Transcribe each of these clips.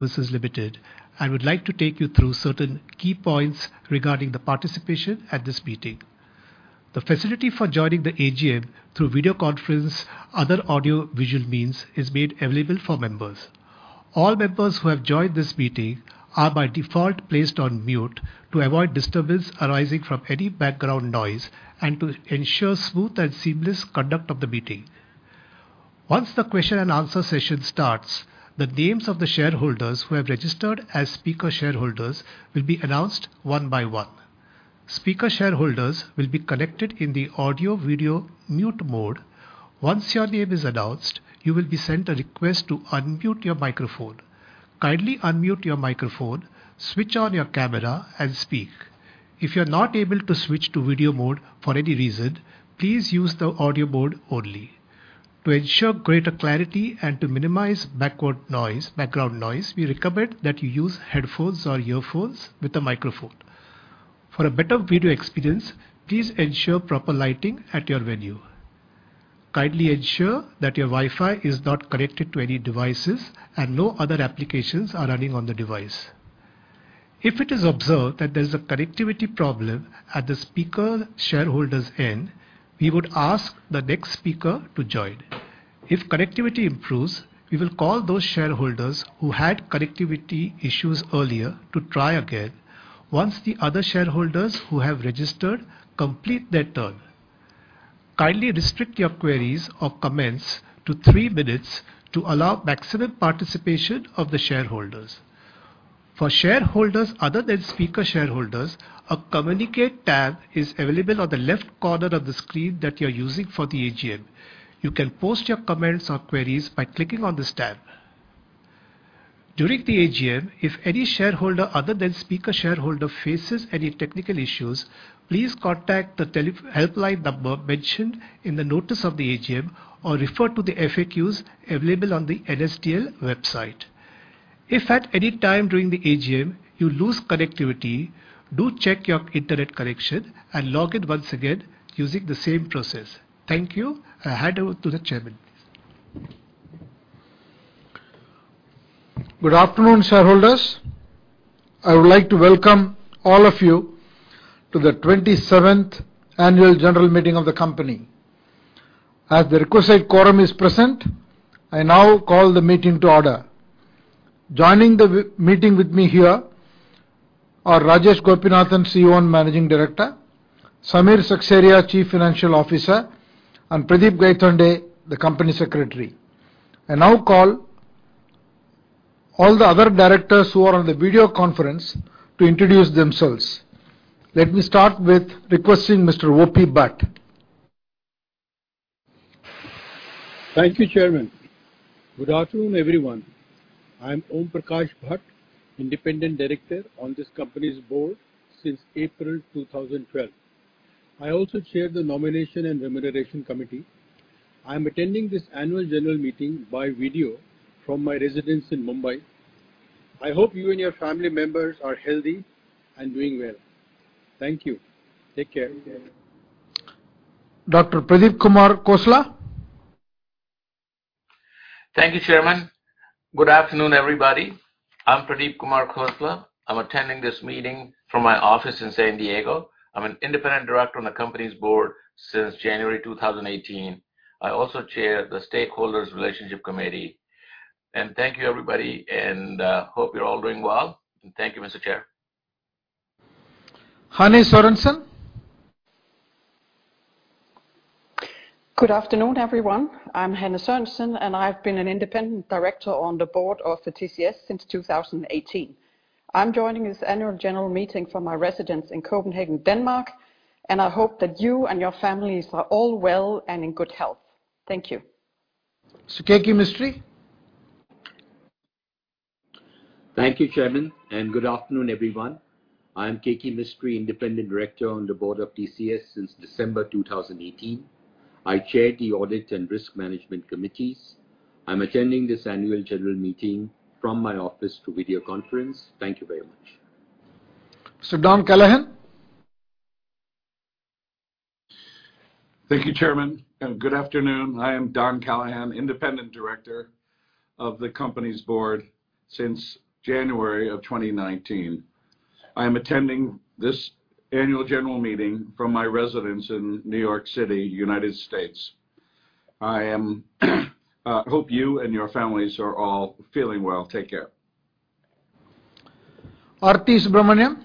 Tata Consultancy Services Limited. I would like to take you through certain key points regarding the participation at this meeting. The facility for joining the AGM through video conference, other audio visual means, is made available for members. All members who have joined this meeting are by default placed on mute to avoid disturbance arising from any background noise and to ensure smooth and seamless conduct of the meeting. Once the question and answer session starts, the names of the shareholders who have registered as speaker shareholders will be announced one by one. Speaker shareholders will be collected in the audio video mute mode. Once your name is announced, you will be sent a request to unmute your microphone. Kindly unmute your microphone, switch on your camera and speak. If you're not able to switch to video mode for any reason, please use the audio mode only. To ensure greater clarity and to minimize background noise, we recommend that you use headphones or earphones with a microphone. For a better video experience, please ensure proper lighting at your venue. Kindly ensure that your Wi-Fi is not connected to any devices and no other applications are running on the device. If it is observed that there is a connectivity problem at the speaker shareholder's end, we would ask the next speaker to join. If connectivity improves, we will call those shareholders who had connectivity issues earlier to try again once the other shareholders who have registered complete their turn. Kindly restrict your queries or comments to three minutes to allow maximum participation of the shareholders. For shareholders other than speaker shareholders, a communicate tab is available on the left corner of the screen that you're using for the AGM. You can post your comments or queries by clicking on this tab. During the AGM, if any shareholder other than speaking shareholder faces any technical issues, please contact the helpline number mentioned in the notice of the AGM or refer to the FAQs available on the NSDL website. If at any time during the AGM you lose connectivity, do check your internet connection and log in once again using the same process. Thank you. I hand over to the chairman. Please. Good afternoon, shareholders. I would like to welcome all of you to the twenty-seventh annual general meeting of the company. As the requisite quorum is present, I now call the meeting to order. Joining the meeting with me here are Rajesh Gopinathan, CEO and Managing Director, Samir Seksaria, Chief Financial Officer, and Pradeep Gaitonde, the Company Secretary. I now call all the other directors who are on the video conference to introduce themselves. Let me start with requesting Mr. O.P. Bhatt. Thank you, Chairman. Good afternoon, everyone. I'm Om Prakash Bhatt, independent director on this company's board since April 2012. I also chair the nomination and remuneration committee. I'm attending this annual general meeting by video from my residence in Mumbai. I hope you and your family members are healthy and doing well. Thank you. Take care. Dr. Pradeep Kumar Khosla. Thank you, Chairman. Good afternoon, everybody. I'm Pradeep Kumar Khosla. I'm attending this meeting from my office in San Diego. I'm an independent director on the company's board since January 2018. I also chair the Stakeholders' Relationship Committee. Thank you, everybody, and hope you're all doing well. Thank you, Mr. Chair. Hanne Sørensen. Good afternoon, everyone. I'm Hanne Sørensen, and I've been an independent director on the board of the TCS since 2018. I'm joining this annual general meeting from my residence in Copenhagen, Denmark, and I hope that you and your families are all well and in good health. Thank you. Keki Mistry. Thank you, Chairman, and good afternoon, everyone. I am Keki Mistry, Independent Director on the board of TCS since December 2018. I chair the audit and risk management committees. I'm attending this annual general meeting from my office through video conference. Thank you very much. Sir Don Callahan. Thank you, Chairman, and good afternoon. I am Don Callahan, Independent Director of the company's board since January of 2019. I a attending this annual general meeting from my residence in New York City, United States. I hope you and your families are all feeling well. Take care. Aarthi Subramanian.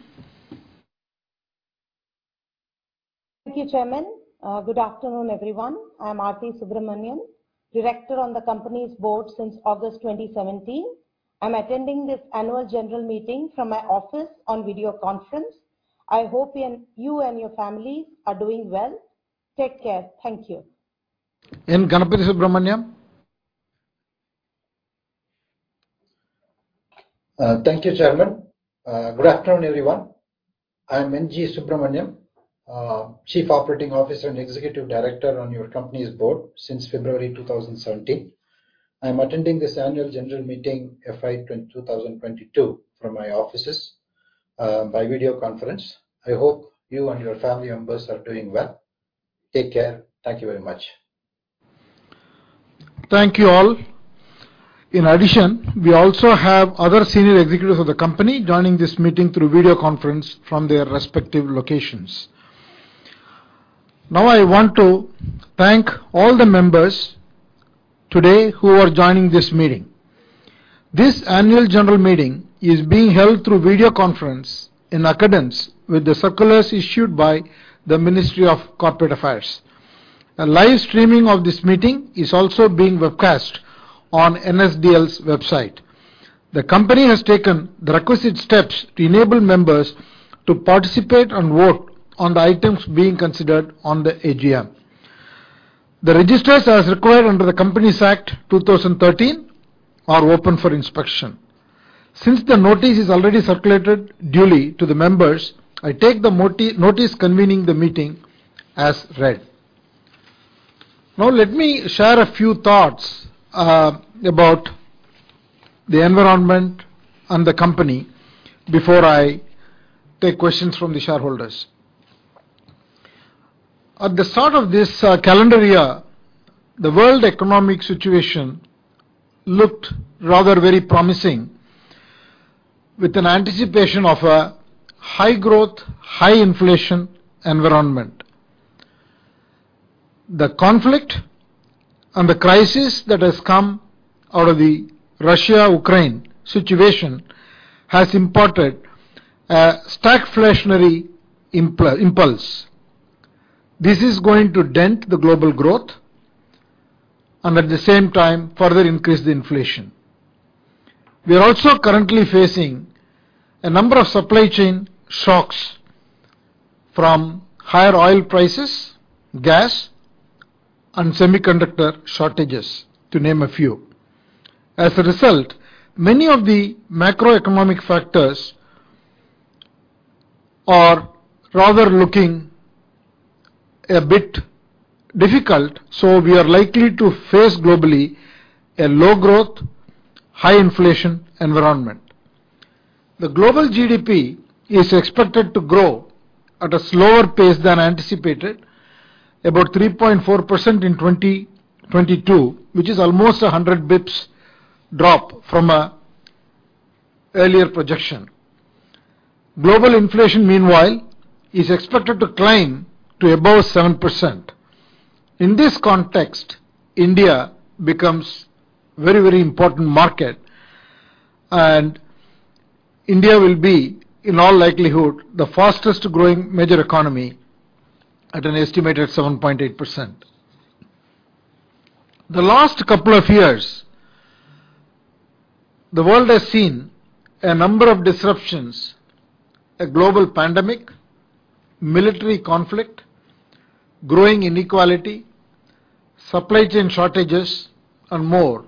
Thank you, Chairman. Good afternoon, everyone. I'm Aarthi Subramanian, director on the company's board since August 2017. I'm attending this annual general meeting from my office on video conference. I hope you and your families are doing well. Take care. Thank you. N. Ganapathy Subramaniam. Thank you, Chairman. Good afternoon, everyone. I'm N.G. Subramaniam, Chief Operating Officer and Executive Director on your company's board since February 2017. I'm attending this annual general meeting FY 2022 from my offices, by video conference. I hope you and your family members are doing well. Take care. Thank you very much. Thank you, all. In addition, we also have other senior executives of the company joining this meeting through video conference from their respective locations. Now, I want to thank all the members today who are joining this meeting. This annual general meeting is being held through video conference in accordance with the circulars issued by the Ministry of Corporate Affairs. A live streaming of this meeting is also being webcast on NSDL's website. The company has taken the requisite steps to enable members to participate and vote on the items being considered on the AGM. The registers, as required under the Companies Act, 2013, are open for inspection. Since the notice is already circulated duly to the members, I take the notice convening the meeting as read. Now, let me share a few thoughts about the environment and the company before I take questions from the shareholders. At the start of this calendar year, the world economic situation looked rather very promising, with an anticipation of a high growth, high inflation environment. The conflict and the crisis that has come out of the Russia-Ukraine situation has imparted a stagflationary impulse. This is going to dent the global growth and at the same time further increase the inflation. We are also currently facing a number of supply chain shocks from higher oil prices, gas, and semiconductor shortages, to name a few. As a result, many of the macroeconomic factors are rather looking a bit difficult, so we are likely to face globally a low growth, high inflation environment. The global GDP is expected to grow at a slower pace than anticipated, about 3.4% in 2022, which is almost 100 basis points drop from an earlier projection. Global inflation, meanwhile, is expected to climb to above 7%. In this context, India becomes a very, very important market, and India will be, in all likelihood, the fastest-growing major economy at an estimated 7.8%. The last couple of years, the world has seen a number of disruptions, a global pandemic, military conflict, growing inequality, supply chain shortages, and more.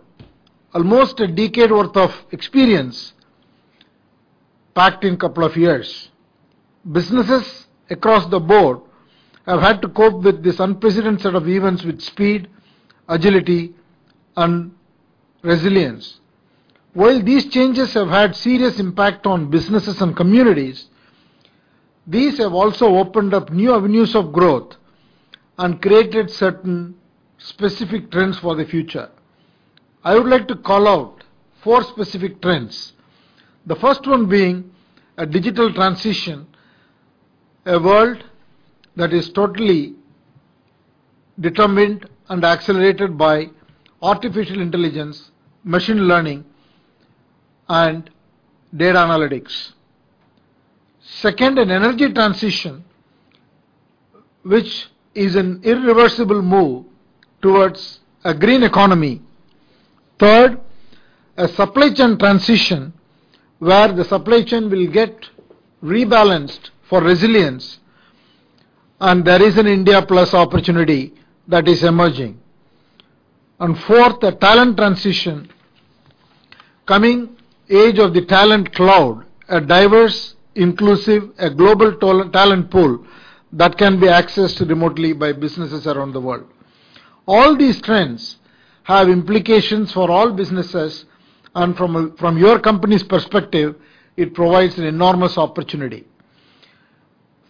Almost a decade worth of experience packed in a couple of years. Businesses across the board have had to cope with this unprecedented set of events with speed, agility, and resilience. While these changes have had serious impact on businesses and communities, these have also opened up new avenues of growth and created certain specific trends for the future. I would like to call out four specific trends. The first one being a digital transition, a world that is totally determined and accelerated by artificial intelligence, machine learning, and data analytics. Second, an energy transition, which is an irreversible move towards a green economy. Third, a supply chain transition, where the supply chain will get rebalanced for resilience, and there is an India plus opportunity that is emerging. Fourth, a talent transition. Coming age of the talent cloud, a diverse, inclusive, a global talent pool that can be accessed remotely by businesses around the world. All these trends have implications for all businesses, and from your company's perspective, it provides an enormous opportunity.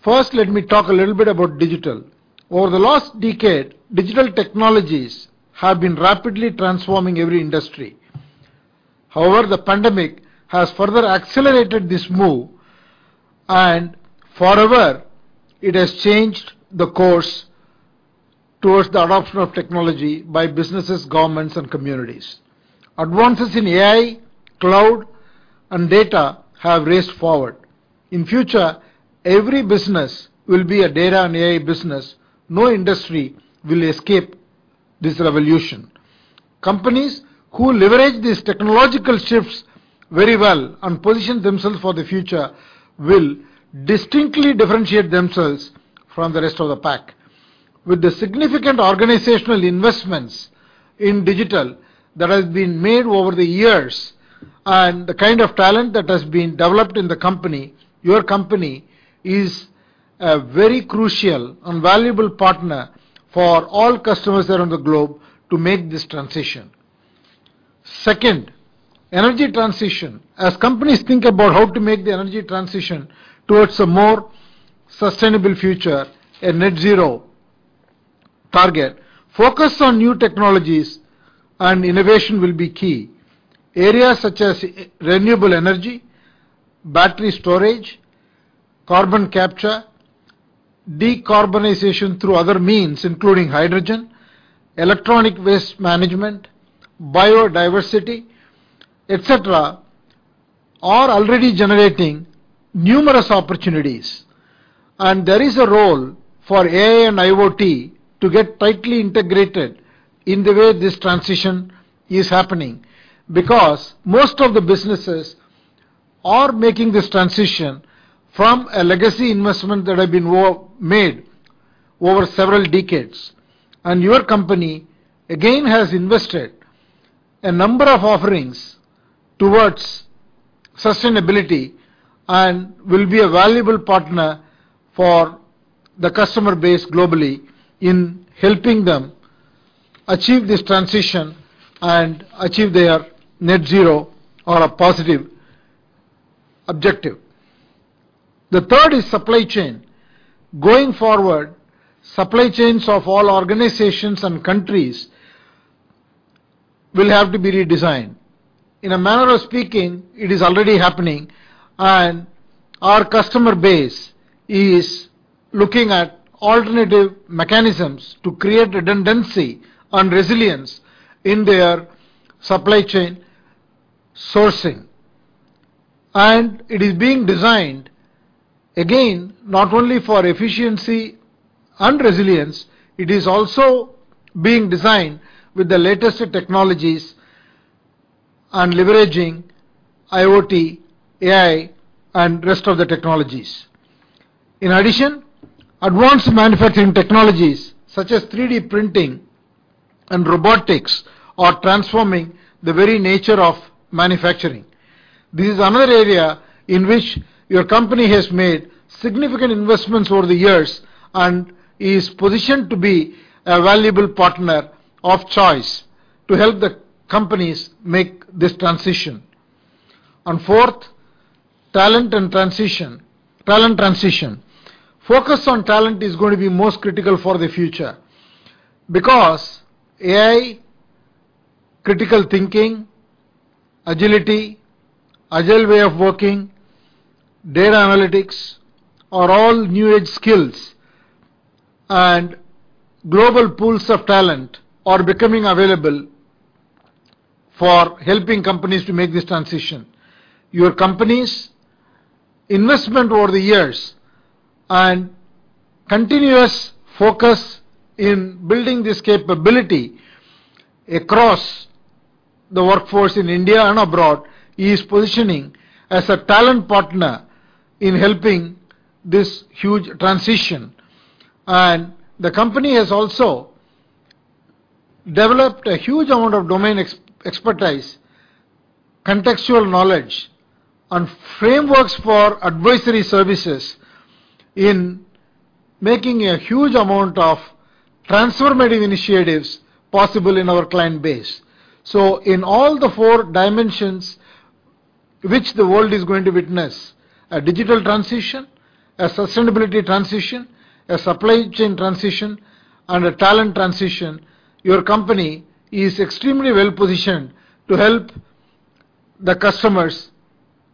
First, let me talk a little bit about digital. Over the last decade, digital technologies have been rapidly transforming every industry. However, the pandemic has further accelerated this move and forever it has changed the course towards the adoption of technology by businesses, governments, and communities. Advances in AI, cloud, and data have raced forward. In future, every business will be a data and AI business. No industry will escape this revolution. Companies who leverage these technological shifts very well and position themselves for the future will distinctly differentiate themselves from the rest of the pack. With the significant organizational investments in digital that has been made over the years and the kind of talent that has been developed in the company, your company is a very crucial and valuable partner for all customers around the globe to make this transition. Second, energy transition. As companies think about how to make the energy transition towards a more sustainable future, a net zero target, focus on new technologies and innovation will be key. Areas such as renewable energy, battery storage, carbon capture, decarbonization through other means, including hydrogen, electronic waste management, biodiversity, et cetera, are already generating numerous opportunities. There is a role for AI and IoT to get tightly integrated in the way this transition is happening because most of the businesses are making this transition from a legacy investment that had been made over several decades. Your company, again, has invested a number of offerings towards sustainability and will be a valuable partner for the customer base globally in helping them achieve this transition and achieve their net zero or a positive objective. The third is supply chain. Going forward, supply chains of all organizations and countries will have to be redesigned. In a manner of speaking, it is already happening, and our customer base is looking at alternative mechanisms to create redundancy and resilience in their supply chain sourcing. It is being designed, again, not only for efficiency and resilience, it is also being designed with the latest technologies on leveraging IoT, AI, and rest of the technologies. In addition, advanced manufacturing technologies such as 3D printing and robotics are transforming the very nature of manufacturing. This is another area in which your company has made significant investments over the years and is positioned to be a valuable partner of choice to help the companies make this transition. Fourth, talent transition. Focus on talent is going to be most critical for the future because AI, critical thinking, agility, agile way of working, data analytics are all new age skills. Global pools of talent are becoming available for helping companies to make this transition. Your company's investment over the years and continuous focus in building this capability across the workforce in India and abroad is positioning as a talent partner in helping this huge transition. The company has also developed a huge amount of domain expertise, contextual knowledge, and frameworks for advisory services in making a huge amount of transformative initiatives possible in our client base. In all the four dimensions which the world is going to witness, a digital transition, a sustainability transition, a supply chain transition, and a talent transition, your company is extremely well-positioned to help the customers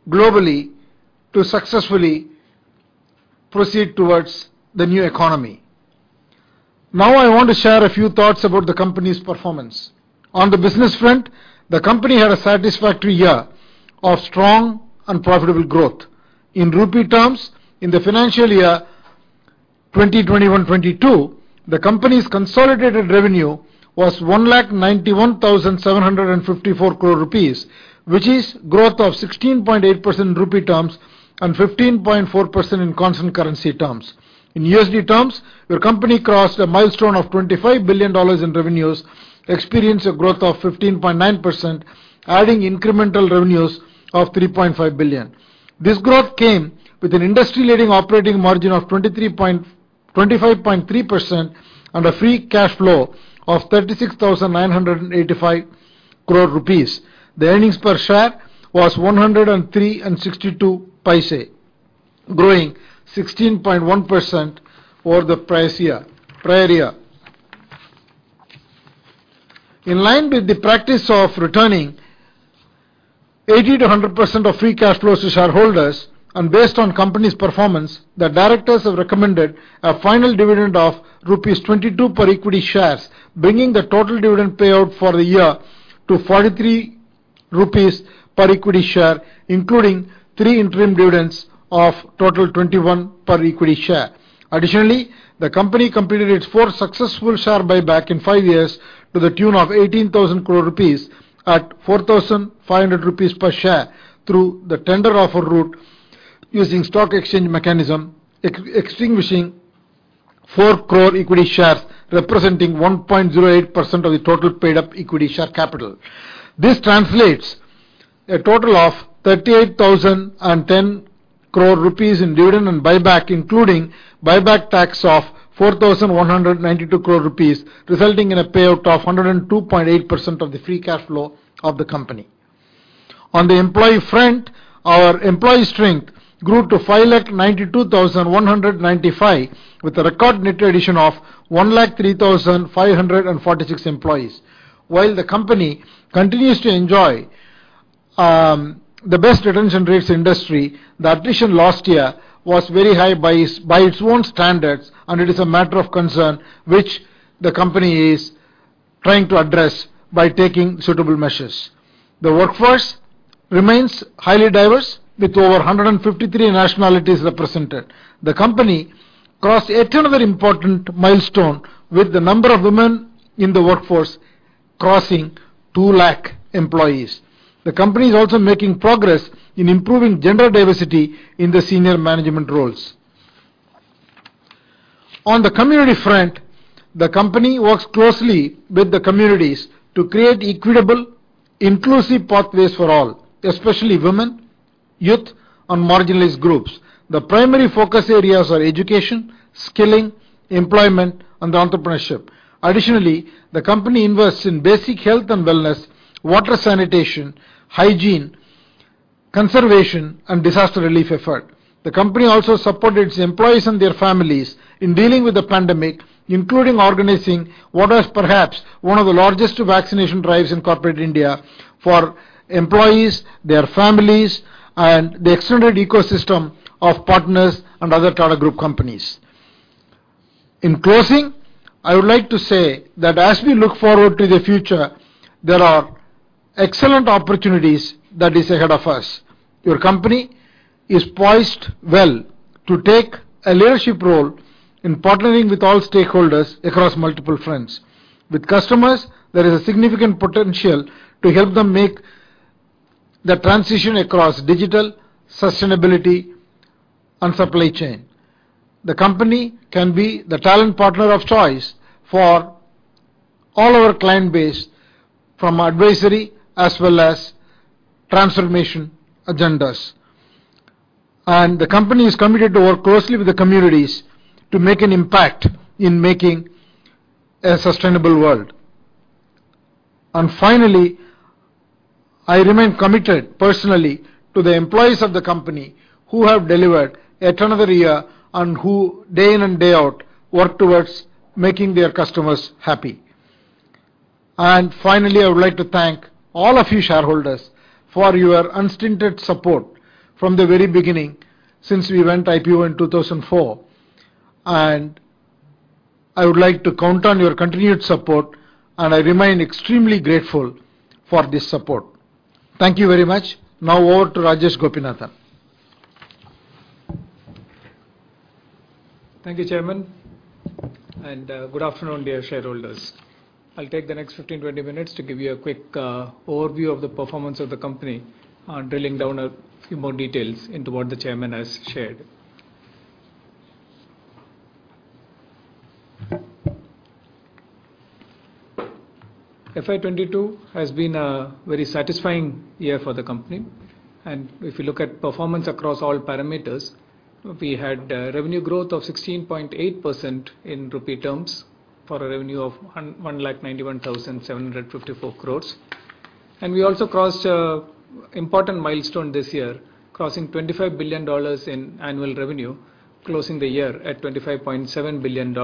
globally to successfully proceed towards the new economy. Now I want to share a few thoughts about the company's performance. On the business front, the company had a satisfactory year of strong and profitable growth. In rupee terms, in the financial year 2021-22, the company's consolidated revenue was 1,91,754 crore rupees, which is growth of 16.8% in rupee terms and 15.4% in constant currency terms. In USD terms, your company crossed a milestone of $25 billion in revenues, experienced a growth of 15.9%, adding incremental revenues of 3.5 billion. This growth came with an industry-leading operating margin of 25.3% and a free cash flow of 36,985 crore rupees. The earnings per share was 103.62, growing 16.1% over the prior year. In line with the practice of returning 80%-100% of free cash flow to shareholders and based on company's performance, the directors have recommended a final dividend of rupees 22 per equity shares, bringing the total dividend payout for the year to 43 rupees per equity share, including three interim dividends of total 21 per equity share. Additionally, the company completed its fourth successful share buyback in five years to the tune of 18,000 crore rupees at 4,500 rupees per share through the tender offer route using stock exchange mechanism, extinguishing four crore equity shares, representing 1.08% of the total paid-up equity share capital. This translates to a total of 38,010 crore rupees in dividend and buyback, including buyback tax of 4,192 crore rupees, resulting in a payout of 102.8% of the free cash flow of the company. On the employee front, our employee strength grew to 592,195, with a record net addition of 103,546 employees. While the company continues to enjoy the best retention rates in industry, the addition last year was very high by its own standards, and it is a matter of concern which the company is trying to address by taking suitable measures. The workforce remains highly diverse with over 153 nationalities represented. The company crossed yet another important milestone with the number of women in the workforce crossing 200,000 employees. The company is also making progress in improving gender diversity in the senior management roles. On the community front, the company works closely with the communities to create equitable, inclusive pathways for all, especially women, youth and marginalized groups. The primary focus areas are education, skilling, employment, and entrepreneurship. Additionally, the company invests in basic health and wellness, water sanitation, hygiene, conservation, and disaster relief effort. The company also supported its employees and their families in dealing with the pandemic, including organizing what was perhaps one of the largest vaccination drives in corporate India for employees, their families, and the extended ecosystem of partners and other Tata Group companies. In closing, I would like to say that as we look forward to the future, there are excellent opportunities that is ahead of us. Your company is poised well to take a leadership role in partnering with all stakeholders across multiple fronts. With customers, there is a significant potential to help them make the transition across digital, sustainability and supply chain. The company can be the talent partner of choice for all our client base, from advisory as well as transformation agendas. The company is committed to work closely with the communities to make an impact in making a sustainable world. Finally, I remain committed personally to the employees of the company who have delivered yet another year and who day in and day out work towards making their customers happy. Finally, I would like to thank all of you shareholders for your unstinted support from the very beginning since we went IPO in 2004. I would like to count on your continued support, and I remain extremely grateful for this support. Thank you very much. Now over to Rajesh Gopinathan. Thank you, Chairman, and good afternoon, dear shareholders. I'll take the next 15-20 minutes to give you a quick overview of the performance of the company and drilling down a few more details into what the chairman has shared. FY 2022 has been a very satisfying year for the company. If you look at performance across all parameters, we had revenue growth of 16.8% in rupee terms for a revenue of 1,91,754 crore. We also crossed an important milestone this year, crossing $25 billion in annual revenue, closing the year at $25.7 billion.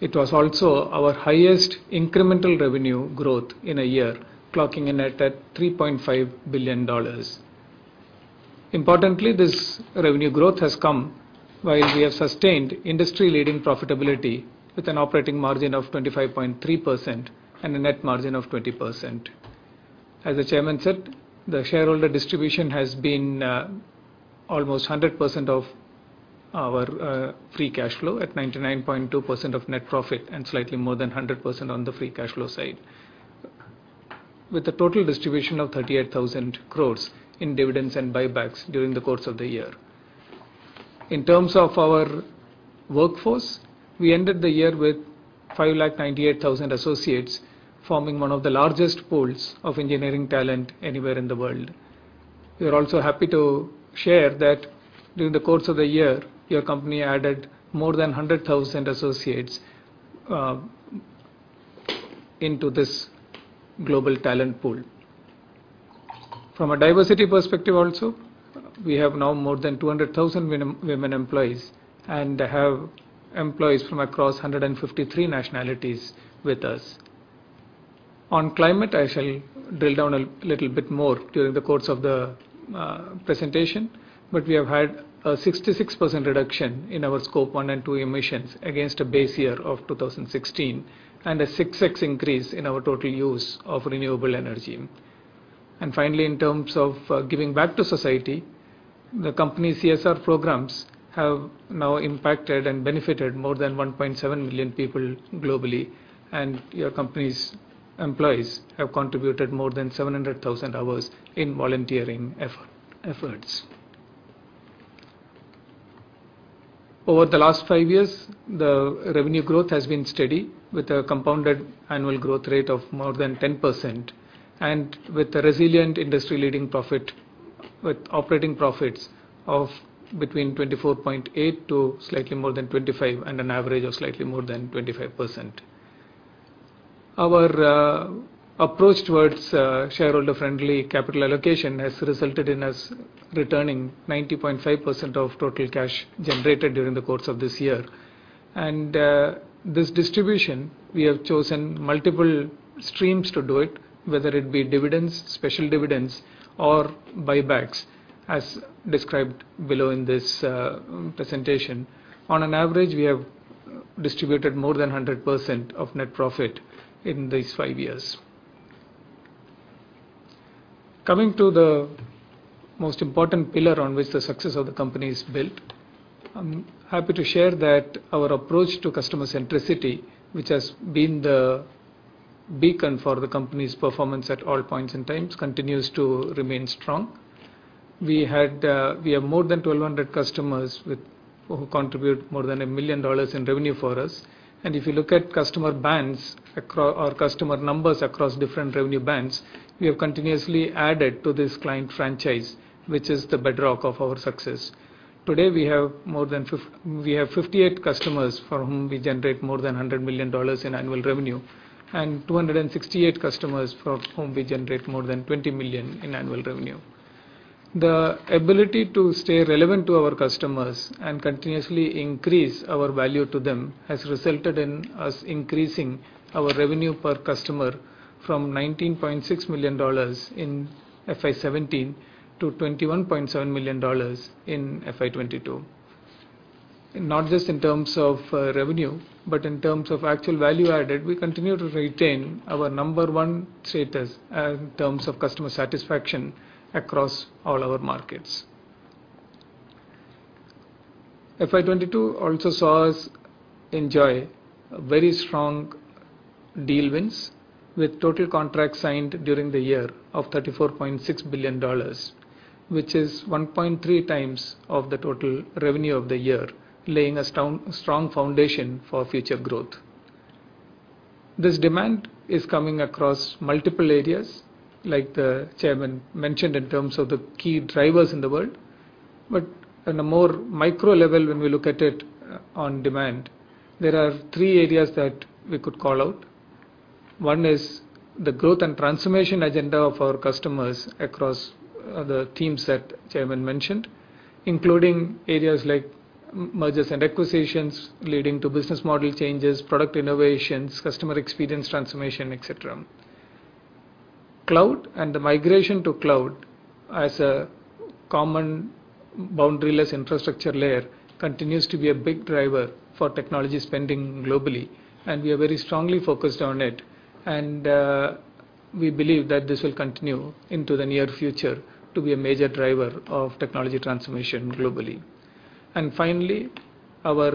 It was also our highest incremental revenue growth in a year, clocking in at $3.5 billion. Importantly, this revenue growth has come while we have sustained industry-leading profitability with an operating margin of 25.3% and a net margin of 20%. As the chairman said, the shareholder distribution has been almost 100% of our free cash flow at 99.2% of net profit and slightly more than 100% on the free cash flow side, with a total distribution of 38,000 crore in dividends and buybacks during the course of the year. In terms of our workforce, we ended the year with 598,000 associates, forming one of the largest pools of engineering talent anywhere in the world. We are also happy to share that during the course of the year, your company added more than 100,000 associates into this global talent pool. From a diversity perspective also, we have now more than 200,000 women employees and have employees from across 153 nationalities with us. On climate, I shall drill down a little bit more during the course of the presentation, but we have had a 66% reduction in our Scope 1 and 2 emissions against a base year of 2016, and a 6x increase in our total use of renewable energy. Finally, in terms of giving back to society, the company CSR programs have now impacted and benefited more than 1.7 million people globally, and your company's employees have contributed more than 700,000 hours in volunteering efforts. Over the last five years, the revenue growth has been steady with a compounded annual growth rate of more than 10%, and with a resilient industry-leading profit with operating profits of between 24.8% to slightly more than 25% and an average of slightly more than 25%. Our approach towards shareholder-friendly capital allocation has resulted in us returning 95% of total cash generated during the course of this year. This distribution, we have chosen multiple streams to do it, whether it be dividends, special dividends or buybacks, as described below in this presentation. On average, we have distributed more than 100% of net profit in these five years. Coming to the most important pillar on which the success of the company is built, I'm happy to share that our approach to customer centricity, which has been the beacon for the company's performance at all points and times, continues to remain strong. We have more than 1,200 customers who contribute more than $1 million in revenue for us. If you look at customer numbers across different revenue bands, we have continuously added to this client franchise, which is the bedrock of our success. Today, we have 58 customers for whom we generate more than $100 million in annual revenue and 268 customers for whom we generate more than 20 million in annual revenue. The ability to stay relevant to our customers and continuously increase our value to them has resulted in us increasing our revenue per customer from $19.6 million in FY 2017 to $21.7 million in FY 2022. Not just in terms of revenue, but in terms of actual value added. We continue to retain our number one status in terms of customer satisfaction across all our markets. FY 2022 also saw us enjoy very strong deal wins with total contracts signed during the year of $34.6 billion, which is 1.3 times of the total revenue of the year, laying a strong foundation for future growth. This demand is coming across multiple areas like the chairman mentioned in terms of the key drivers in the world. On a more micro level, when we look at it on demand, there are three areas that we could call out. One is the growth and transformation agenda of our customers across the themes that chairman mentioned, including areas like mergers and acquisitions leading to business model changes, product innovations, customer experience transformation, et cetera. Cloud and the migration to cloud as a common boundaryless infrastructure layer continues to be a big driver for technology spending globally, and we are very strongly focused on it. We believe that this will continue into the near future to be a major driver of technology transformation globally. Finally, our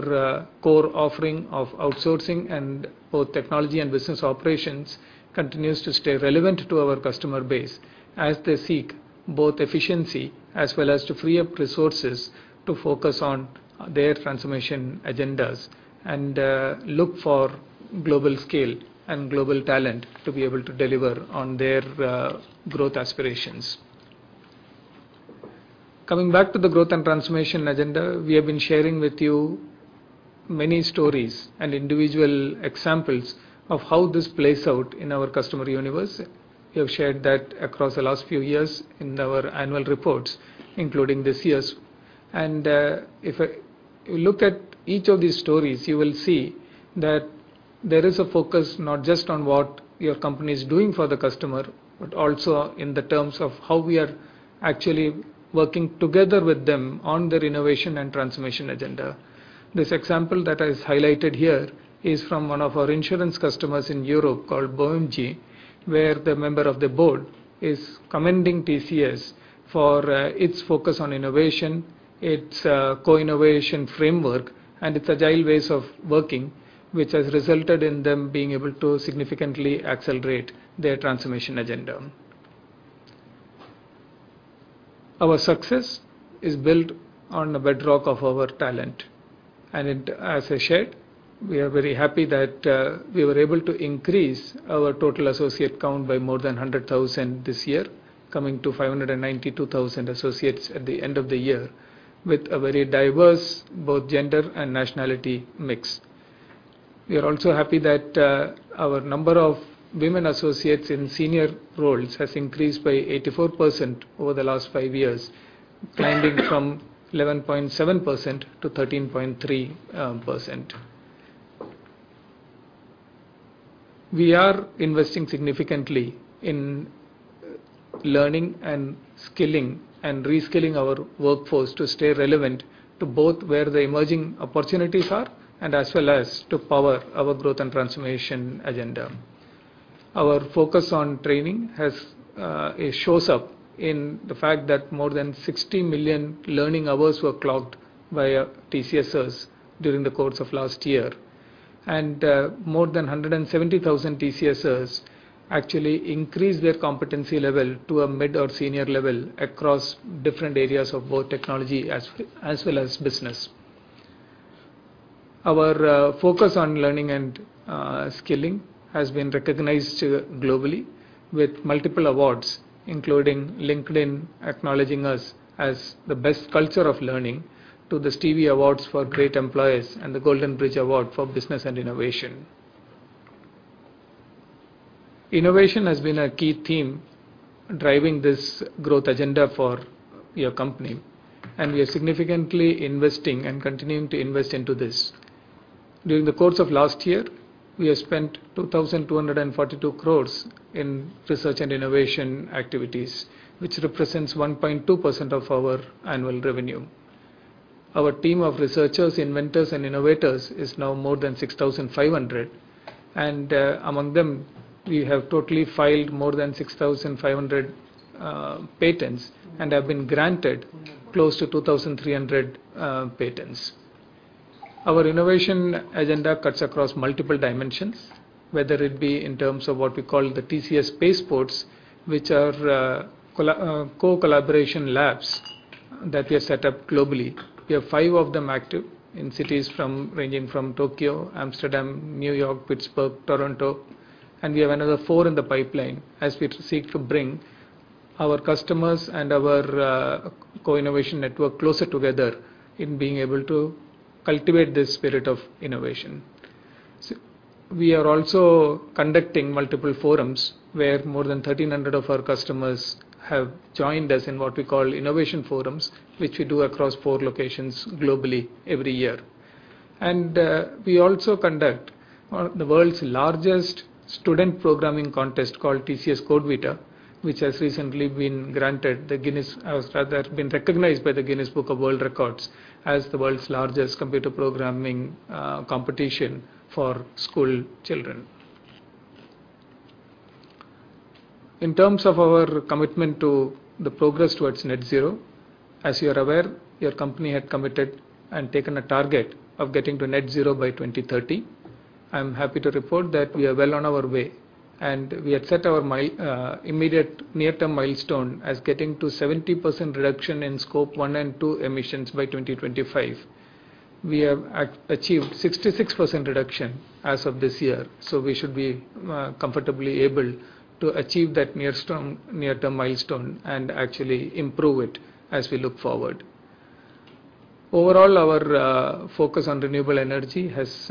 core offering of outsourcing and both technology and business operations continues to stay relevant to our customer base as they seek both efficiency as well as to free up resources to focus on their transformation agendas and look for global scale and global talent to be able to deliver on their growth aspirations. Coming back to the growth and transformation agenda, we have been sharing with you many stories and individual examples of how this plays out in our customer universe. We have shared that across the last few years in our annual reports, including this year's. If you look at each of these stories, you will see that there is a focus not just on what your company is doing for the customer, but also in terms of how we are actually working together with them on their innovation and transformation agenda. This example that is highlighted here is from one of our insurance customers in Europe called BMG, where the member of the board is commending TCS for its focus on innovation, its co-innovation framework, and its agile ways of working, which has resulted in them being able to significantly accelerate their transformation agenda. Our success is built on the bedrock of our talent, and as I shared, we are very happy that we were able to increase our total associate count by more than 100,000 this year, coming to 592,000 associates at the end of the year with a very diverse both gender and nationality mix. We are also happy that our number of women associates in senior roles has increased by 84% over the last 5 years, climbing from 11.7% to 13.3%. We are investing significantly in learning and skilling and re-skilling our workforce to stay relevant to both where the emerging opportunities are and as well as to power our growth and transformation agenda. Our focus on training has it shows up in the fact that more than 60 million learning hours were clocked via TCSers during the course of last year. More than 170,000 TCSers actually increase their competency level to a mid or senior level across different areas of both technology as well as business. Our focus on learning and skilling has been recognized globally with multiple awards, including LinkedIn acknowledging us as the best culture of learning to the Stevie Awards for Great Employers and the Golden Bridge Award for Business and Innovation. Innovation has been a key theme driving this growth agenda for your company, and we are significantly investing and continuing to invest into this. During the course of last year, we have spent 2,242 crores in research and innovation activities, which represents 1.2% of our annual revenue. Our team of researchers, inventors and innovators is now more than 6,500, and among them we have totally filed more than 6,500 patents and have been granted close to 2,300 patents. Our innovation agenda cuts across multiple dimensions, whether it be in terms of what we call the TCS Pace Ports, which are collaboration labs that we have set up globally. We have five of them active in cities ranging from Tokyo, Amsterdam, New York, Pittsburgh, Toronto, and we have another four in the pipeline as we seek to bring our customers and our co-innovation network closer together in being able to cultivate this spirit of innovation. We are also conducting multiple forums where more than 1,300 of our customers have joined us in what we call innovation forums, which we do across four locations globally every year. We also conduct one of the world's largest student programming contest called TCS CodeVita, which has recently been recognized by the Guinness World Records as the world's largest computer programming competition for school children. In terms of our commitment to the progress towards net zero, as you are aware, your company had committed and taken a target of getting to net zero by 2030. I am happy to report that we are well on our way, and we had set our immediate near-term milestone as getting to 70% reduction in scope 1 and 2 emissions by 2025. We have achieved 66% reduction as of this year, so we should be comfortably able to achieve that near-term milestone and actually improve it as we look forward. Overall, our focus on renewable energy has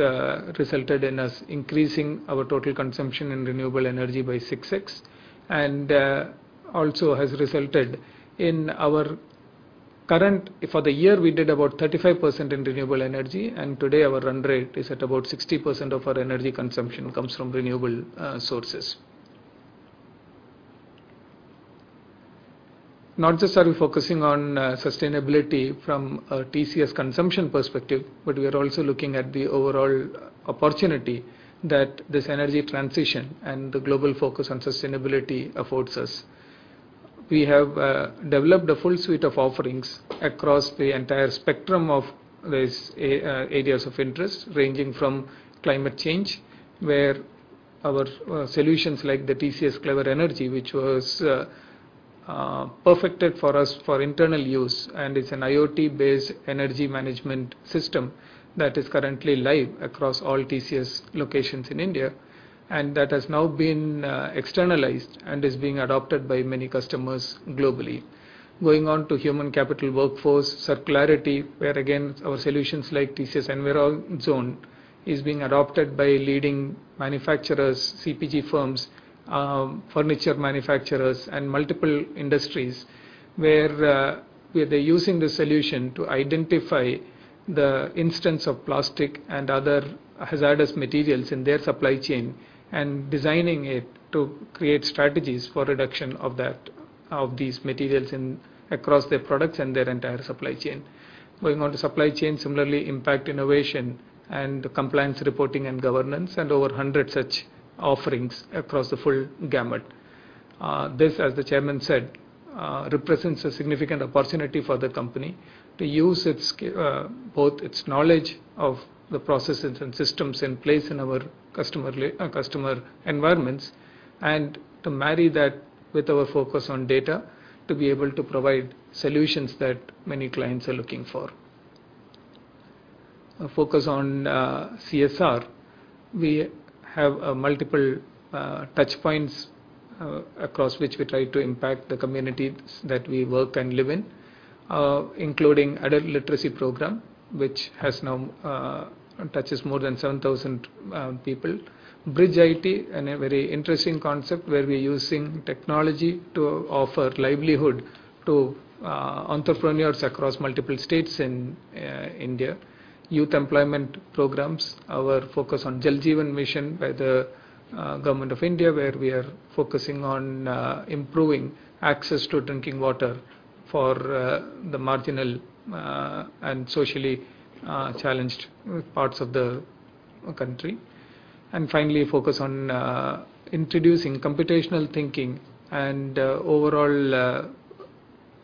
resulted in us increasing our total consumption in renewable energy by 6x, and also has resulted in our current. For the year, we did about 35% in renewable energy, and today our run rate is at about 60% of our energy consumption comes from renewable sources. Not just are we focusing on sustainability from a TCS consumption perspective, but we are also looking at the overall opportunity that this energy transition and the global focus on sustainability affords us. We have developed a full suite of offerings across the entire spectrum of these areas of interest, ranging from climate change, where our solutions like the TCS Clever Energy, which was perfected for us for internal use, and it's an IoT-based energy management system that is currently live across all TCS locations in India. That has now been externalized and is being adopted by many customers globally. Going on to human capital workforce, circularity, where again our solutions like TCS Envirozone is being adopted by leading manufacturers, CPG firms, furniture manufacturers and multiple industries, where they're using the solution to identify the instance of plastic and other hazardous materials in their supply chain, and designing it to create strategies for reduction of that, of these materials across their products and their entire supply chain. Going on to supply chain, similarly impact innovation and compliance reporting and governance and over 100 such offerings across the full gamut. This, as the chairman said, represents a significant opportunity for the company to use its both its knowledge of the processes and systems in place in our customer environments, and to marry that with our focus on data to be able to provide solutions that many clients are looking for. A focus on CSR. We have multiple touchpoints across which we try to impact the communities that we work and live in, including adult literacy program, which now touches more than 7,000 people. BridgeIT, and a very interesting concept where we're using technology to offer livelihood to entrepreneurs across multiple states in India. Youth employment programs. Our focus on Jal Jeevan Mission by the government of India, where we are focusing on improving access to drinking water for the marginal and socially challenged parts of the country. Finally, focus on introducing computational thinking and overall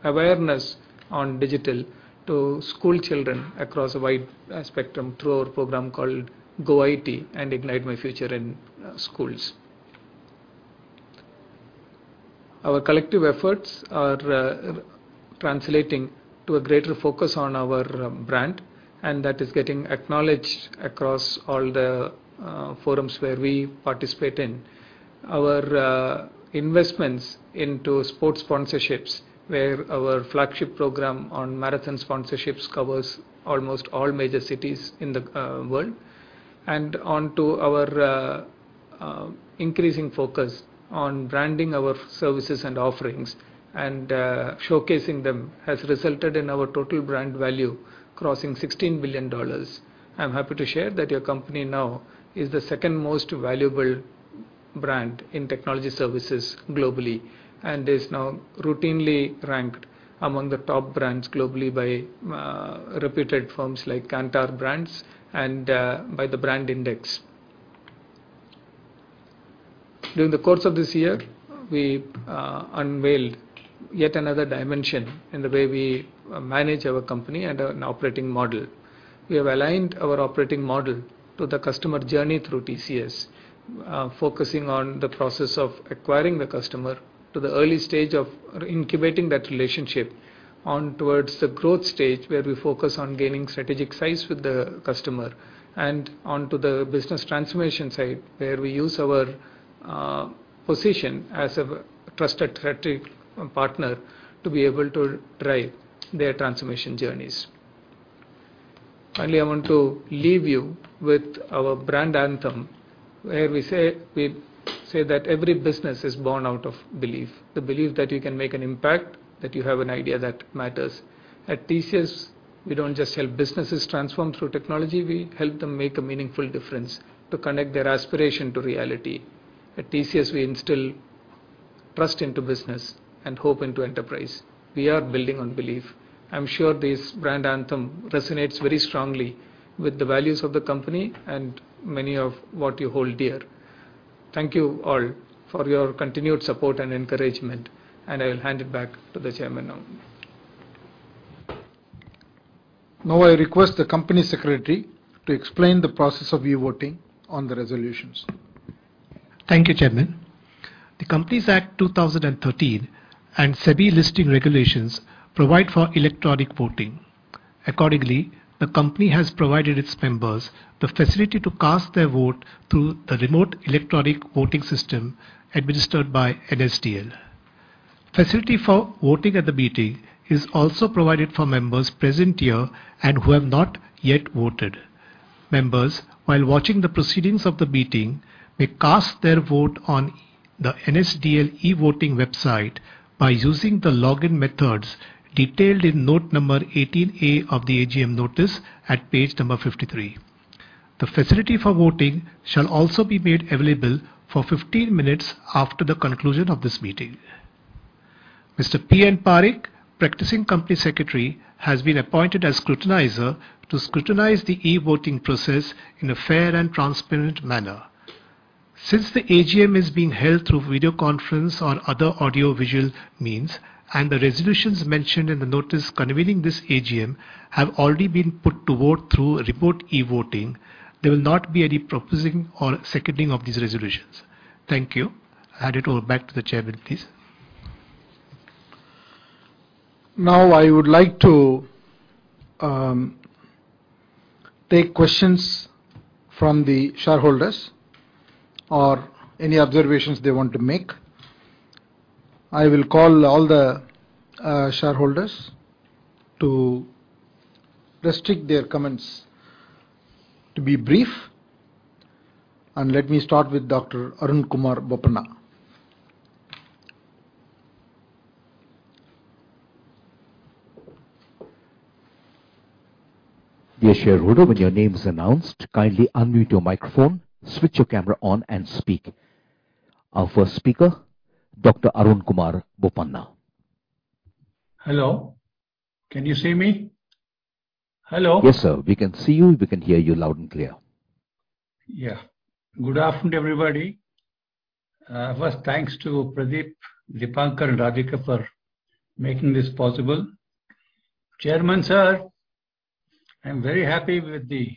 awareness on digital to school children across a wide spectrum through our program called goIT and Ignite My Future in School. Our collective efforts are translating to a greater focus on our brand, and that is getting acknowledged across all the forums where we participate in. Our investments into sports sponsorships, where our flagship program on marathon sponsorships covers almost all major cities in the world. Onto our increasing focus on branding our services and offerings, and showcasing them has resulted in our total brand value crossing $16 billion. I'm happy to share that your company now is the second most valuable brand in technology services globally, and is now routinely ranked among the top brands globally by reputed firms like Kantar BrandZ and by Brand Finance. During the course of this year, we unveiled yet another dimension in the way we manage our company and our operating model. We have aligned our operating model to the customer journey through TCS, focusing on the process of acquiring the customer to the early stage of incubating that relationship, on towards the growth stage, where we focus on gaining strategic size with the customer and onto the business transformation side, where we use our position as a trusted strategic partner to be able to drive their transformation journeys. Finally, I want to leave you with our brand anthem, where we say that every business is born out of belief. The belief that you can make an impact, that you have an idea that matters. At TCS, we don't just help businesses transform through technology. We help them make a meaningful difference to connect their aspiration to reality. At TCS, we instill trust into business and hope into enterprise. We are building on belief. I'm sure this brand anthem resonates very strongly with the values of the company and many of what you hold dear. Thank you all for your continued support and encouragement, and I will hand it back to the chairman now. Now I request the Company Secretary to explain the process of e-voting on the resolutions. Thank you, Chairman. The Companies Act 2013 and SEBI listing regulations provide for electronic voting. Accordingly, the company has provided its members the facility to cast their vote through the remote electronic voting system administered by NSDL. Facility for voting at the meeting is also provided for members present here and who have not yet voted. Members, while watching the proceedings of the meeting, may cast their vote on the NSDL e-voting website by using the login methods detailed in note number 18A of the AGM notice at page 53. The facility for voting shall also be made available for 15 minutes after the conclusion of this meeting. Mr. P. N. Parikh, practicing company secretary, has been appointed as scrutinizer to scrutinize the e-voting process in a fair and transparent manner. Since the AGM is being held through video conference or other audio visual means, and the resolutions mentioned in the notice convening this AGM have already been put to vote through remote e-voting, there will not be any proposing or seconding of these resolutions. Thank you. I hand it over back to the chairman, please. Now I would like to take questions from the shareholders or any observations they want to make. I will call all the shareholders to restrict their comments to be brief, and let me start with Dr. Arunkumar Boppana. Dear shareholder, when your name is announced, kindly unmute your microphone, switch your camera on and speak. Our first speaker, Dr. Arunkumar Boppana. Hello. Can you see me? Hello. Yes, sir. We can see you. We can hear you loud and clear. Yeah. Good afternoon, everybody. First, thanks to Pradeep, Deepanker, and Radhika for making this possible. Chairman, sir, I'm very happy with the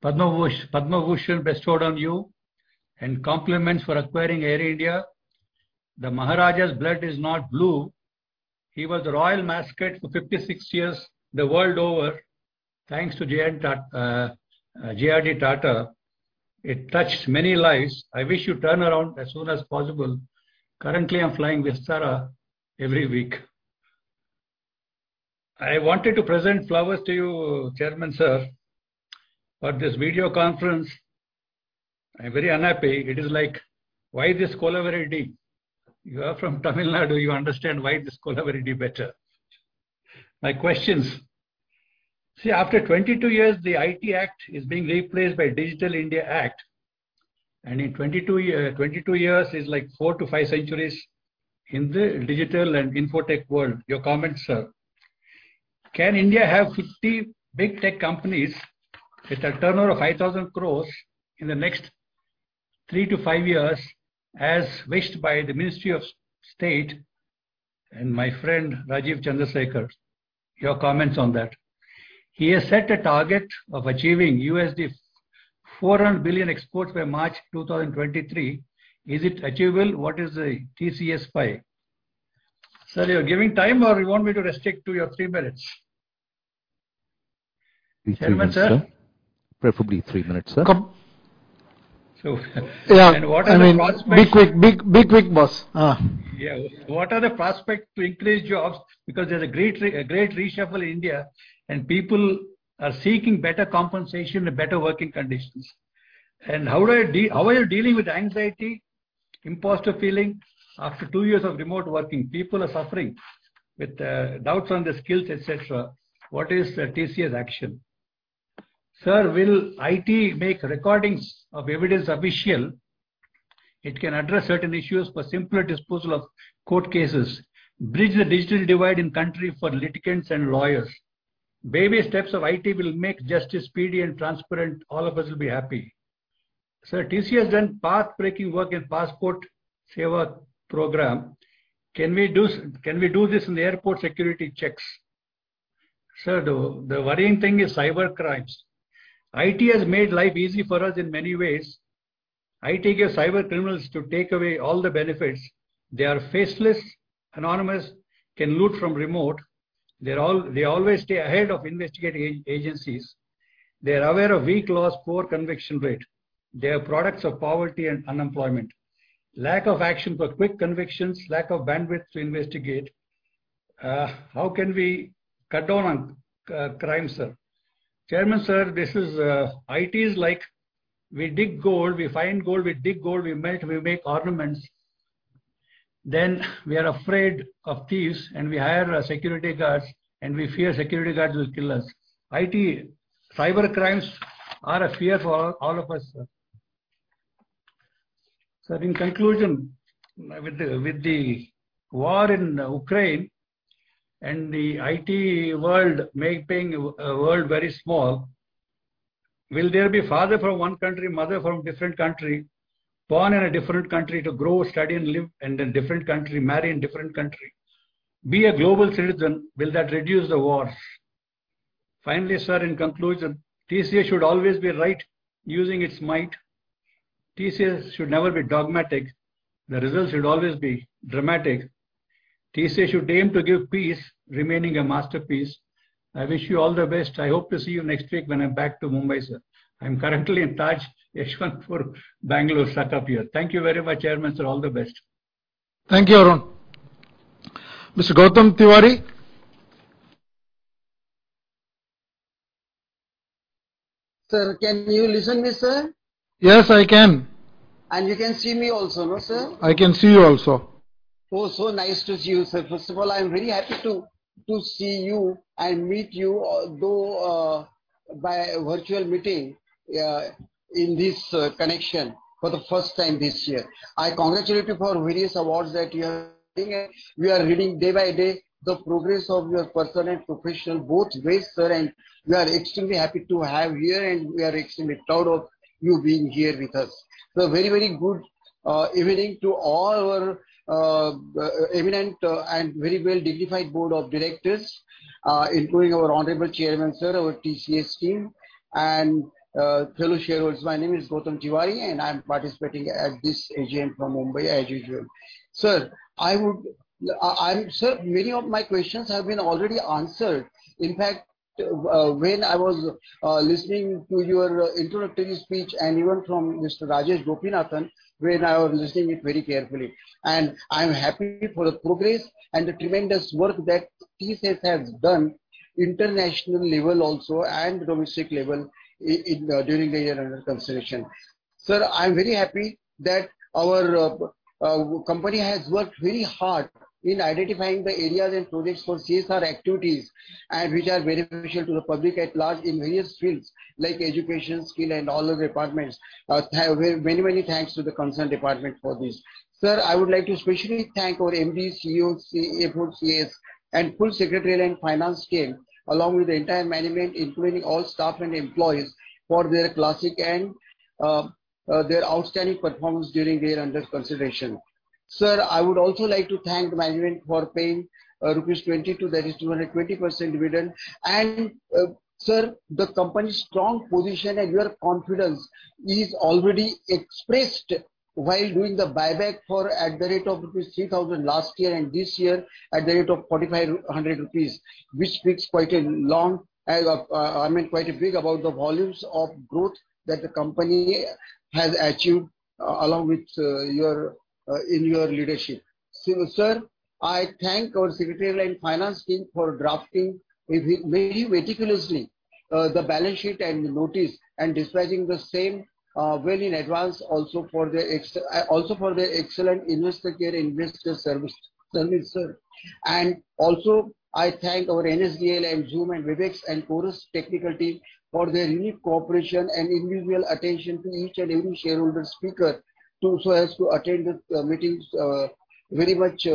Padma Bhushan bestowed on you and compliments for acquiring Air India. The Maharaja's blood is not blue. He was the royal mascot for 56 years the world over. Thanks to J.R.D. Tata, it touched many lives. I wish you turn around as soon as possible. Currently, I'm flying Vistara every week. I wanted to present flowers to you, Chairman, sir, but this video conference, I'm very unhappy. It is like, Can India have 50 big tech companies with a turnover of INR 5,000 crore in the next three-five years as wished by the Minister of State and my friend Rajeev Chandrasekhar? Your comments on that. He has set a target of achieving $400 billion exports by March 2023. Is it achievable? What is the TCS pie? Sir, you're giving time or you want me to restrict to your three minutes? Threeminutes, sir. Chairman, sir. Preferably 3 minutes, sir. What are the prospects? Yeah, I mean, be quick, boss. Yeah. What are the prospects to increase jobs? Because there's a great reshuffle in India and people are seeking better compensation and better working conditions. How are you dealing with anxiety, imposter feeling? After two years of remote working, people are suffering with doubts on their skills, et cetera. What is TCS action? Sir, will IT make recordings of evidence official? It can address certain issues for simpler disposal of court cases, bridge the digital divide in the country for litigants and lawyers. Baby steps of IT will make justice speedy and transparent, all of us will be happy. Sir, TCS has done path-breaking work in Passport Seva program. Can we do this in the airport security checks? Sir, the worrying thing is cyber crimes. IT has made life easy for us in many ways. IT gives cyber criminals to take away all the benefits. They are faceless, anonymous, can loot from remote. They're always stay ahead of investigating agencies. They are aware of weak laws, poor conviction rate. They are products of poverty and unemployment. Lack of action for quick convictions, lack of bandwidth to investigate. How can we cut down on crime, sir? Chairman, sir, this is IT is like we dig gold, we find gold, we dig gold, we melt, we make ornaments. Then we are afraid of thieves, and we hire security guards, and we fear security guards will kill us. IT, cyber crimes are a fear for all of us, sir. Sir, in conclusion, with the war in Ukraine and the IT world making the world very small, will there be a father from one country, a mother from a different country, born in a different country to grow, study and live in a different country, marry in a different country? Be a global citizen, will that reduce the wars? Finally, sir, in conclusion, TCS should always be right using its might. TCS should never be dogmatic. The results should always be dramatic. TCS should aim to give peace, remaining a masterpiece. I wish you all the best. I hope to see you next week when I'm back to Mumbai, sir. I'm currently in Taj Yeshwantpur, Bangalore. Stuck up here. Thank you very much, Chairman, sir. All the best. Thank you, Arun. Mr. Gautam Tiwari. Sir, can you listen me, sir? Yes, I can. You can see me also, no, sir? I can see you also. Oh, so nice to see you, sir. First of all, I'm very happy to see you and meet you, although by virtual meeting in this connection for the first time this year. I congratulate you for various awards that you are getting. We are reading day by day the progress of your personal and professional both ways, sir, and we are extremely happy to have you here, and we are extremely proud of you being here with us. Very, very good evening to all our eminent and very well dignified Board of Directors, including our honorable Chairman, sir, our TCS team and fellow shareholders. My name is Gautam Tiwari, and I'm participating at this AGM from Mumbai as usual. Sir, many of my questions have been already answered. In fact, when I was listening to your introductory speech and even from Mr. Rajesh Gopinathan, when I was listening to it very carefully, and I'm happy for the progress and the tremendous work that TCS has done international level also and domestic level, during the year under consideration. Sir, I'm very happy that our company has worked very hard in identifying the areas and projects for CSR activities and which are very beneficial to the public at large in various fields like education, skill and all other departments. Many, many thanks to the concerned department for this. Sir, I would like to specially thank our MD & CEO, CFO, CS and finance team, along with the entire management, including all staff and employees for their classic and their outstanding performance during the year under consideration. Sir, I would also like to thank the management for paying rupees 22, that is 220% dividend. Sir, the company's strong position and your confidence is already expressed while doing the buyback for at the rate of rupees 3,000 last year and this year at the rate of 4,500 rupees, which speaks quite a lot, I mean, quite a bit about the volumes of growth that the company has achieved along with in your leadership. Sir, I thank our secretary and finance team for drafting very meticulously the balance sheet and the notice and disclosing the same well in advance also for their excellent investor care and investor service, sir. I thank our NSDL and Zoom and Webex and Chorus technical team for their unique cooperation and individual attention to each and every shareholder speaker so as to attend the meetings very much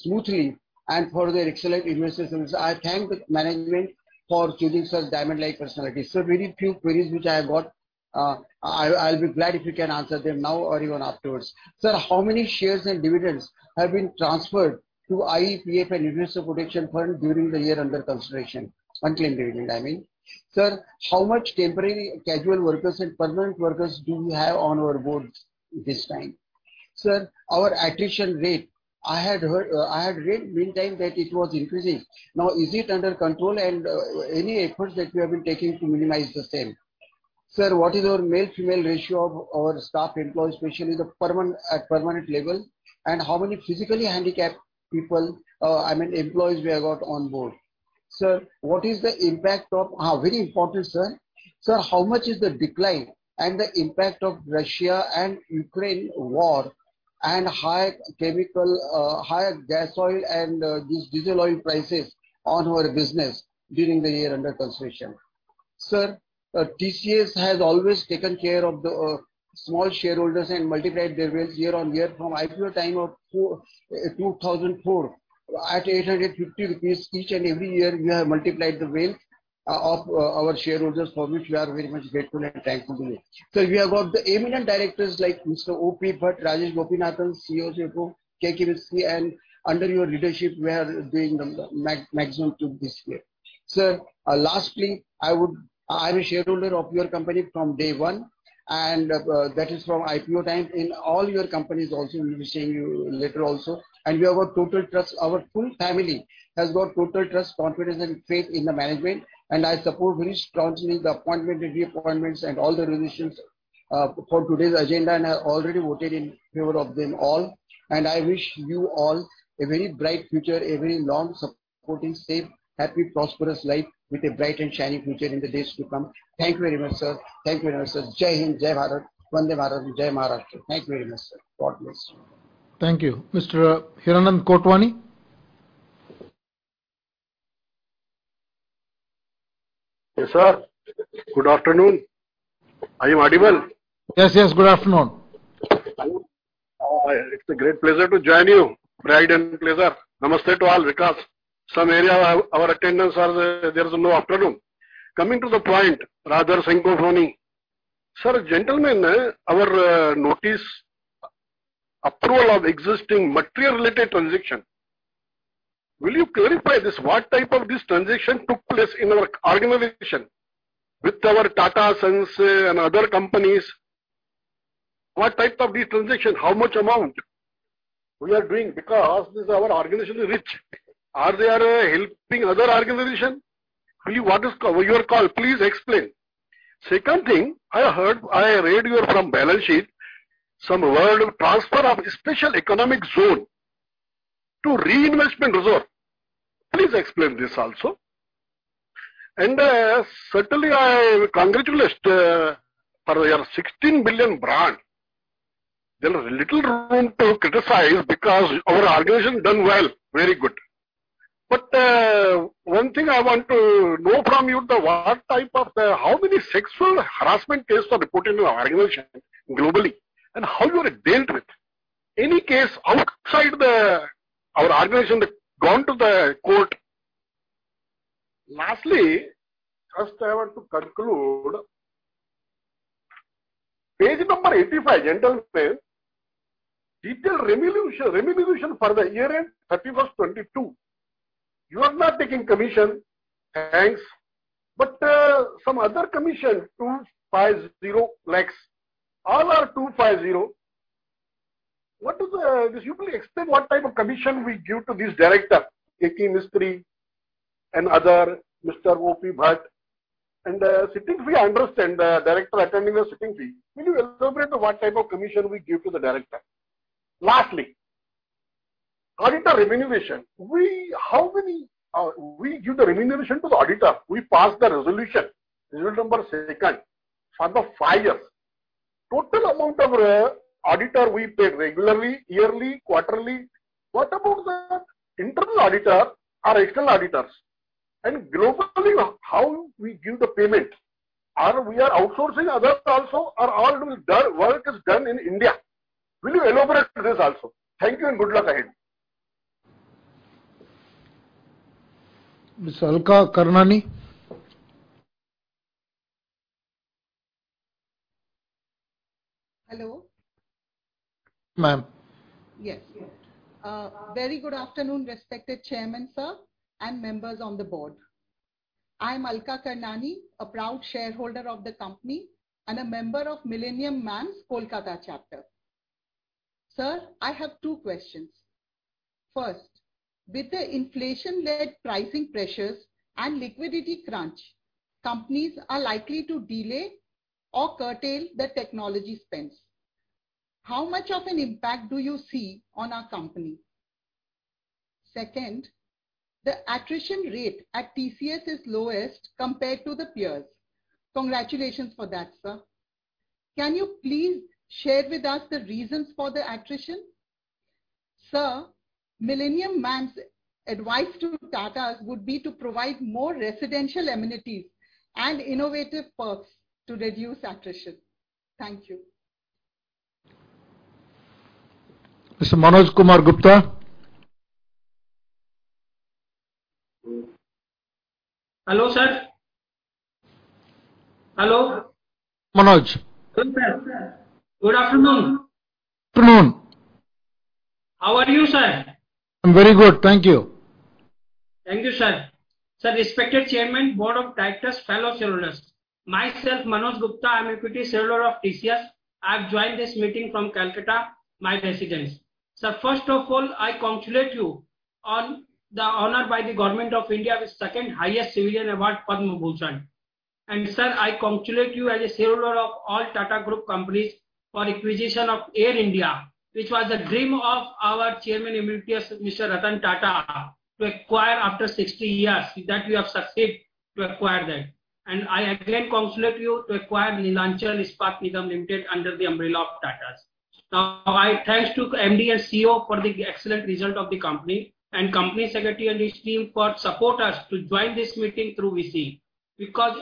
smoothly and for their excellent investor service. I thank the management for choosing such diamond-like personalities. Very few queries which I have got, I'll be glad if you can answer them now or even afterwards. Sir, how many shares and dividends have been transferred to IEPF and investors protection fund during the year under consideration? Unclaimed dividend, I mean. Sir, how much temporary casual workers and permanent workers do we have on our boards this time? Sir, our attrition rate, I had heard, I had read meantime that it was increasing. Now is it under control and any efforts that you have been taking to minimize the same? Sir, what is our male-female ratio of our staff employees, especially the permanent level, and how many physically handicapped people, I mean, employees we have got on board? Very important, sir. Sir, how much is the decline and the impact of Russia and Ukraine war and high chemical, high gas oil and these diesel oil prices on our business during the year under consideration? Sir, TCS has always taken care of the small shareholders and multiplied their wealth year on year from IPO time of 2004. At 850 rupees each and every year, we have multiplied the wealth of our shareholders for which we are very much grateful and thankful to you. We have got the eminent directors like Mr. O.P. Bhatt, Rajesh Gopinathan, CEO CFO, Keki Mistry, and under your leadership we are doing the maximum to this year. Sir, lastly, I'm a shareholder of your company from day one and, that is from IPO time. In all your companies also we'll be seeing you later also. We have a total trust. Our full family has got total trust, confidence, and faith in the management, and I support very strongly the appointment, the reappointments and all the resolutions, for today's agenda, and I already voted in favor of them all. I wish you all a very bright future, a very long, supporting, safe, happy, prosperous life with a bright and shiny future in the days to come. Thank you very much, sir. Thank you very much, sir. Jai Hind. Jai Bharat. Vande Bharat. Jai Maharashtra. Thank you very much, sir. God bless you. Thank you. Mr. Hiranand Kotwani. Yes, sir. Good afternoon. Are you audible? Yes, yes. Good afternoon. Hello. It's a great pleasure to join you. Pride and pleasure. Namaste to all because some of our attendees are there in the afternoon. Coming to the point, rather sycophancy. Sir, gentlemen, our notice approval of existing material related transaction. Will you clarify this? What type of this transaction took place in our organization with our Tata Sons and other companies? What type of these transaction? How much amount we are doing? Because this our organization is rich. Are they helping other organization? What is your call? Please explain. Second thing, I heard, I read here from balance sheet some word transfer of special economic zone to reinvestment reserve. Please explain this also. Certainly I congratulate for your $16 billion brand. There is little room to criticize because our organization done well. Very good. One thing I want to know from you the what type of, how many sexual harassment cases are reported in our organization globally, and how you will dealt with? Any case outside our organization that gone to the court? Lastly, just I have to conclude. Page number 85, gentlemen. Detail remuneration for the year end 31st 2022. You are not taking commission. Thanks. Some other commission, 250 lakhs. All are 250. What is the. Would you please explain what type of commission we give to this director, Keki M. Mistry and other Mr. O.P. Bhatt? Sitting fee I understand, the director attending the sitting fee. Will you elaborate on what type of commission we give to the director? Lastly, auditor remuneration. We, how many, we give the remuneration to the auditor. We pass the resolution. Resolution number two for the five years. Total amount of auditor we paid regularly, yearly, quarterly. What about the internal auditor or external auditors? Globally, how we give the payment? Are we outsourcing others also or all the work is done in India? Will you elaborate this also? Thank you and good luck ahead. Miss Alka Karnani. Hello. Ma'am. Yes. Very good afternoon, respected Chairman, sir, and members on the board. I'm Alka Karnani, a proud shareholder of the company and a member of Millennium Mams Kolkata chapter. Sir, I have two questions. First, with the inflation-led pricing pressures and liquidity crunch, companies are likely to delay or curtail their technology spends. How much of an impact do you see on our company? Second, the attrition rate at TCS is lowest compared to the peers. Congratulations for that, sir. Can you please share with us the reasons for the attrition? Sir, Millennium Mams' advice to Tata would be to provide more residential amenities and innovative perks to reduce attrition. Thank you. Mr. Manoj Kumar Gupta. Hello, sir. Hello? Manoj. Yes, sir. Good afternoon. Afternoon. How are you, sir? I'm very good. Thank you. Thank you, sir. Sir, respected Chairman, board of directors, fellow shareholders, myself, Manoj Kumar Gupta, I'm a proud shareholder of TCS. I've joined this meeting from Kolkata, my residence. Sir, first of all, I congratulate you on the honor by the Government of India with second-highest civilian award, Padma Bhushan. Sir, I congratulate you as a shareholder of all Tata Group companies for acquisition of Air India, which was a dream of our Chairman Emeritus Mr. Ratan Tata to acquire after 60 years, that you have succeeded to acquire that. I again congratulate you to acquire Neelachal Ispat Nigam Limited under the umbrella of Tatas. Now, my thanks to MD and CEO for the excellent result of the company and company secretary and his team for support us to join this meeting through VC.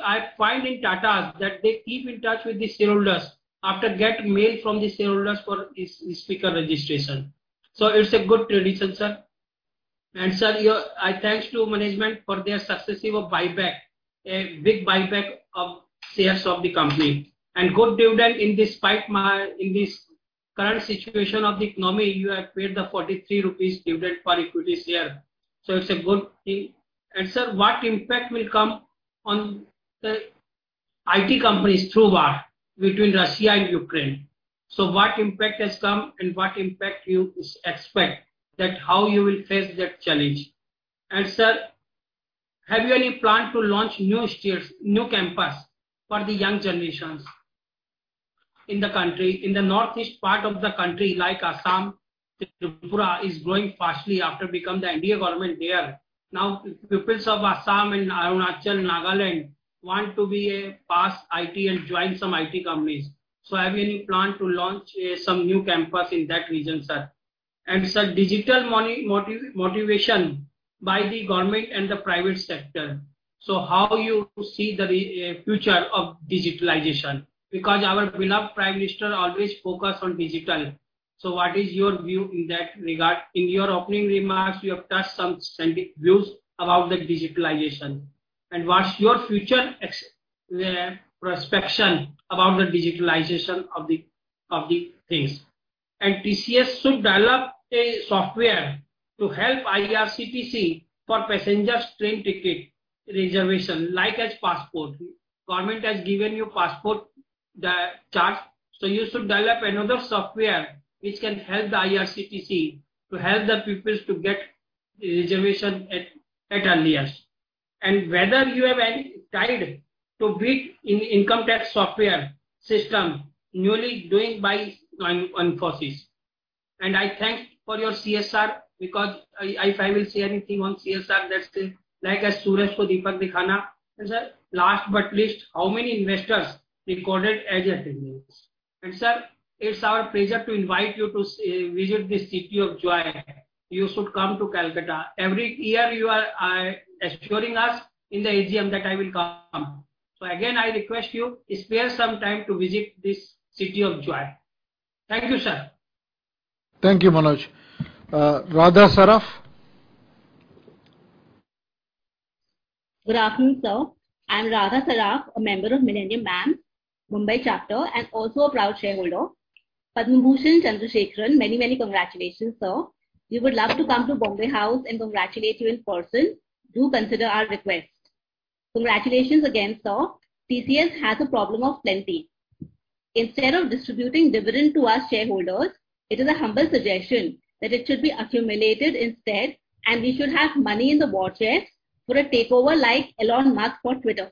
I find in Tata that they keep in touch with the shareholders after getting mail from the shareholders for speaker registration. It's a good tradition, sir. Sir, I thank management for their successful buyback, a big buyback of shares of the company, and good dividend in spite of in this current situation of the economy, you have paid the 43 rupees dividend for equity share. It's a good thing. Sir, what impact will come on the IT companies through war between Russia and Ukraine? What impact has come and what impact you expect, that how you will face that challenge? Sir, have you any plan to launch new centres, new campus for the young generations in the country, in the northeast part of the country like Assam, Tripura is growing fast after becoming the Indian government there. People of Assam and Arunachal, Nagaland want to pass IT and join some IT companies. Have you any plan to launch some new campus in that region, sir? Sir, digital money motivation by the government and the private sector. How do you see the future of digitalization? Because our beloved Prime Minister always focus on digital. What is your view in that regard? In your opening remarks, you have touched some sound views about the digitalization. What is your future prospects about the digitalization of the things? TCS should develop a software to help IRCTC for passenger train ticket reservation, like as passport. Government has given you passport, the task, so you should develop another software which can help the IRCTC to help the people to get reservation at earliest. Wheth er you have any tie-up with the income tax software system newly developed by Infosys. I thank you for your CSR because if I will say anything on CSR, that's like a suraj ko deepak dikhana. Sir, last but not least, how many investors recorded as attendance? Sir, it's our pleasure to invite you to visit this city of joy. You should come to Kolkata. Every year you are assuring us in the AGM that, "I will come." So again, I request you, spare some time to visit this city of joy. Thank you, sir. Thank you, Manoj. Radha Saraf? Good afternoon, sir. I'm Radha Saraf, a member of Millennium Mams', Mumbai chapter, and also a proud shareholder. Padma Bhushan N. Chandrasekaran, many, many congratulations, sir. We would love to come to Bombay House and congratulate you in person. Do consider our request. Congratulations again, sir. TCS has a problem of plenty. Instead of distributing dividend to us shareholders, it is a humble suggestion that it should be accumulated instead, and we should have money in the war chest for a takeover like Elon Musk for Twitter.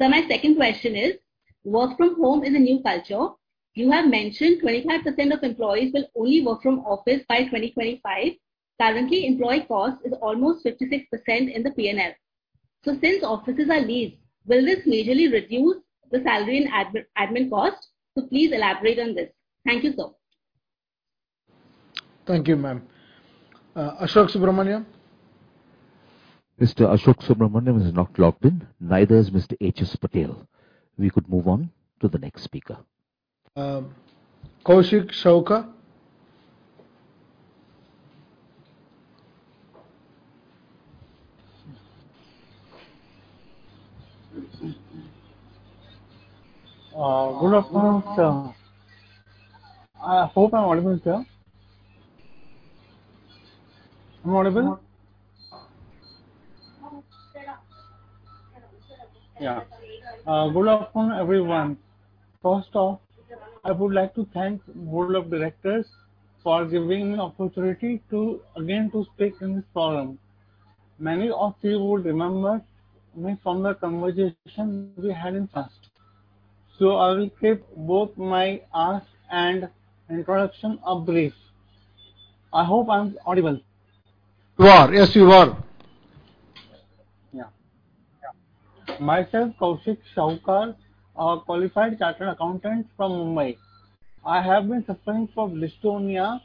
Sir, my second question is, work from home is a new culture. You have mentioned 25% of employees will only work from office by 2025. Currently, employee cost is almost 56% in the P&L. Since offices are leased, will this majorly reduce the salary and admin costs? Please elaborate on this. Thank you, sir. Thank you, ma'am. Ashok Subramaniam? Mr. Ashok Subramaniam is not logged in. Neither is Mr. HS Patel. We could move on to the next speaker. Kaushik Shawka? Good afte rnoon, sir. I hope I'm audible, sir. I'm audible? Yeah. Good afternoon, everyone. First off, I would like to thank board of directors for giving me opportunity to, again, to speak in this forum. Many of you would remember me from the conversation we had in first. I will keep both my ask and introduction brief. I hope I'm audible. You are. Yes, you are. Yeah. Myself, Kaushik Shawka, a qualified chartered accountant from Mumbai. I have been suffering from dystonia,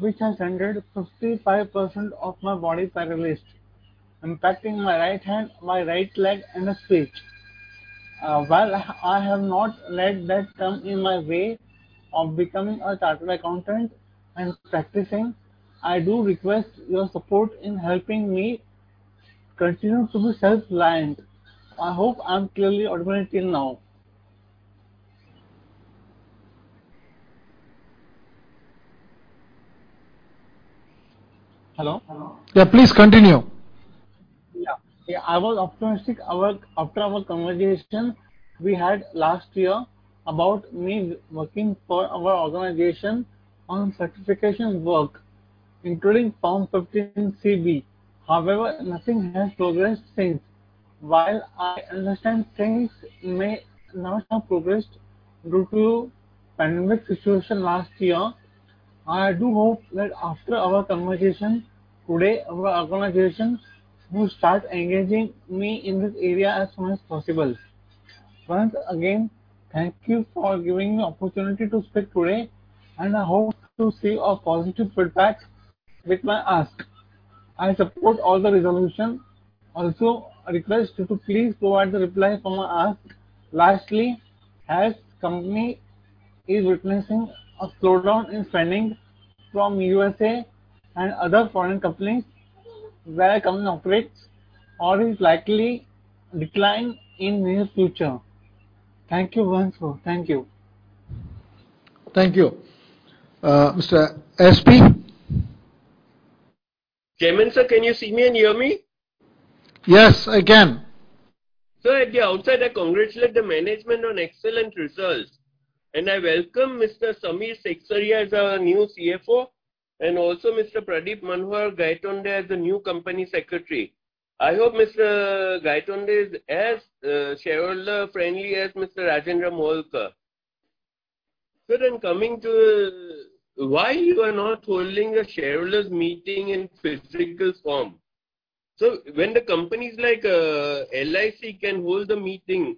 which has rendered 55% of my body paralyzed, impacting my right hand, my right leg, and a speech. While I have not let that come in my way of becoming a chartered accountant and practicing, I do request your support in helping me continue to be self-reliant. I hope I am clearly audible till now. Hello. Hello. Yeah, please continue. Yeah. I was optimistic after our conversation we had last year about me working for our organization on certification work, including Form 15CB. However, nothing has progressed since. While I understand things may not have progressed due to pandemic situation last year, I do hope that after our conversation today, our organization will start engaging me in this area as soon as possible. Once again, thank you for giving me opportunity to speak today, and I hope to see a positive feedback with my ask. I support all the resolution. Also, I request you to please provide the reply for my ask. Lastly, as company is witnessing a slowdown in spending from USA and other foreign companies where company operates or is likely to decline in near future. Thank you once. Thank you. Thank you. Mr. S.P. Jaymin sir, can you see me and hear me? Yes, I can. Sir, at the outset, I congratulate the management on excellent results, and I welcome Mr. Samir Seksaria as our new CFO, and also Mr. Pradeep Manohar Gaitonde as the new company secretary. I hope Mr. Gaitonde is as shareholder friendly as Mr. Rajendra Moholkar. Sir, coming to why you are not holding a shareholders meeting in physical form. When the companies like LIC can hold the meeting,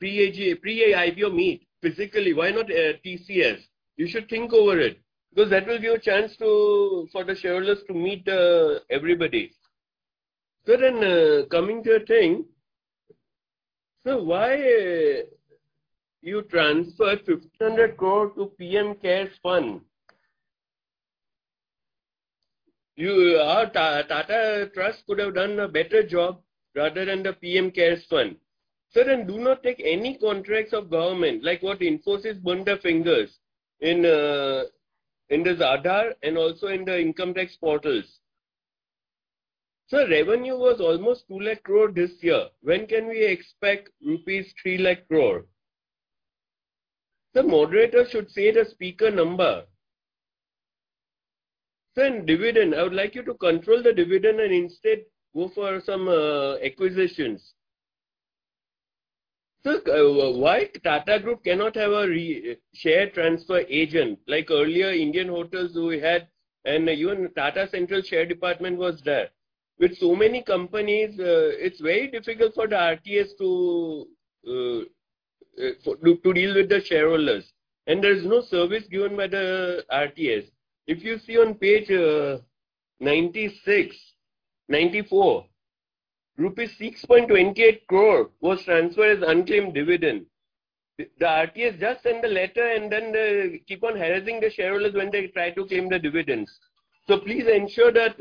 pre-IPO meet physically, why not TCS? You should think over it because that will give a chance for the shareholders to meet everybody. Sir, coming to a thing. Sir, why you transfer 1,500 crore to PM CARES Fund? Our Tata Trusts could have done a better job rather than the PM CARES Fund. Sir, do not take any contracts of government like what Infosys burned their fingers in in this Aadhaar and also in the income tax portals. Sir, revenue was almost 2 lakh crore this year. When can we expect rupees 3 lakh crore? Sir, moderator should say the speaker number. Sir, dividend. I would like you to control the dividend and instead go for some acquisitions. Sir, why Tata Group cannot have a registered share transfer agent? Like earlier, Indian Hotels we had, and even Tata Central Share Department was there. With so many companies, it's very difficult for the RTA to deal with the shareholders, and there is no service given by the RTA. If you see on page 96, 94, rupees 6.28 crore was transferred as unclaimed dividend. The RTA just sent the letter and then keep on harassing the shareholders when they try to claim the dividends. Please ensure that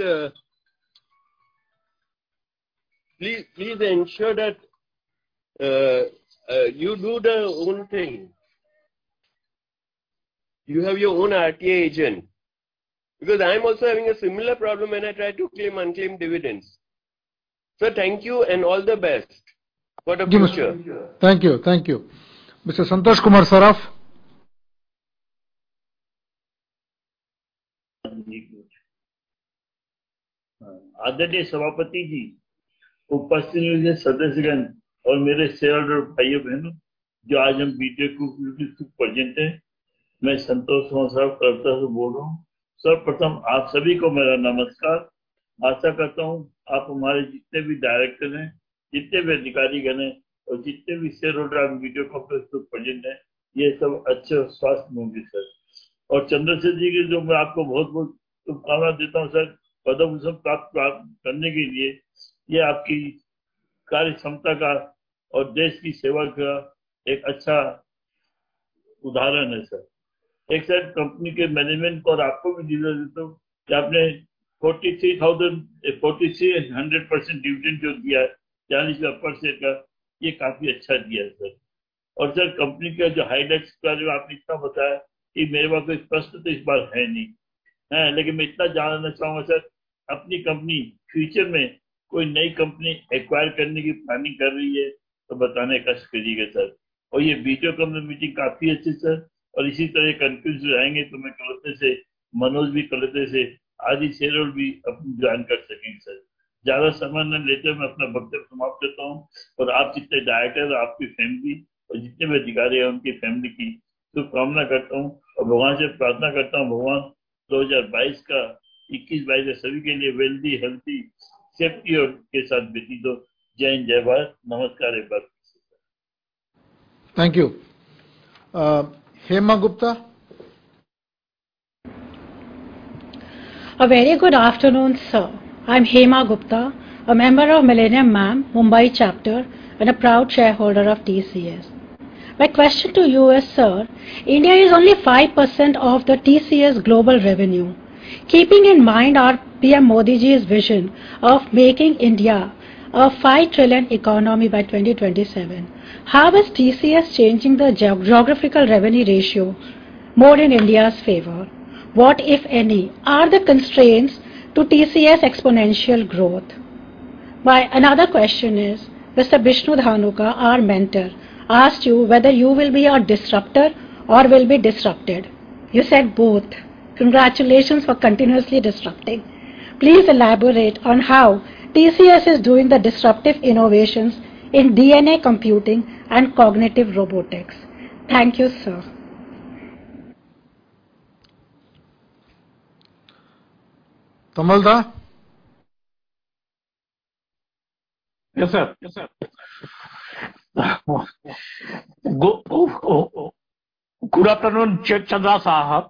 you do your own thing. You have your own RTI agent. Because I am also having a similar problem when I try to claim unclaimed dividends. Sir, thank you and all the best for the future. Thank you. Mr. Santosh Kumar Saraf. (Fl) Sir, company (Fl) Thank you. Hema Gupta. A very good afternoon, sir. I'm Hema Gupta, a member of Millennium Mams', Mumbai chapter, and a proud shareholder of TCS. My question to you is, sir, India is only 5% of the TCS global revenue. Keeping in mind our PM Modi Ji's vision of making India a 5 trillion economy by 2027, how is TCS changing the geographical revenue ratio more in India's favor? What, if any, are the constraints to TCS exponential growth? My another question is, Mr. Vishnu Dhanuka, our mentor, asked you whether you will be a disruptor or will be disrupted. You said both. Congratulations for continuously disrupting. Please elaborate on how TCS is doing the disruptive innovations in DNA computing and cognitive robotics. Thank you, sir. Tamal da. Yes, sir. Yes, sir. Good afternoon, Chairman N. Chandrasekaran Saab,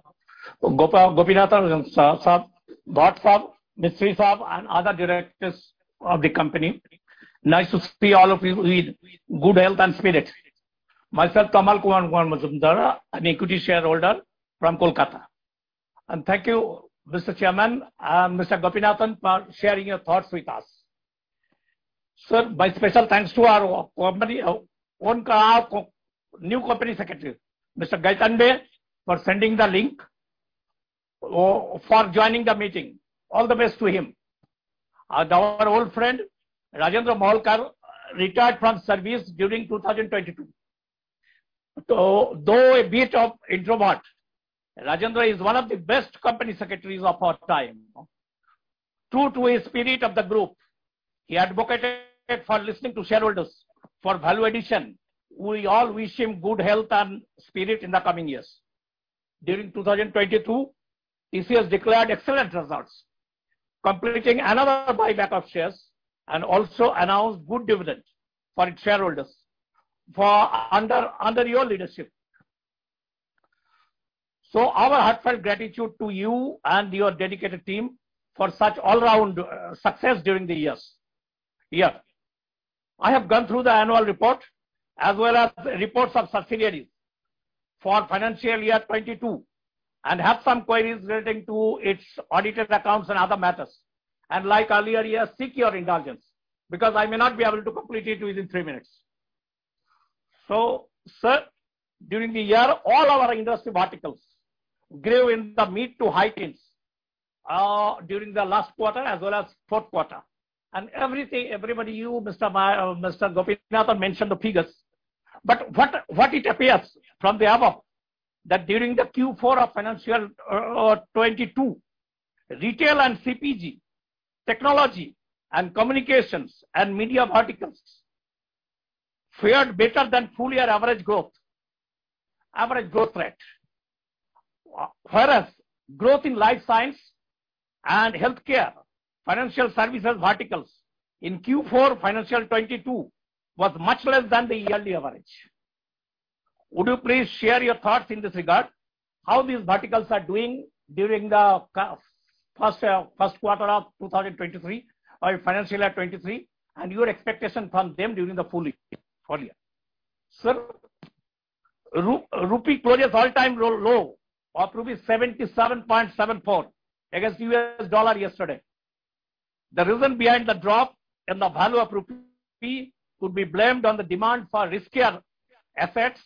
Rajesh Gopinathan Saab, O.P. Bhatt Saab, Keki M. Mistry Saab, and other directors of the company. Nice to see all of you with good health and spirit. Myself, Tamal Kumar Majumdar, an equity shareholder from Kolkata. Thank you, Mr. Chairman and Mr. Rajesh Gopinathan, for sharing your thoughts with us. Sir, my special thanks to our new company secretary, Mr. Pradeep Gaitonde, for sending the link or for joining the meeting. All the best to him. Our old friend, Rajendra Moholkar, retired from service during 2022. Though a bit of introvert, Rajendra is one of the best company secretaries of our time. True to his spirit of the group, he advocated for listening to shareholders for value addition. We all wish him good health and spirit in the coming years. During 2022, TCS declared excellent results, completing another buyback of shares, and also announced good dividend for its shareholders under your leadership. Our heartfelt gratitude to you and your dedicated team for such all-round success during the years. I have gone through the annual report as well as reports of subsidiaries for financial year 2022 and have some queries relating to its audited accounts and other matters. Like earlier years, seek your indulgence because I may not be able to complete it within three minutes. Sir, during the year, all our industry verticals grew in the mid- to high teens during the last quarter as well as fourth quarter. Everything, everybody, you, Mr. Ma, Mr. Gopinathan mentioned the figures, but what it appears from the above that during the Q4 of financial 2022, retail and CPG, technology and communications and media verticals fared better than full year average growth rate. Whereas growth in life science and healthcare, financial services verticals in Q4 financial 2022 was much less than the yearly average. Would you please share your thoughts in this regard, how these verticals are doing during the first quarter of 2023 or financial year 2023, and your expectation from them during the full year? Sir, rupee closed all-time low of 77.74 against U.S. dollar yesterday. The reason behind the drop in the value of rupee could be blamed on the demand for riskier assets,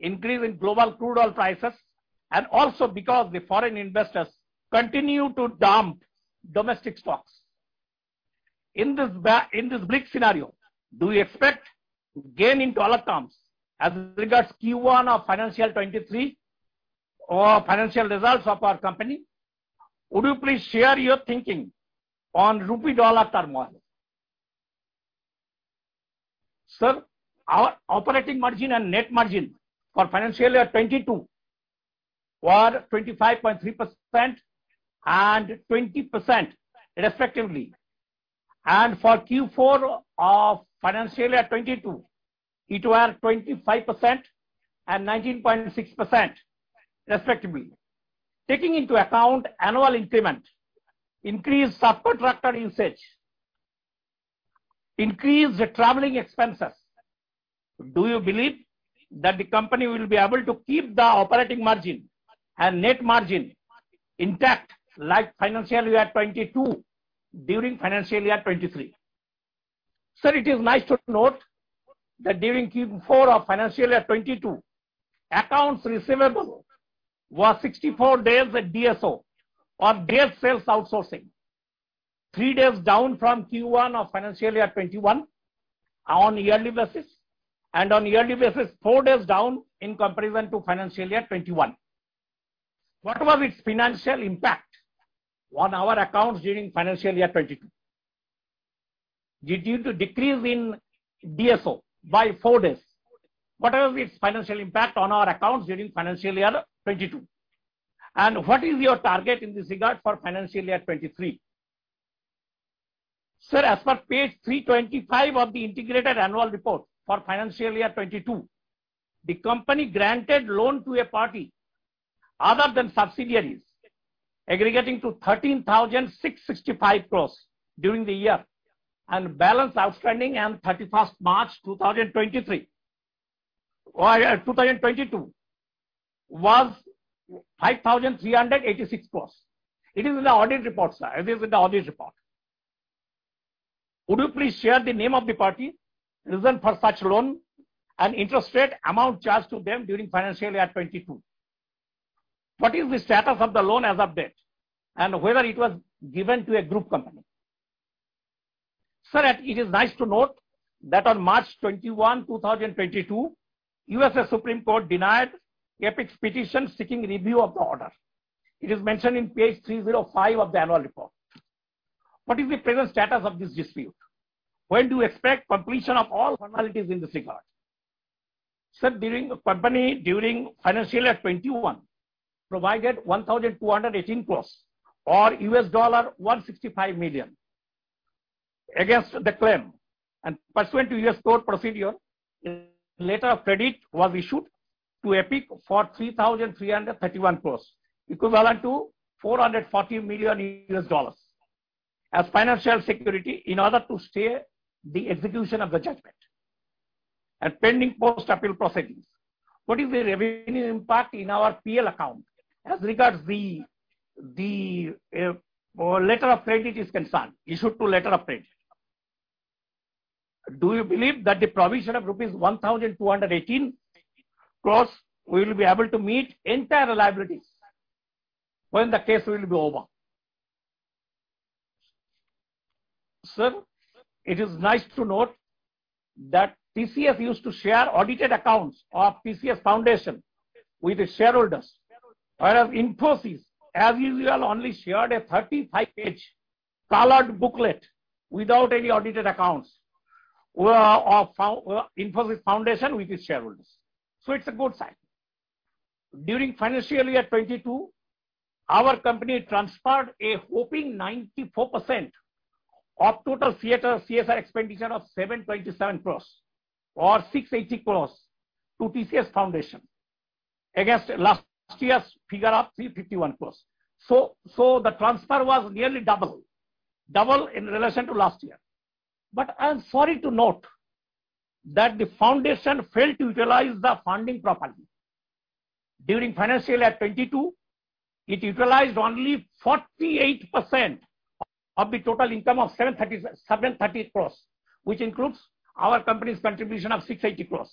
increase in global crude oil prices, and also because the foreign investors continue to dump domestic stocks. In this bleak scenario, do you expect gain in dollar terms as regards Q1 of financial 2023 or financial results of our company? Would you please share your thinking on rupee dollar term model? Sir, our operating margin and net margin for financial year 2022 were 25.3% and 20% respectively. For Q4 of financial year 2022, it was 25% and 19.6% respectively. Taking into account annual increment, increased subcontractor usage, increased traveling expenses, do you believe that the company will be able to keep the operating margin and net margin intact like financial year 2022 during financial year 2023? Sir, it is nice to note that during Q4 of financial year 2022, accounts receivable was 64 days at DSO or days sales outstanding, three days down from Q1 of financial year 2021 on yearly basis, and on yearly basis, four days down in comparison to financial year 2021. What was its financial impact on our accounts during financial year 2022? Due to decrease in DSO by 4 days, what was its financial impact on our accounts during financial year 2022? And what is your target in this regard for financial year 2023? Sir, as per page 325 of the integrated annual report for financial year 2022, the company granted loan to a party other than subsidiaries aggregating to 13,665 crores during the year, and balance outstanding on 31 March 2023 or 2022 was 5,386 crores. It is in the audit report, sir. It is in the audit report. Would you please share the name of the party, reason for such loan, and interest rate amount charged to them during financial year 2022? What is the status of the loan as of date, and whether it was given to a group company? Sir, it is nice to note that on March 21, 2022, U.S. Supreme Court denied Epic's petition seeking review of the order. It is mentioned in page 305 of the annual report. What is the present status of this dispute? When do you expect completion of all formalities in this regard? Sir, the company during financial year 2021 provided 1,218 crores or $165 million against the claim. Pursuant to U.S. court procedure, a letter of credit was issued to Epic for 3,331 crores, equivalent to $440 million as financial security in order to stay the execution of the judgment and pending post-appeal proceedings. What is the revenue impact in our P&L account as regards the letter of credit is concerned? Do you believe that the provision of rupees 1,218 crores will be able to meet entire liabilities when the case will be over? Sir, it is nice to note that TCS used to share audited accounts of TCS Foundation with the shareholders, whereas Infosys, as usual, only shared a 35-page colored booklet without any audited accounts of Infosys Foundation with its shareholders. It's a good sign. During financial year 2022, our company transferred a whopping 94% of total CSR expenditure of 727 crore or 680 crore to TCS Foundation against last year's figure of 351 crore. The transfer was nearly double. Double in relation to last year. I'm sorry to note that the foundation failed to utilize the funding properly. During financial year 2022, it utilized only 48% of the total income of 730 crore, which includes our company's contribution of 680 crore,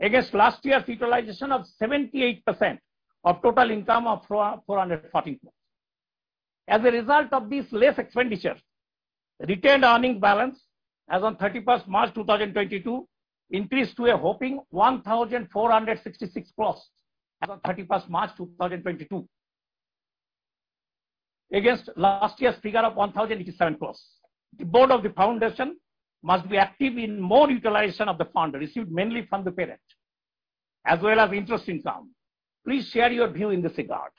against last year's utilization of 78% of total income of 440 crore. As a result of this less expenditure, retained earnings balance as on March 31, 2022 increased to a whopping 1,466 crore as on March 31, 2022, against last year's figure of 1,087 crore. The board of the foundation must be active in more utilization of the fund received mainly from the parent as well as interest income. Please share your view in this regard.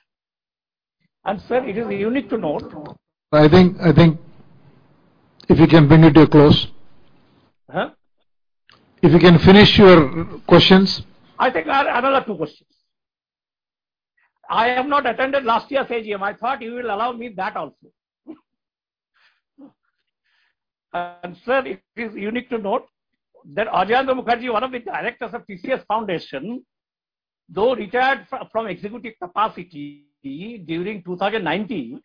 Sir, it is unique to note. I think if you can bring it to a close. Huh? If you can finish your questions. I think I have another two questions. I have not attended last year's AGM. I thought you will allow me that also. Sir, it is unique to note that Ajoyendra Mukherjee, one of the directors of TCS Foundation, though retired from executive capacity during 2019,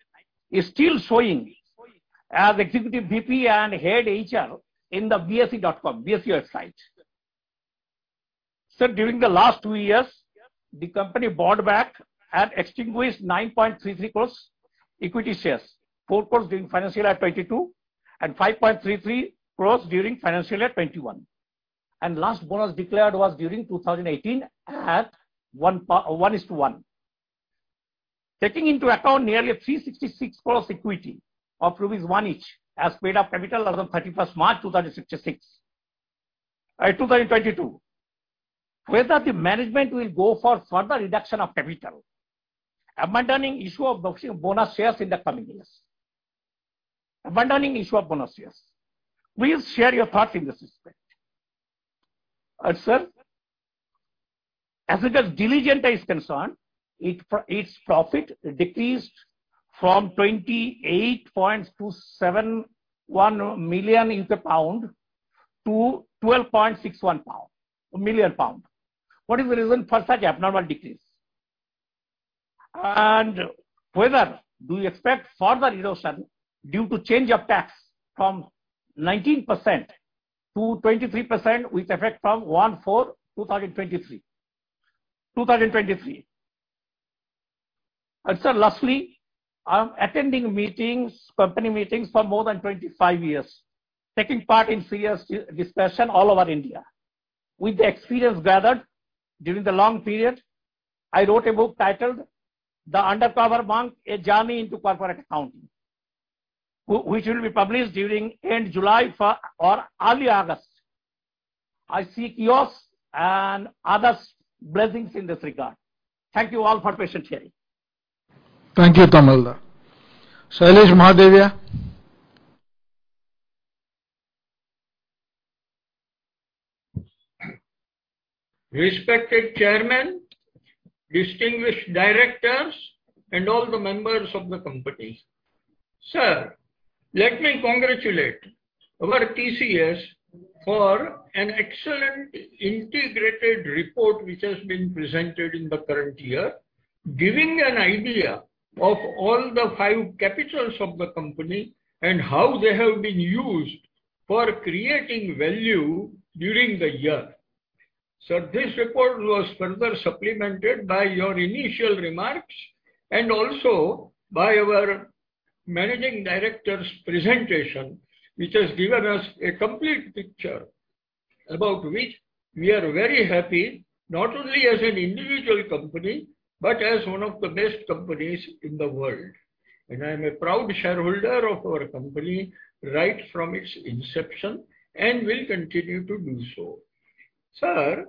is still showing as executive VP and head HR in the BSE.com, BSE website. Sir, during the last two years, the company bought back and extinguished 9.33 crores equity shares. four crores during financial year 2022 and 5.33 crores during financial year 2021. Last bonus declared was during 2018 at 1:1. Taking into account nearly 366 crores equity of rupees one each as paid up capital as on 31 March 2022, whether the management will go for further reduction of capital, abandoning issue of bonus shares in the coming years. Will you share your thoughts in this respect? Sir, as far as Diligenta is concerned, its profit decreased from 28.271 million to 12.61 million pound. What is the reason for such abnormal decrease? Whether do you expect further erosion due to change of tax from 19% to 23% with effect from 1/4/2023? Sir, lastly, I'm attending meetings, company meetings for more than 25 years, taking part in CS discussion all over India. With the experience gathered during the long period, I wrote a book titled The Undercover Bank: A Journey into Corporate Accounting, which will be published during end July or early August. I seek yours and others blessings in this regard. Thank you all for patient hearing. Thank you, Tamal. Sailesh Mahadevia. Respected chairman, distinguished directors, and all the members of the company. Sir, let me congratulate our TCS for an excellent integrated report which has been presented in the current year, giving an idea of all the five capitals of the company and how they have been used for creating value during the year. Sir, this report was further supplemented by your initial remarks and also by our managing director's presentation, which has given us a complete picture about which we are very happy, not only as an individual company, but as one of the best companies in the world. I am a proud shareholder of our company right from its inception, and will continue to do so. Sir,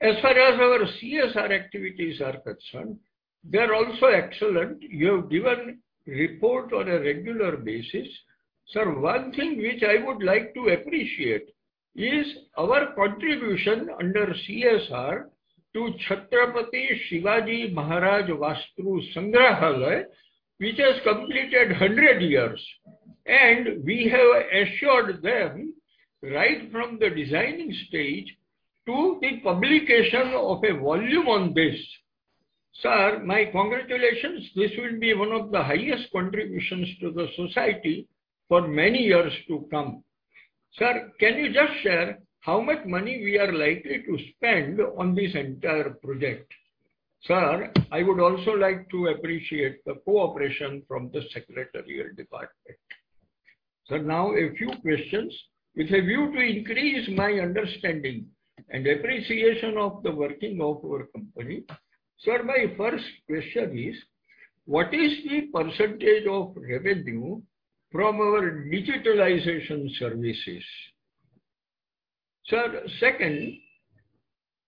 as far as our CSR activities are concerned, they're also excellent. You have given report on a regular basis. Sir, one thing which I would like to appreciate is our contribution under CSR to Chhatrapati Shivaji Maharaj Vastu Sangrahalaya, which has completed 100 years, and we have assured them right from the designing stage to the publication of a volume on this. Sir, my congratulations. This will be one of the highest contributions to the society for many years to come. Sir, can you just share how much money we are likely to spend on this entire project? Sir, I would also like to appreciate the cooperation from the secretarial department. Sir, now a few questions with a view to increase my understanding and appreciation of the working of our company. Sir, my first question is: What is the percentage of revenue from our digitalization services? Sir, second,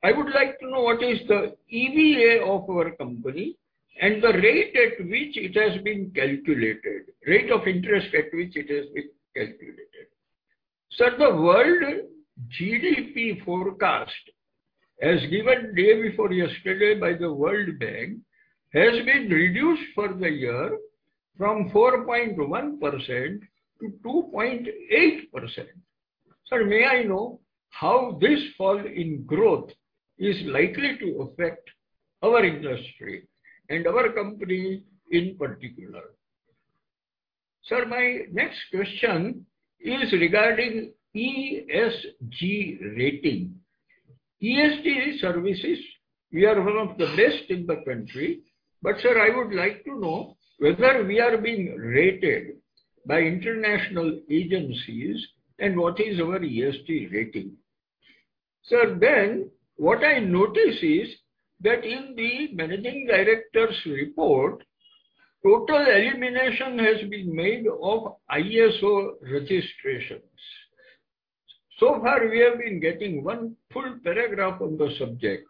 I would like to know what is the EVA of our company and the rate at which it has been calculated, rate of interest at which it has been calculated. Sir, the world GDP forecast, as given day before yesterday by the World Bank, has been reduced for the year from 4.1% to 2.8%. Sir, may I know how this fall in growth is likely to affect our industry and our company in particular? Sir, my next question is regarding ESG rating. ESG services, we are one of the best in the country. Sir, I would like to know whether we are being rated by international agencies and what is our ESG rating. Sir, what I notice is that in the managing director's report, total elimination has been made of ISO registrations. So far, we have been getting one full paragraph on the subject.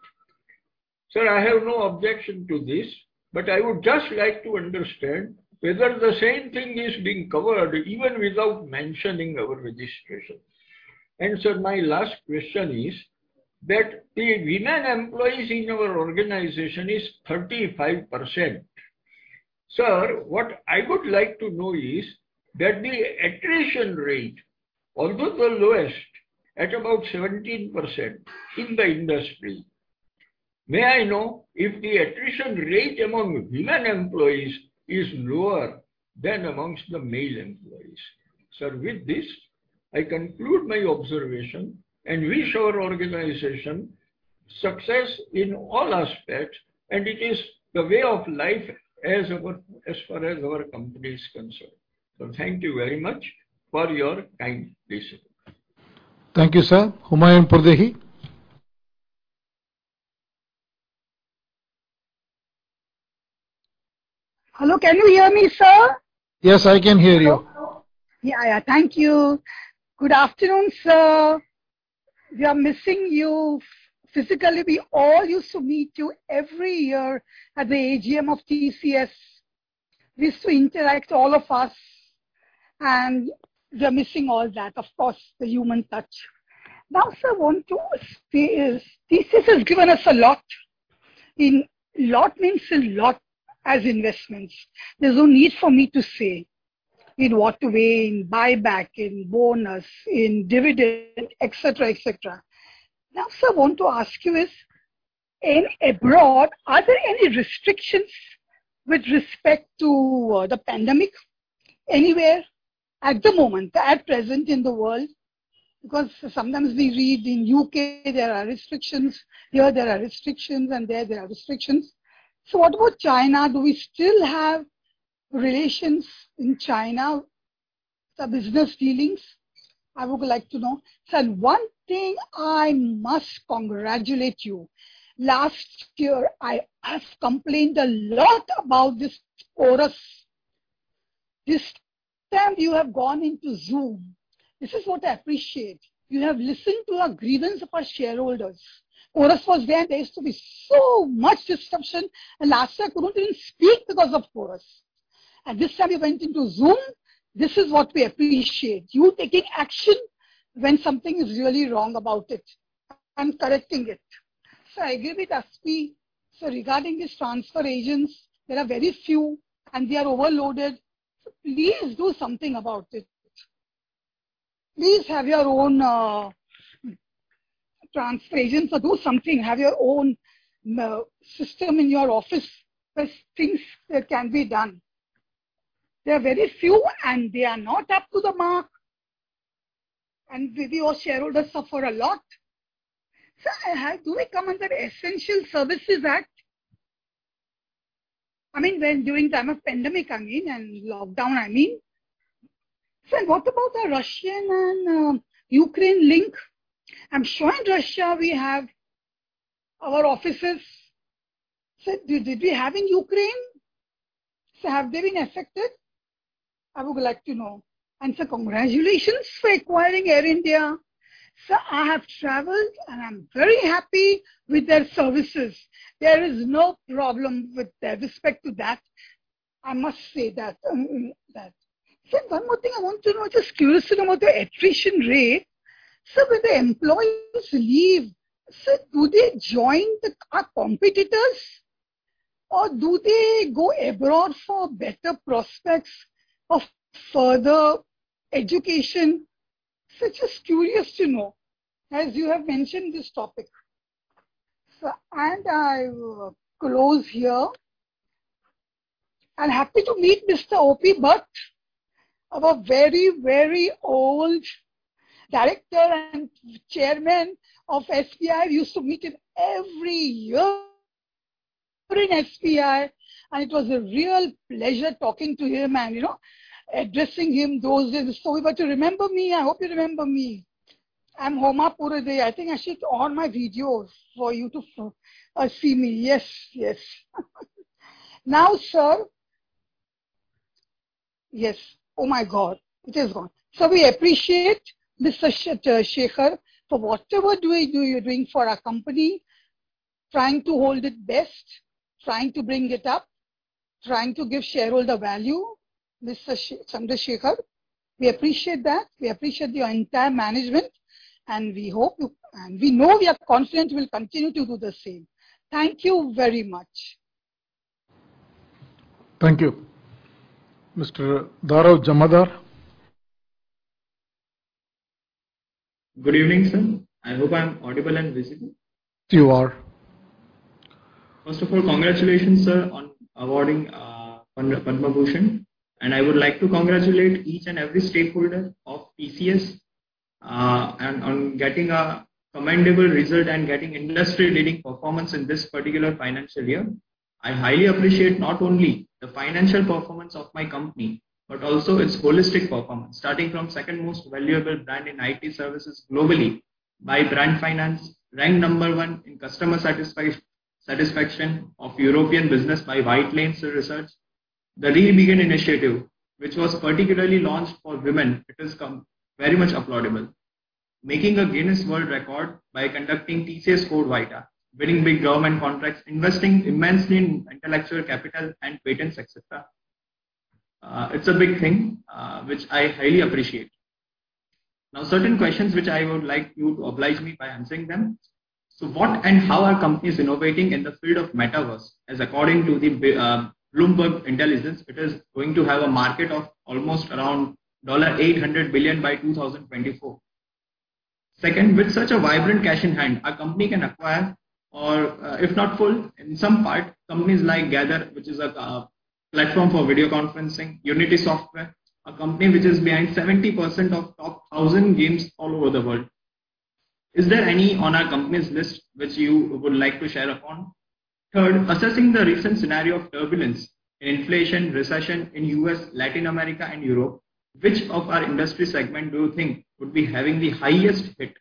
Sir, I have no objection to this, but I would just like to understand whether the same thing is being covered even without mentioning our registration. Sir, my last question is that the women employees in our organization is 35%. Sir, what I would like to know is that the attrition rate, although the lowest at about 17% in the industry, may I know if the attrition rate among women employees is lower than among the male employees? Sir, with this, I conclude my observation and wish our organization success in all aspects, and it is the way of life as our, as far as our company is concerned. Thank you very much for your kind listening. Thank you, sir. Humayun Purdehi. Hello, can you hear me, sir? Yes, I can hear you. Yeah, yeah. Thank you. Good afternoon, sir. We are missing you. Physically, we all used to meet you every year at the AGM of TCS. We used to interact, all of us, and we are missing all that. Of course, the human touch. Now, sir, I want to say is, TCS has given us a lot. In, lot means a lot as investments. There's no need for me to say in what way, in buyback, in bonus, in dividend, et cetera, et cetera. Now, sir, I want to ask you is, abroad, are there any restrictions with respect to the pandemic anywhere at the moment, at present in the world? Because sometimes we read in U.K. there are restrictions, here there are restrictions, and there there are restrictions. So what about China? Do we still have relations in China, sir, business dealings? I would like to know. Sir, one thing I must congratulate you. Last year, we complained a lot about this Chorus. This time you have gone into Zoom. This is what I appreciate. You have listened to our grievance of our shareholders. Chorus was there and there used to be so much disruption, and last year I couldn't even speak because of Chorus. This time you went into Zoom. This is what we appreciate. You taking action when something is really wrong about it and correcting it. I agree with Aspi. Regarding these transfer agents, there are very few and they are overloaded. Please do something about it. Please have your own transfer agent or do something. Have your own system in your office. There are things that can be done. There are very few and they are not up to the mark. We, your shareholders suffer a lot. Sir, I have two comments on Essential Services Act, I mean, when during time of pandemic and lockdown. Sir, what about the Russian and Ukraine link? I'm sure in Russia we have our offices. Sir, did we have in Ukraine? Sir, have they been affected? I would like to know. Sir, congratulations for acquiring Air India. Sir, I have traveled, and I'm very happy with their services. There is no problem with respect to that, I must say that. Sir, one more thing I want to know. Just curious to know about the attrition rate. Sir, when the employees leave, sir, do they join our competitors or do they go abroad for better prospects of further education? Sir, just curious to know as you have mentioned this topic. Sir, I will close here. I'm happy to meet Mr. O.P. Bhatt, our very, very old director and chairman of SBI. Used to meet him every year during SBI, and it was a real pleasure talking to him and, you know, addressing him those days. Hope that you remember me. I hope you remember me. I'm Humayun Purdehi. I think I shared all my videos for you to see me. Yes. Now, sir. Yes. Oh my God. It is gone. Sir, we appreciate Mr. N. Chandrasekaran for whatever you're doing for our company. Trying to hold it best, trying to bring it up, trying to give shareholder value. Mr. N. Chandrasekaran, we appreciate that. We appreciate your entire management, and we hope you. We know, we are confident you will continue to do the same. Thank you very much. Thank you. Mr. Dharav Jamadar. Good evening, sir. I hope I'm audible and visible. You are. First of all, congratulations, sir, on awarding Padma Bhushan, and I would like to congratulate each and every stakeholder of TCS on getting a commendable result and getting industry-leading performance in this particular financial year. I highly appreciate not only the financial performance of my company, but also its holistic performance, starting from second most valuable brand in IT services globally by Brand Finance. Ranked number one in customer satisfaction of European business by Whitelane Research. The Rebegin initiative, which was particularly launched for women, it is very much applaudable. Making a Guinness World Record by conducting TCS CodeVita, winning big government contracts, investing immensely in intellectual capital and patents, et cetera. It's a big thing which I highly appreciate. Now, certain questions which I would like you to oblige me by answering them. What and how are companies innovating in the field of metaverse, as according to the Bloomberg Intelligence, it is going to have a market of almost around 800 billion by 2024. Second, with such a vibrant cash in hand, our company can acquire or, if not full, in some part, companies like Gather, which is a platform for video conferencing. Unity Software, a company which is behind 70% of top 1,000 games all over the world. Is there any on our company's list which you would like to share upon? Third, assessing the recent scenario of turbulence, inflation, recession in U.S., Latin America and Europe, which of our industry segment do you think would be having the highest hit?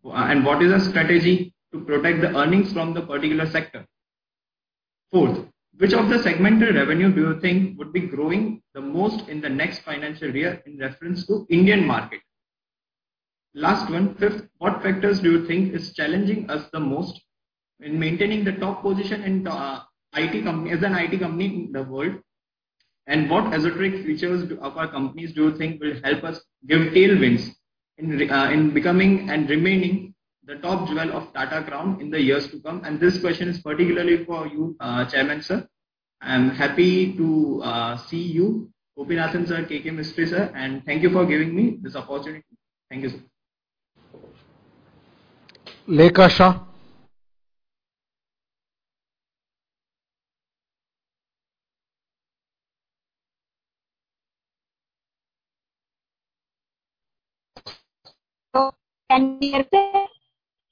What is our strategy to protect the earnings from the particular sector?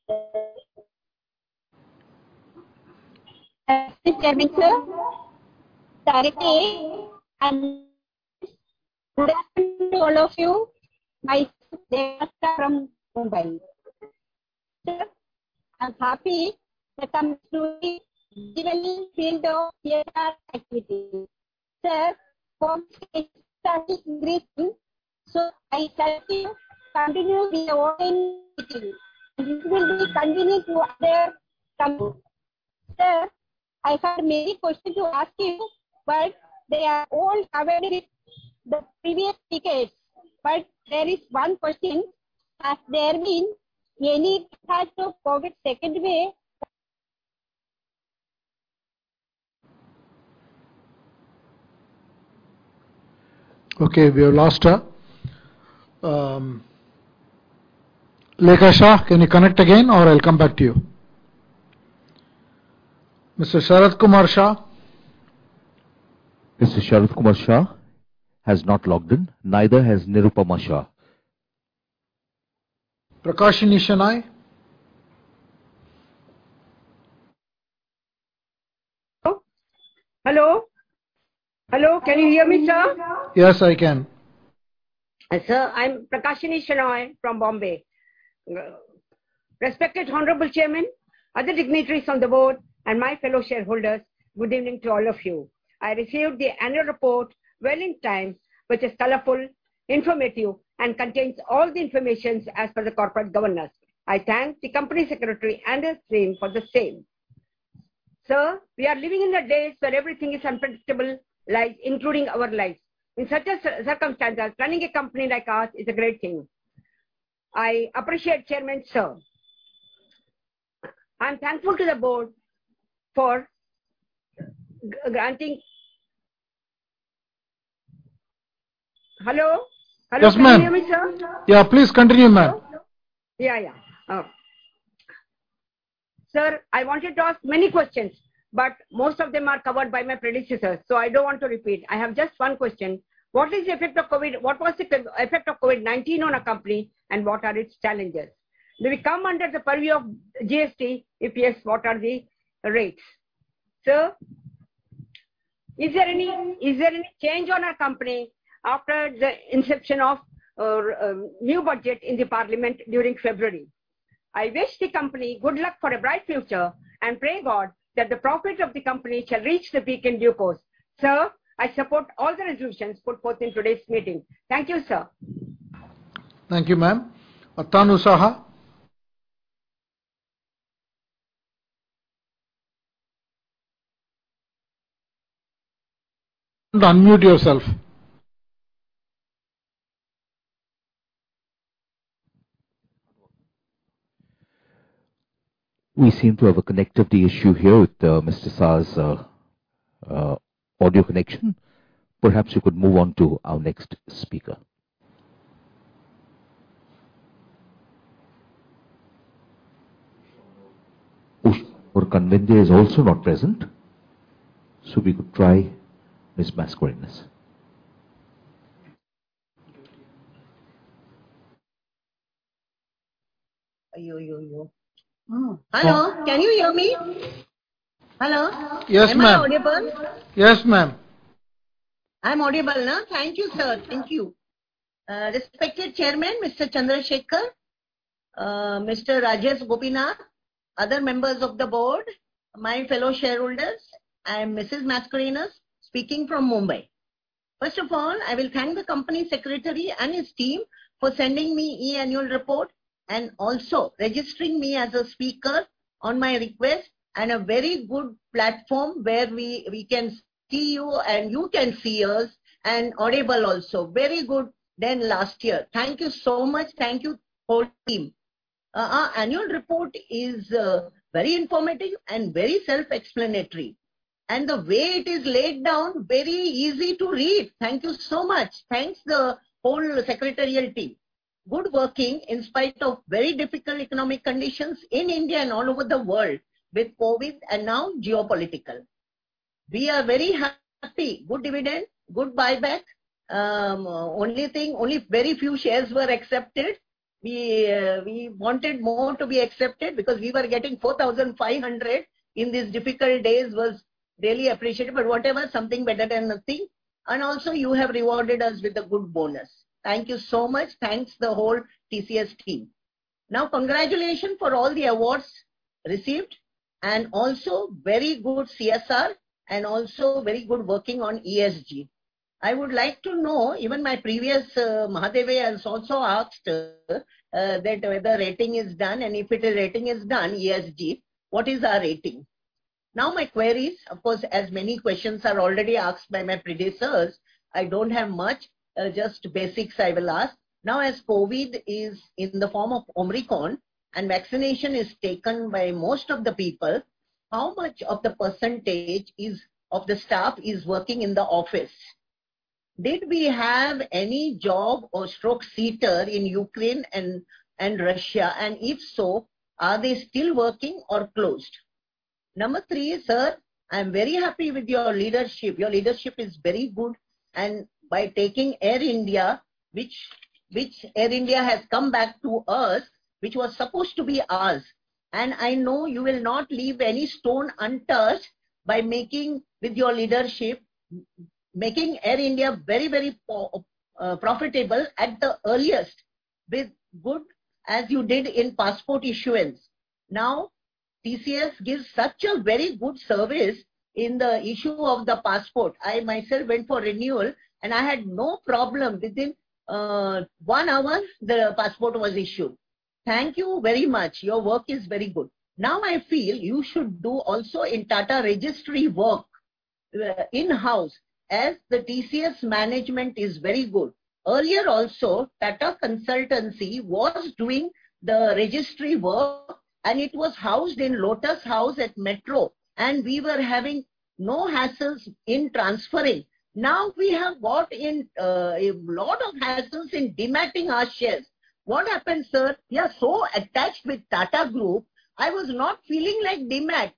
Good afternoon to all of you. My name is Lekha Shah from Mumbai. Sir, I'm happy that I'm through the general field of PR activity. Sir, for me it's amazing, so I thank you continuously organizing meeting. This will be continued to other company. Sir, I had many questions to ask you, but they are all covered with the previous speakers. There is one question. Has there been any types of COVID second wave? Okay, we have lost her. Lekha Shah, can you connect again or I'll come back to you? Mr. Sharad Kumar Shah. Mr. Sharad Kumar Shah has not logged in. Neither has Nirupama Shah. Prakashini Shenoy? Hello? Hello. Hello, can you hear me, sir? Yes, I can. Sir, I'm Prakashini Shenoy from Bombay. Respected honorable Chairman, other dignitaries on the board, and my fellow shareholders, good evening to all of you. I received the annual report well in time, which is colorful, informative, and contains all the information as per the corporate governance. I thank the company secretary and his team for the same. Sir, we are living in the days where everything is unpredictable, like including our lives. In such circumstances, running a company like ours is a great thing. I appreciate Chairman, sir. I'm thankful to the board for granting... Hello? Hello. Yes, ma'am. Can you hear me, sir? Yeah, please continue, ma'am. Yeah, yeah. Sir, I wanted to ask many questions, but most of them are covered by my predecessors, so I don't want to repeat. I have just one question. What was the effect of COVID-19 on our company and what are its challenges? Do we come under the purview of GST? If yes, what are the rates? Sir, is there any change on our company after the inception of new budget in the parliament during February? I wish the company good luck for a bright future and pray God that the profit of the company shall reach the peak in due course. Sir, I support all the resolutions put forth in today's meeting. Thank you, sir. Thank you, ma'am. Atanu Saha. Unmute yourself. We seem to have a connectivity issue here with Mr. Saha's audio connection. Perhaps you could move on to our next speaker. Pushkar Kanvinde is also not present, so we could try Ms. Mascarenhas. Hello. Can you hear me? Hello? Yes, ma'am. Am I audible? Yes, ma'am. I'm audible now. Thank you, sir. Thank you. Respected Chairman, Mr. N. Chandrasekaran, Mr. Rajesh Gopinathan, other members of the board, my fellow shareholders. I am Mrs. Mascarenhas speaking from Mumbai. First of all, I will thank the company secretary and his team for sending me e-annual report and also registering me as a speaker on my request and a very good platform where we can see you and you can see us and audible also. Very good than last year. Thank you so much. Thank you whole team. Our annual report is very informative and very self-explanatory. The way it is laid down, very easy to read. Thank you so much. Thanks the whole secretarial team. Good working in spite of very difficult economic conditions in India and all over the world with COVID and now geopolitical. We are very happy. Good dividend, good buyback. Only thing, very few shares were accepted. We wanted more to be accepted because we were getting 4,500 in these difficult days was really appreciated. Whatever, something better than nothing. Also you have rewarded us with a good bonus. Thank you so much. Thanks to the whole TCS team. Now, congratulations for all the awards received and also very good CSR and also very good working on ESG. I would like to know, even my predecessor, Sailesh Mahadevia has also asked, that whether rating is done and if a rating is done, ESG, what is our rating? Now my queries, of course, as many questions are already asked by my predecessors, I don't have much, just basics I will ask. Now as COVID is in the form of Omicron and vaccination is taken by most of the people, how much of the percentage of the staff is working in the office? Did we have any operations center in Ukraine and Russia? If so, are they still working or closed? Number three, sir, I'm very happy with your leadership. Your leadership is very good and by taking Air India, which Air India has come back to us, which was supposed to be ours. I know you will not leave any stone unturned by making with your leadership Air India very, very profitable at the earliest as good as you did in passport issuance. Now, TCS gives such a very good service in the issue of the passport. I myself went for renewal, and I had no problem. Within one hour, the passport was issued. Thank you very much. Your work is very good. Now I feel you should do also in Tata registry work in-house as the TCS management is very good. Earlier also, Tata Consultancy was doing the registry work and it was housed in Lotus House at Metro, and we were having no hassles in transferring. Now we have got a lot of hassles in dematting our shares. What happened, sir? We are so attached with Tata Group, I was not feeling like demat.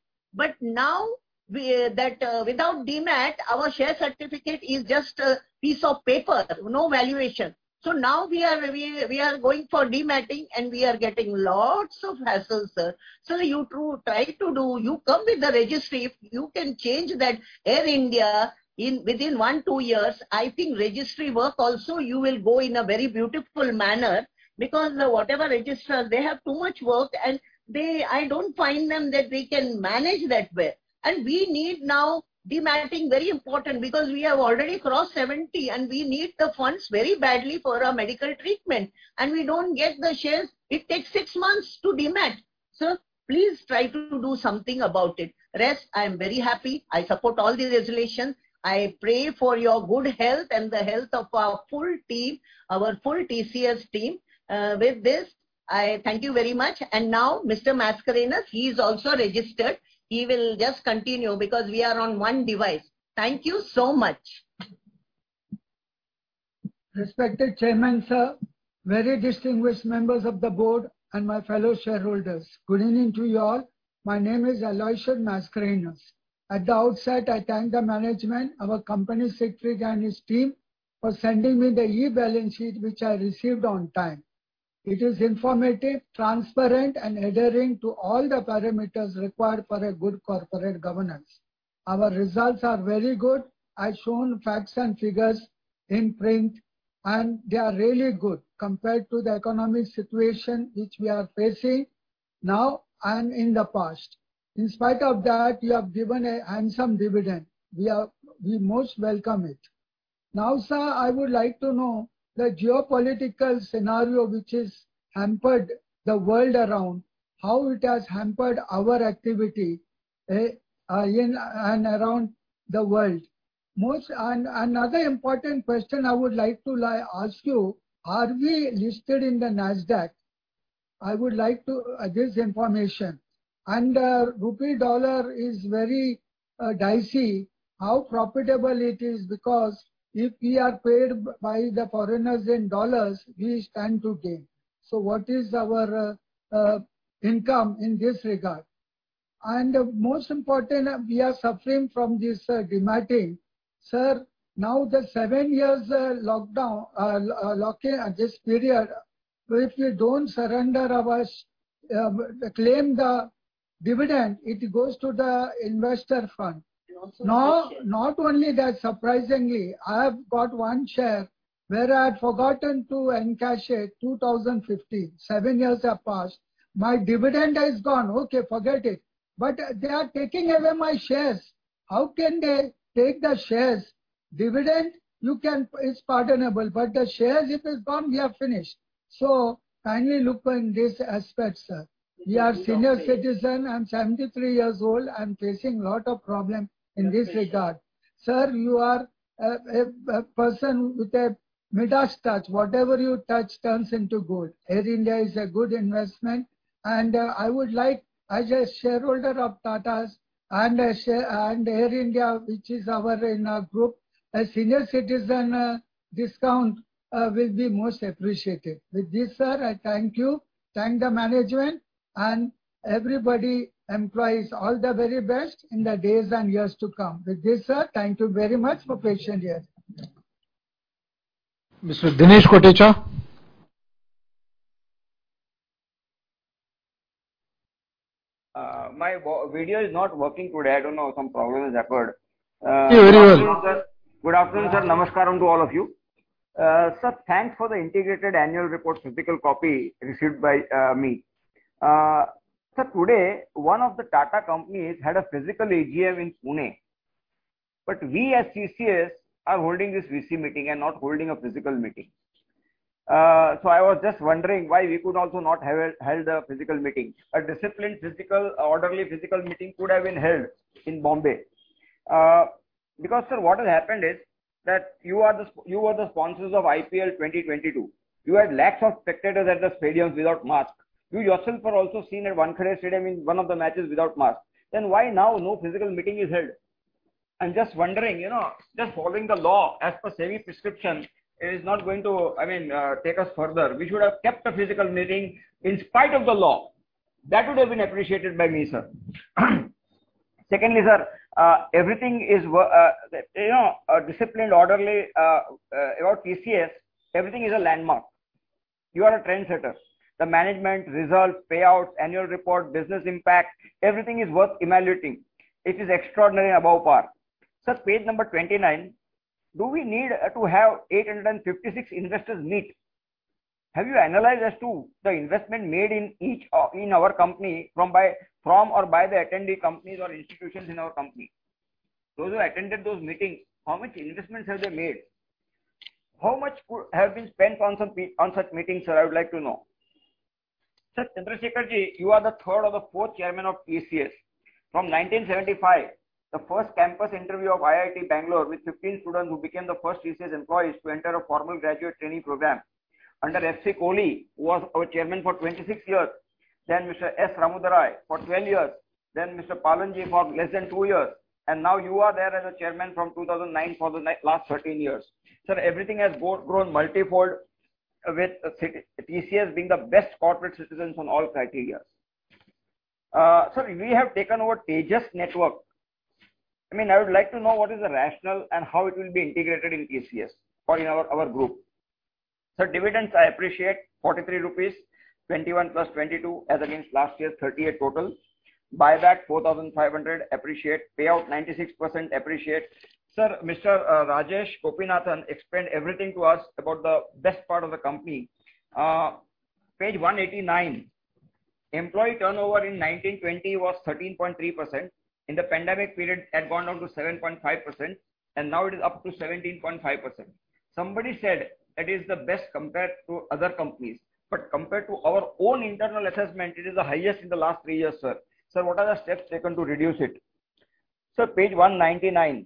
Now, without demat, our share certificate is just a piece of paper, no valuation. Now we are going for dematting and we are getting lots of hassles, sir. You to try to do, you come with the registry. If you can change that Air India in within one-two years, I think registry work also you will go in a very beautiful manner because whatever registrars they have too much work and they, I don't find them that they can manage that well. We need now dematting very important because we have already crossed 70 and we need the funds very badly for our medical treatment. We don't get the shares. It takes six months to demat. Sir, please try to do something about it. Rest, I am very happy. I support all the resolutions. I pray for your good health and the health of our full team, our full TCS team. With this, I thank you very much. Now Mr. Mascarenhas, he is also registered. He will just continue because we are on one device. Thank you so much. Respected Chairman, sir, very distinguished members of the board, and my fellow shareholders, good evening to you all. My name is Aloysius Mascarenhas. At the outset, I thank the management, our company secretary and his team for sending me the e-balance sheet, which I received on time. It is informative, transparent and adhering to all the parameters required for a good corporate governance. Our results are very good. I've shown facts and figures in print, and they are really good compared to the economic situation which we are facing now and in the past. In spite of that, you have given a handsome dividend. We most welcome it. Now, sir, I would like to know the geopolitical scenario which has hampered the world around, how it has hampered our activity in and around the world. Most Another important question I would like to ask you, are we listed in the Nasdaq? I would like this information. Rupee-dollar is very dicey. How profitable it is because if we are paid by the foreigners in dollars, we stand to gain. What is our income in this regard? Most important, we are suffering from this demat. Sir, now the seven year lock-in period, if we don't claim the dividend, it goes to the IEPF. It also- Now, not only that, surprisingly, I have got one share where I had forgotten to encash it, 2015. Seven years have passed. My dividend has gone. Okay, forget it. They are taking away my shares. How can they take the shares? Dividend you can, it's pardonable, but the shares, if it's gone, we are finished. Kindly look on this aspect, sir. We are senior citizens. I'm 73 years old. I'm facing a lot of problems in this regard. Sir, you are a person with a Midas touch. Whatever you touch turns into gold. Air India is a good investment. I would like, as a shareholder of Tatas and Air India, which is in our group, a senior citizen discount will be most appreciated. With this, sir, I thank you. Thank the management and everybody, employees, all the very best in the days and years to come. With this, sir, thank you very much for your patient hearing. Mr. Dinesh Kotecha. My video is not working today. I don't know, some problem has occurred. Yeah, very well. Good afternoon, sir. Good afternoon, sir. Namaskaram to all of you. Sir, thanks for the integrated annual report physical copy received by me. Sir, today, one of the Tata companies had a physical AGM in Pune. We as TCS are holding this VC meeting and not holding a physical meeting. I was just wondering why we could also not have held a physical meeting. A disciplined physical, orderly physical meeting could have been held in Bombay. Sir, what has happened is that you are the sponsors of IPL 2022. You had lakhs of spectators at the stadiums without mask. You yourself were also seen at Wankhede Stadium in one of the matches without mask. Why now no physical meeting is held? I'm just wondering, you know, just following the law as per SEBI prescription is not going to, I mean, take us further. We should have kept a physical meeting in spite of the law. That would have been appreciated by me, sir. Secondly, sir, everything is, you know, disciplined, orderly, about TCS, everything is a landmark. You are a trendsetter. The management results, payouts, annual report, business impact everything is worth evaluating. It is extraordinary above par. Sir, page number 29. Do we need to have 856 investors meet? Have you analyzed as to the investment made in each in our company from or by the attendee companies or institutions in our company? Those who attended those meetings, how much investments have they made? How much could have been spent on some on such meetings sir, I would like to know. Sir, N. Chandrasekaran ji, you are the third or the fourth chairman of TCS. From 1975, the first campus interview of IIT Bangalore with 15 students who became the first TCS employees to enter a formal graduate training program under FC Kohli, who was our chairman for 26 years. Then Mr. S. Ramadorai for 12 years. Then Mr. Palan ji for less than two years. Now you are there as a chairman from 2009, for the last 13 years. Sir, everything has grown multifold, with TCS being the best corporate citizen on all criteria. Sir, we have taken over Tejas Networks. I mean, I would like to know what is the rationale and how it will be integrated in TCS or in our group. Sir, dividends I appreciate 43 rupees, 21 + 22 as against last year 38 total. Buyback 4,500, appreciate. Payout 96%, appreciate. Sir, Mr. Rajesh Gopinathan explained everything to us about the best part of the company. Page 189. Employee turnover in 2019-20 was 13.3%. In the pandemic period, it had gone down to 7.5% and now it is up to 17.5%. Somebody said that is the best compared to other companies. But compared to our own internal assessment, it is the highest in the last three years, sir. Sir, page 199.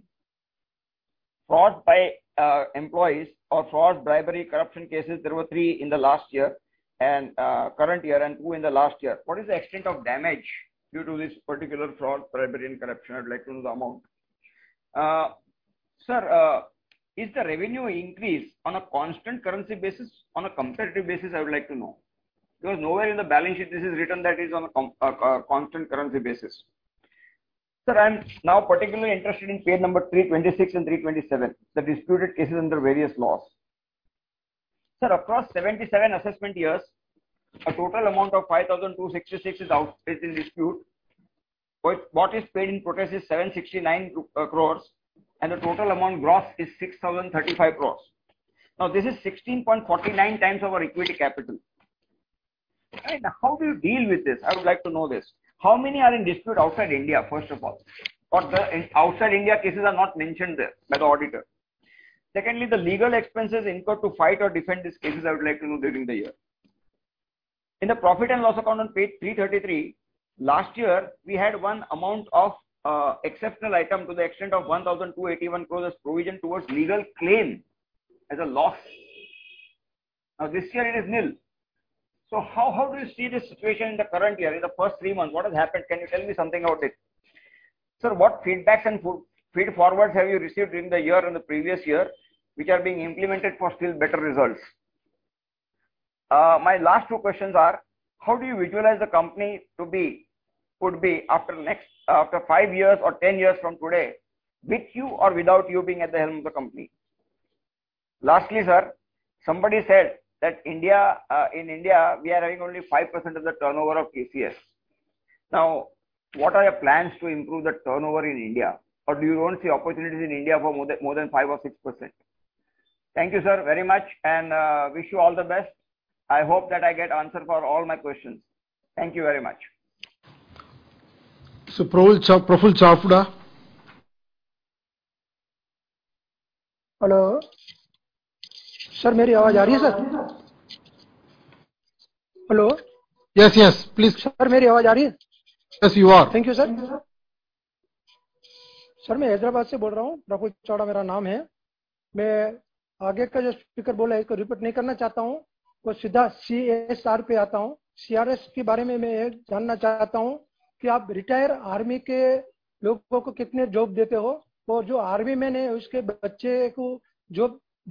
Fraud by employees or fraud, bribery, corruption cases. There were three in the last year and current year and two in the last year. What is the extent of damage due to this particular fraud, bribery, and corruption? I'd like to know the amount. Sir, is the revenue increase on a constant currency basis, on a comparative basis? I would like to know. Because nowhere in the balance sheet this is written that is on a constant currency basis. Sir, I'm now particularly interested in page number 326 and 327. The disputed cases under various laws. Sir, across 77 assessment years, a total amount of 5,266 crore is in dispute. What is paid in protest is 769 crore and the total amount gross is 6,035 crore. Now this is 16.49 times our equity capital. Right. How do you deal with this? I would like to know this. How many are in dispute outside India, first of all? The outside India cases are not mentioned there by the auditor. Secondly, the legal expenses incurred to fight or defend these cases, I would like to know during the year. In the profit and loss account on page 333. Last year we had one amount of exceptional item to the extent of 1,281 crores as provision towards legal claim as a loss. Now this year it is nil. How do you see this situation in the current year? In the first three months, what has happened? Can you tell me something about it? Sir, what feedbacks and feed-forwards have you received during the year and the previous year, which are being implemented for still better results? My last two questions are how do you visualize the company could be after five years or 10 years from today with you or without you being at the helm of the company? Lastly, sir, somebody said that India, in India we are having only 5% of the turnover of TCS. Now, what are your plans to improve the turnover in India, or do you don't see opportunities in India for more than 5% or 6%? Thank you, sir, very much, and wish you all the best. I hope that I get answer for all my questions. Thank you very much. Praful Chavda. Hello? Sir, (Fl), sir? Hello? Yes, yes, please. Sir, (Fl) Yes, you are. Thank you, sir. Sir, (Fl)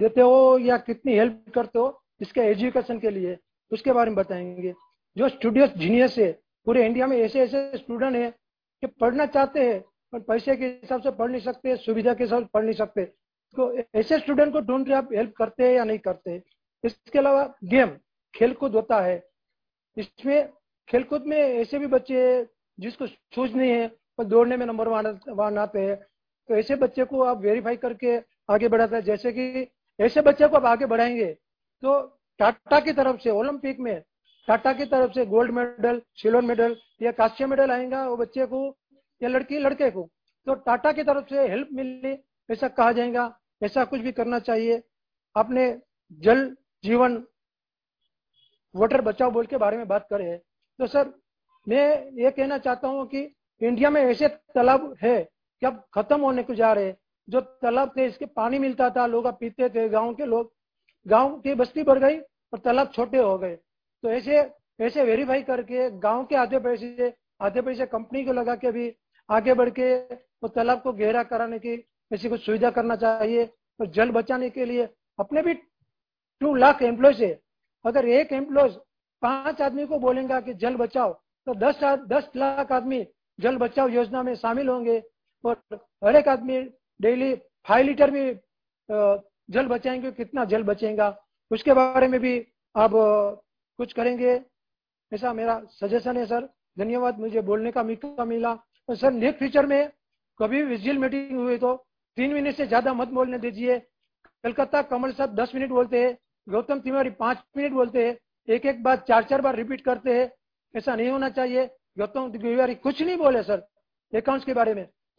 (Fl)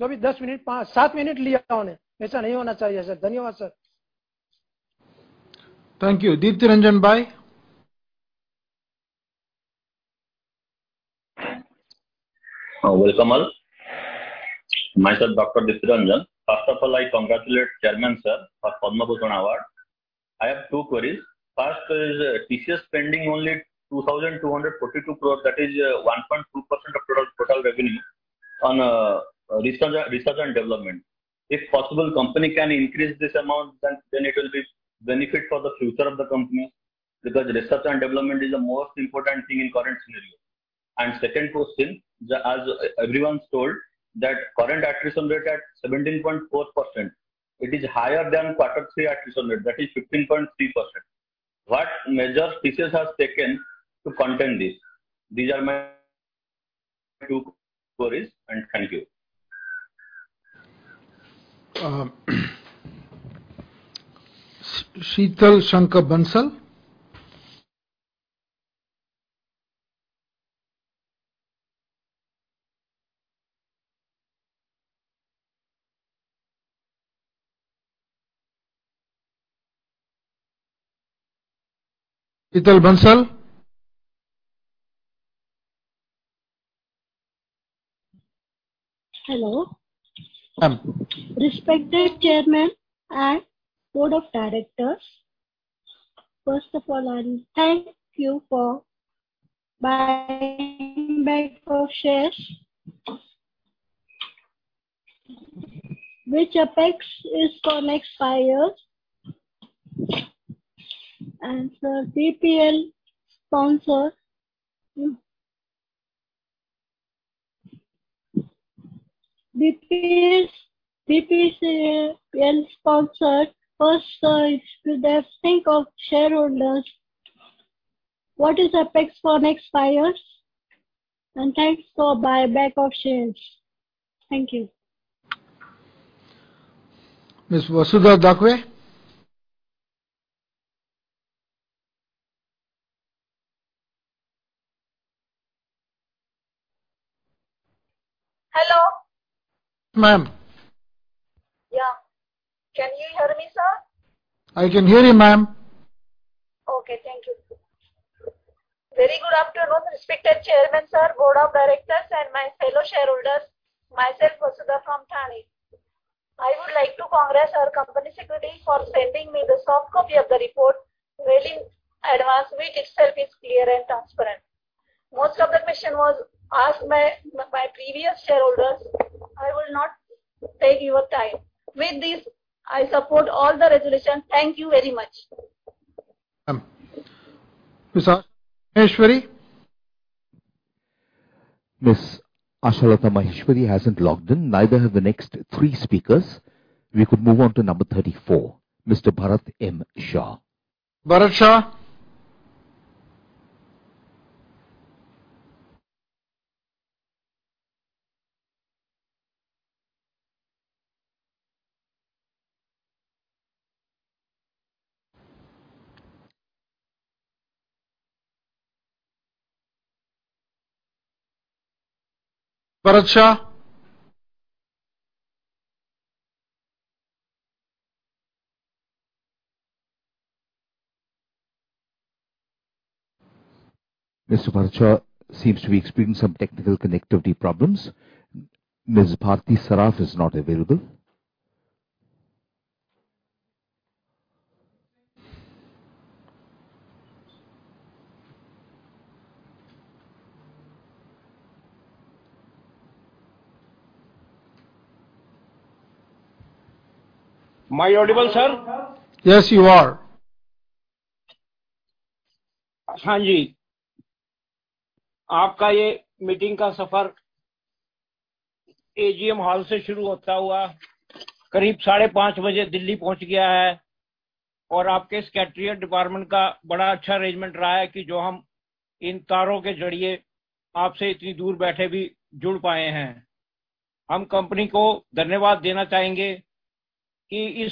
Thank you. Deepti Ranjan(Fl) Welcome all. Myself Dr. Deepti Ranjan. First of all I congratulate chairman sir for Padma Bhushan award. I have two queries. First is TCS spending only 2,242 crore that is 1.2% of total revenue on research and development. If possible company can increase this amount then it will be benefit for the future of the company because research and development is the most important thing in current scenario. Second question as everyone told that current attrition rate at 17.4%. It is higher than quarter three attrition rate that is 15.3%. What measures TCS has taken to contain this? These are my two queries and thank you. (Fl) Hello. Ma'am. Respected Chairman and Board of Directors. First of all thank you for buying back of shares which effect is for next five years and sir BPL sponsor, BPSL sponsor first think of shareholders. What is the effect for next five years? Thanks for buyback of shares. Thank you. Miss Vasudha Dhakde. Hello. Ma'am. Yeah. Can you hear me sir? I can hear you ma'am. Okay thank you. Very good afternoon respected chairman sir, board of directors and my fellow shareholders. Myself Vasudha from Thane. I would like to congrats our company secretary for sending me the soft copy of the report well in advance which itself is clear and transparent. Most of the question was asked by previous shareholders. I will not take your time. With this I support all the resolution. Thank you very much. Ma'am। Miss Ashalata Maheshwari hasn't logged in. Neither have the next three speakers. We could move on to number 34, Mr. Bharat M. Shah. Bharat M Shah. Mr. Bharat M Shah seems to be experiencing some technical connectivity problems. Miss Bharti Saraf is not available. Am I audible, sir? Yes you are. (Fl (Fl) (Fl) Thank you.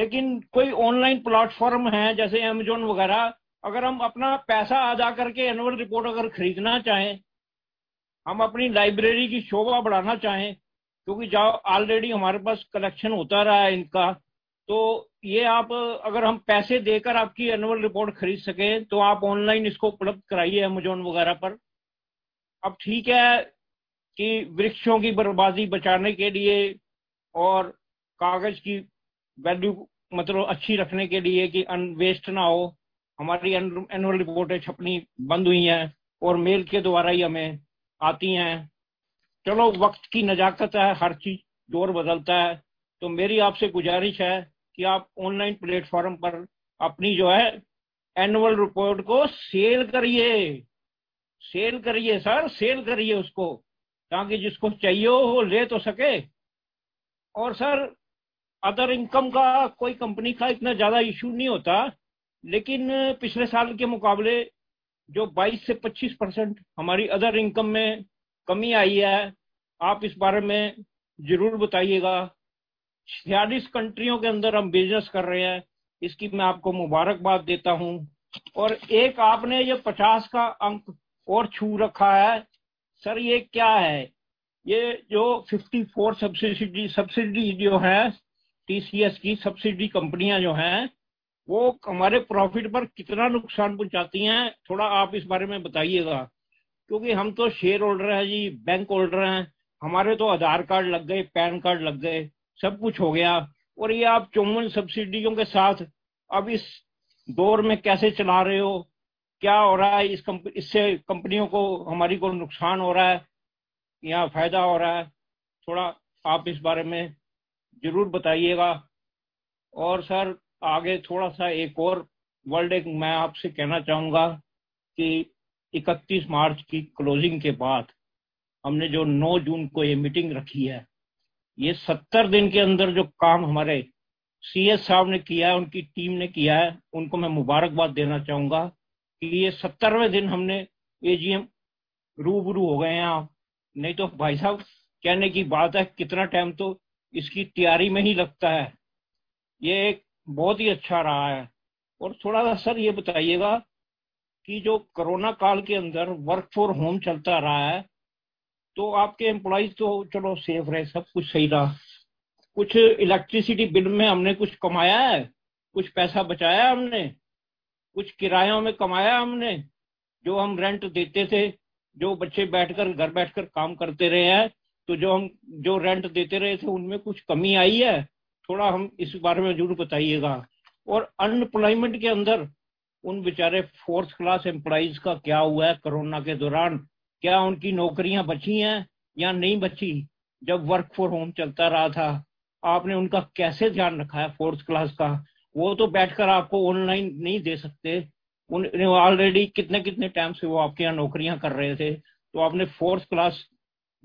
Preetam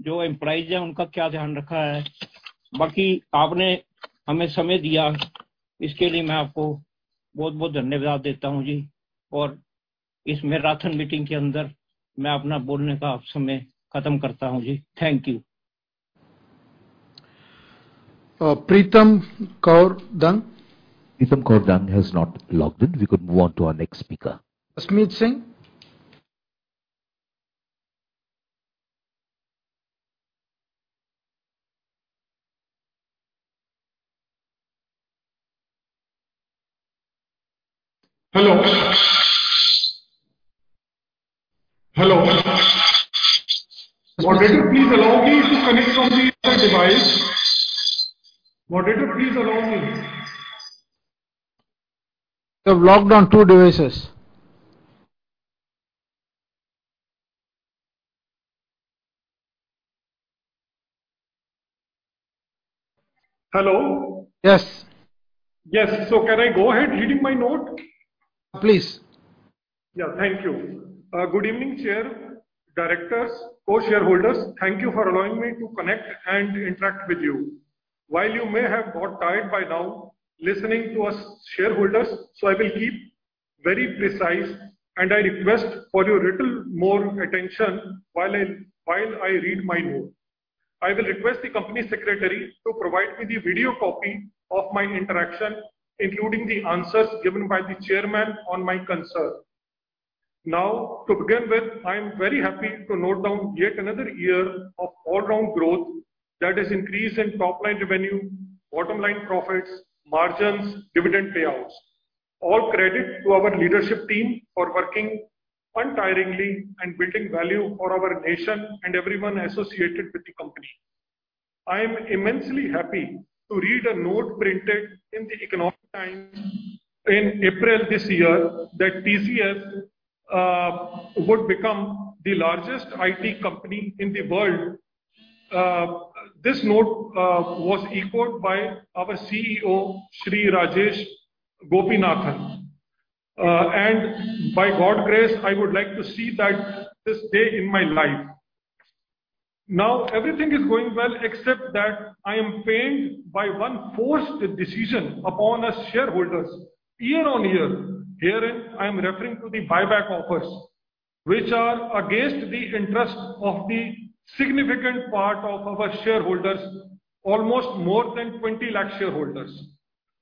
Kaur Dung. Preetam Kaur Dung has not logged in. We could move on to our next speaker. (Fl) Hello. Moderator, please allow me to connect from the other device. You have logged on two devices. Hello. Yes. Yes. Can I go ahead reading my note? Please. Yeah. Thank you. Good evening, Chair, Directors, co-shareholders. Thank you for allowing me to connect and interact with you. While you may have gotten tired by now listening to us shareholders, I will keep very precise and I request for your little more attention while I read my note. I will request the company secretary to provide me the video copy of my interaction, including the answers given by the Chairman on my concern. Now, to begin with, I am very happy to note down yet another year of all-around growth that is increase in top-line revenue, bottom-line profits, margins, dividend payouts. All credit to our leadership team for working untiringly and building value for our nation and everyone associated with the company. I am immensely happy to read a note printed in The Economic Times in April this year that TCS would become the largest IT company in the world. This note was echoed by our CEO, Shri Rajesh Gopinathan. By God's grace, I would like to see that this day in my life. Now everything is going well except that I am pained by one forced decision upon us shareholders year on year. Herein, I am referring to the buyback offers which are against the interest of the significant part of our shareholders, almost more than 20 lakh shareholders.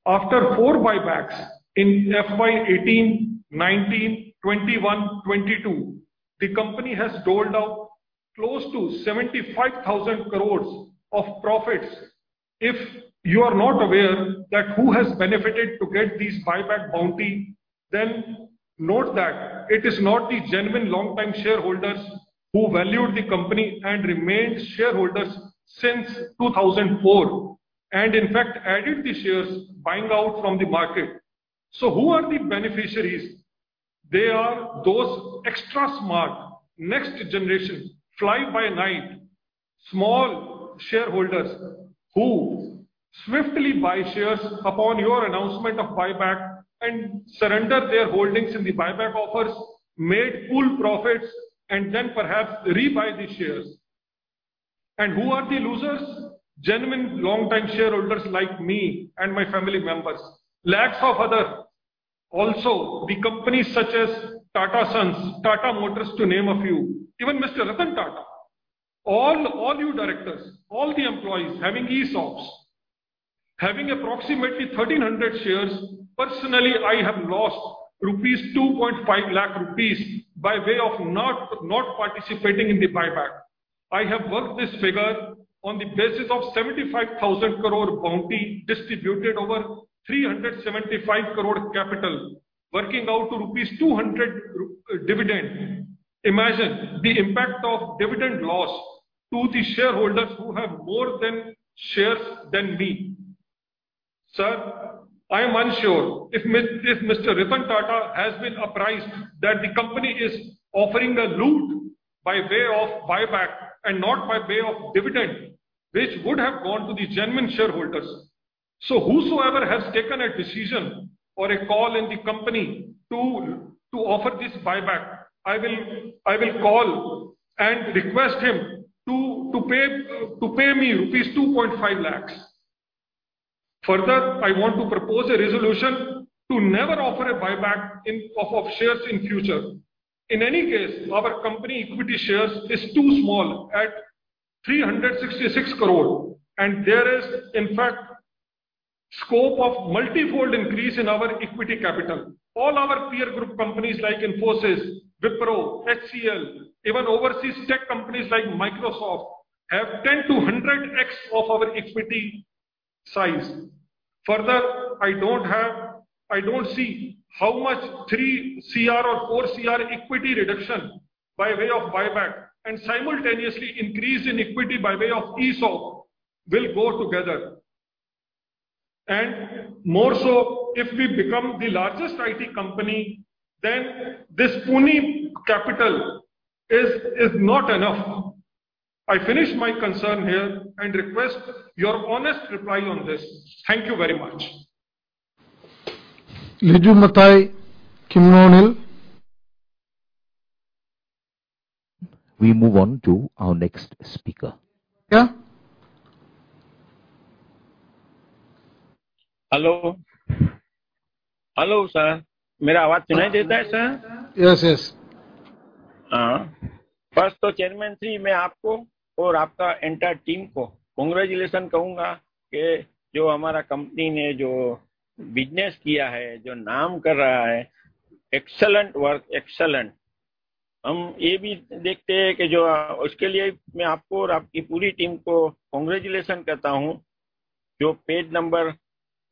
After four buybacks in FY 2018, 2019, 2021, 2022, the company has doled out close to 75,000 crore of profits. If you are not aware that who has benefited to get these buyback bounty, then note that it is not the genuine long time shareholders who valued the company and remained shareholders since 2004 and in fact added the shares buying out from the market. Who are the beneficiaries? They are those extra smart next generation fly by night small shareholders who swiftly buy shares upon your announcement of buyback and surrender their holdings in the buyback offers, made full profits and then perhaps rebuy the shares. Who are the losers? Genuine long time shareholders like me and my family members. Lakhs of others also, the companies such as Tata Sons, Tata Motors, to name a few. Even Mr. Ratan Tata. All you directors, all the employees having ESOPs, having approximately 1,300 shares, personally, I have lost 2.5 lakh rupees by way of not participating in the buyback. I have worked this figure on the basis of 75,000 crore bounty distributed over 375 crore capital, working out to rupees 200 dividend. Imagine the impact of dividend loss to the shareholders who have more shares than me. Sir, I am unsure if Mr. Ratan Tata has been apprised that the company is offering a loot by way of buyback and not by way of dividend which would have gone to the genuine shareholders. Whosoever has taken a decision or a call in the company to offer this buyback, I will call and request him to pay me rupees 2.5 lakhs. Further, I want to propose a resolution to never offer a buyback in shares in future. In any case, our company equity shares is too small at 366 crore and there is in fact scope of multi-fold increase in our equity capital. All our peer group companies like Infosys, Wipro, HCL, even overseas tech companies like Microsoft have 10-100x of our equity size. Further, I don't see how much 3 crore or four crore equity reduction by way of buyback and simultaneously increase in equity by way of ESOP will go together. More so if we become the largest IT company, then this puny capital is not enough. I finish my concern here and request your honest reply on this. Thank you very much. Liju Mathai, Kimmonil. We move on to our next speaker. Hello. Hello sir, (Fl) sir? Yes, yes.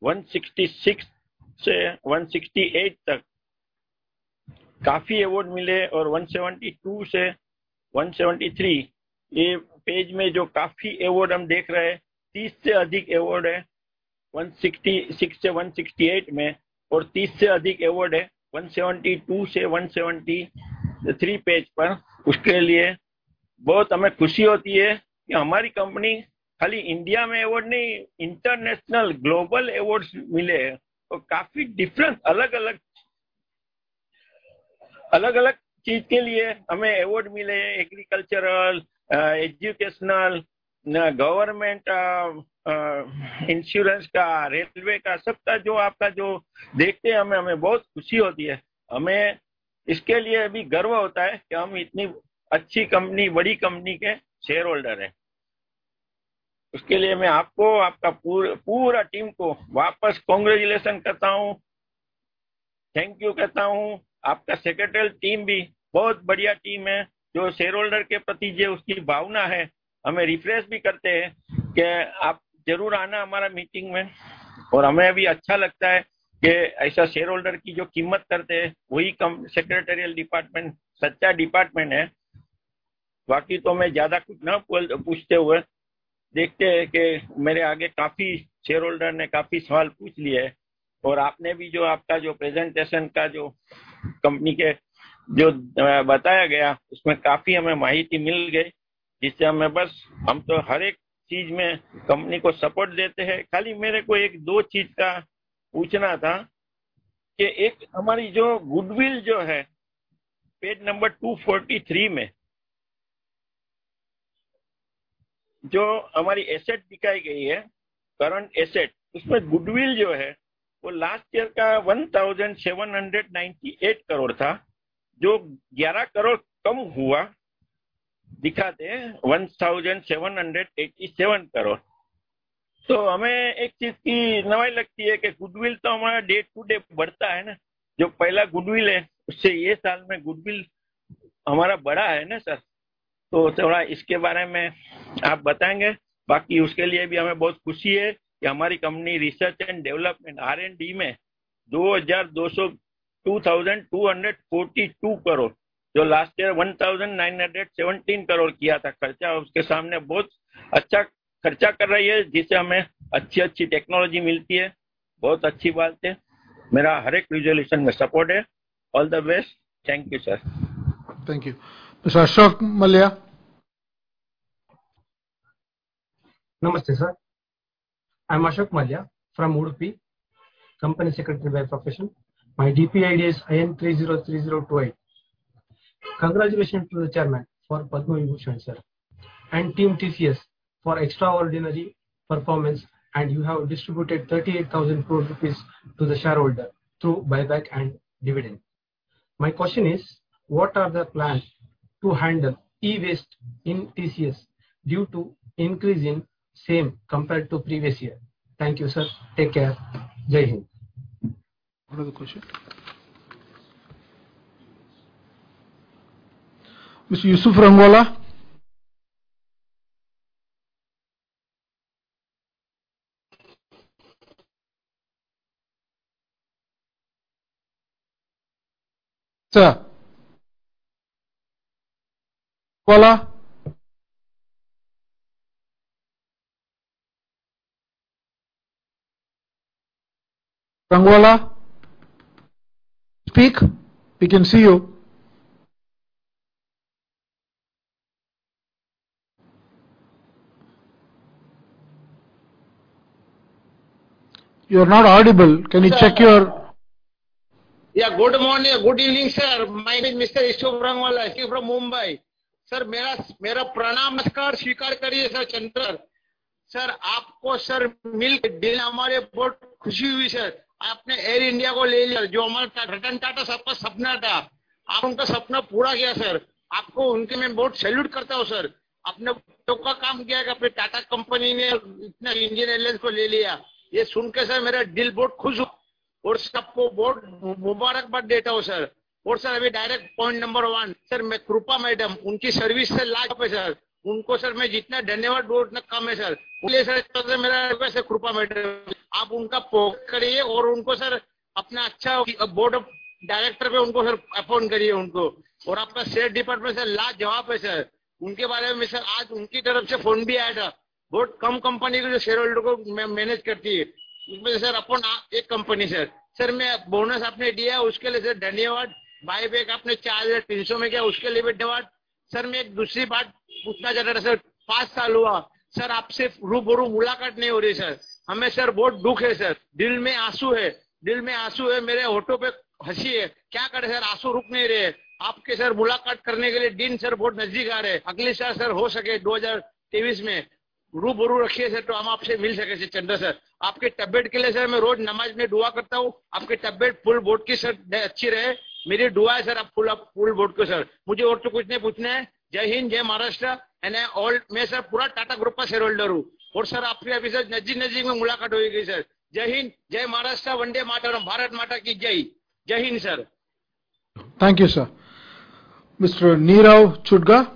(Fl) (Fl) company research and All the best. Thank you sir. Thank you. Mr. Ashok Mallya. Namaste, sir. I am Mr. Ashok Mallya from Udupi. Company secretary by profession. My DP ID is IN303028. Congratulations to the chairman for Padma Bhushan, sir, and team TCS for extraordinary performance and you have distributed 38,000 crore rupees to the shareholder through buyback and dividend. My question is, what are the plans to handle e-waste in TCS due to increase in same compared to previous year? Thank you, sir. Take care. Jai Hind. Another question. Mr. Yusuf Rangwala. Sir. Rangwala. Speak. We can see you. You are not audible. Can you check your- Good morning. Good evening, sir. My name is Mr. Yusuf Rangwala. I came from Mumbai. Sir, (Fl) (Fl) (Fl) Thank you sir. Mr. Neeraj Chudgar.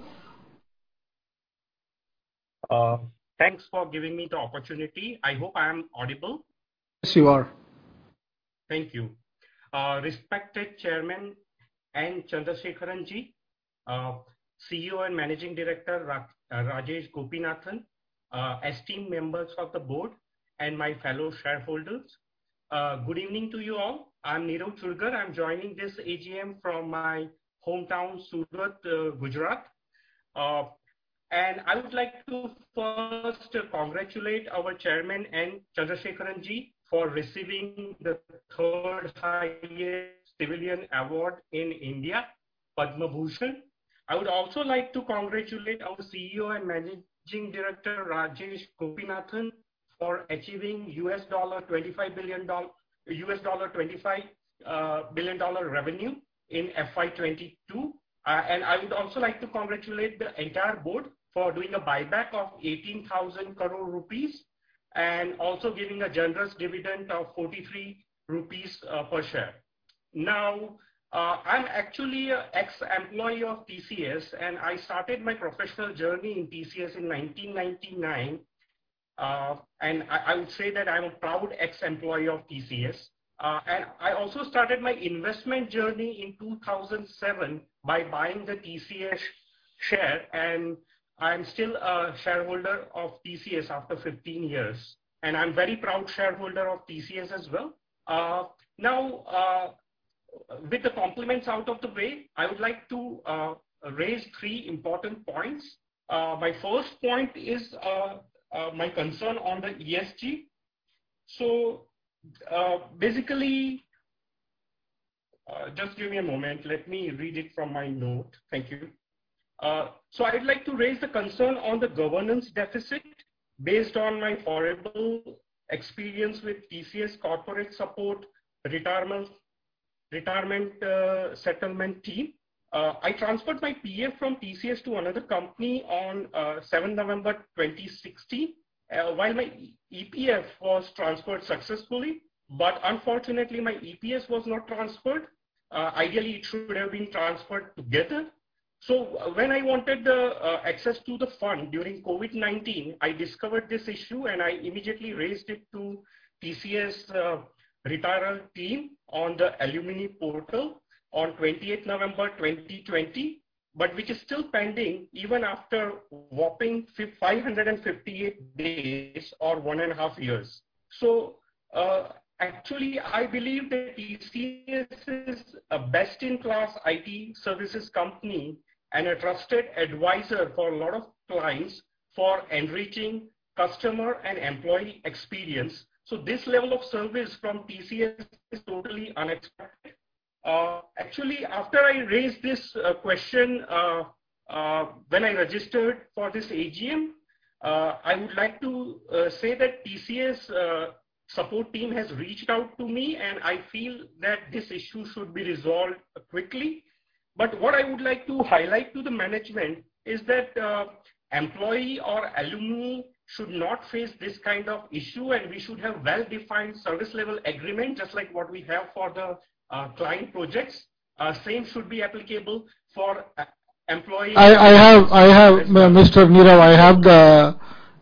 Thanks for giving me the opportunity. I hope I am audible. Yes, you are. Thank you. Respected Chairman N. Chandrasekaran Ji, CEO and Managing Director Rajesh Gopinathan, esteemed members of the board and my fellow shareholders. Good evening to you all. I'm Neeraj Chudgar. I'm joining this AGM from my hometown, Surat, Gujarat. I would like to first congratulate our chairman, N. Chandrasekaran Ji, for receiving the third highest civilian award in India, Padma Bhushan. I would also like to congratulate our CEO and Managing Director, Rajesh Gopinathan, for achieving $25 billion revenue in FY 2022. I would also like to congratulate the entire board for doing a buyback of 18,000 crore rupees and also giving a generous dividend of 43 rupees per share. Now, I'm actually an ex-employee of TCS, and I started my professional journey in TCS in 1999. I would say that I'm a proud ex-employee of TCS. I also started my investment journey in 2007 by buying the TCS share, and I'm still a shareholder of TCS after 15 years, and I'm very proud shareholder of TCS as well. Now, with the compliments out of the way, I would like to raise three important points. My first point is my concern on the ESG. Just give me a moment. Let me read it from my note. Thank you. I'd like to raise a concern on the governance deficit based on my horrible experience with TCS corporate support retirement settlement team. I transferred my PF from TCS to another company on 7 November 2020. While my EPF was transferred successfully, but unfortunately my EPS was not transferred. Ideally, it should have been transferred together. When I wanted the access to the fund during COVID-19, I discovered this issue, and I immediately raised it to TCS retirement team on the alumni portal on 28th November 2020, but which is still pending even after whopping 558 days or one and a half years. Actually, I believe that TCS is a best in class IT services company and a trusted advisor for a lot of clients for enriching customer and employee experience, so this level of service from TCS is totally unexpected. Actually, after I raised this question when I registered for this AGM, I would like to say that TCS support team has reached out to me, and I feel that this issue should be resolved quickly. What I would like to highlight to the management is that employee or alumni should not face this kind of issue, and we should have well-defined service level agreement, just like what we have for the client projects. Same should be applicable for employee- I have, Mr. Neeraj Chudgar, I have the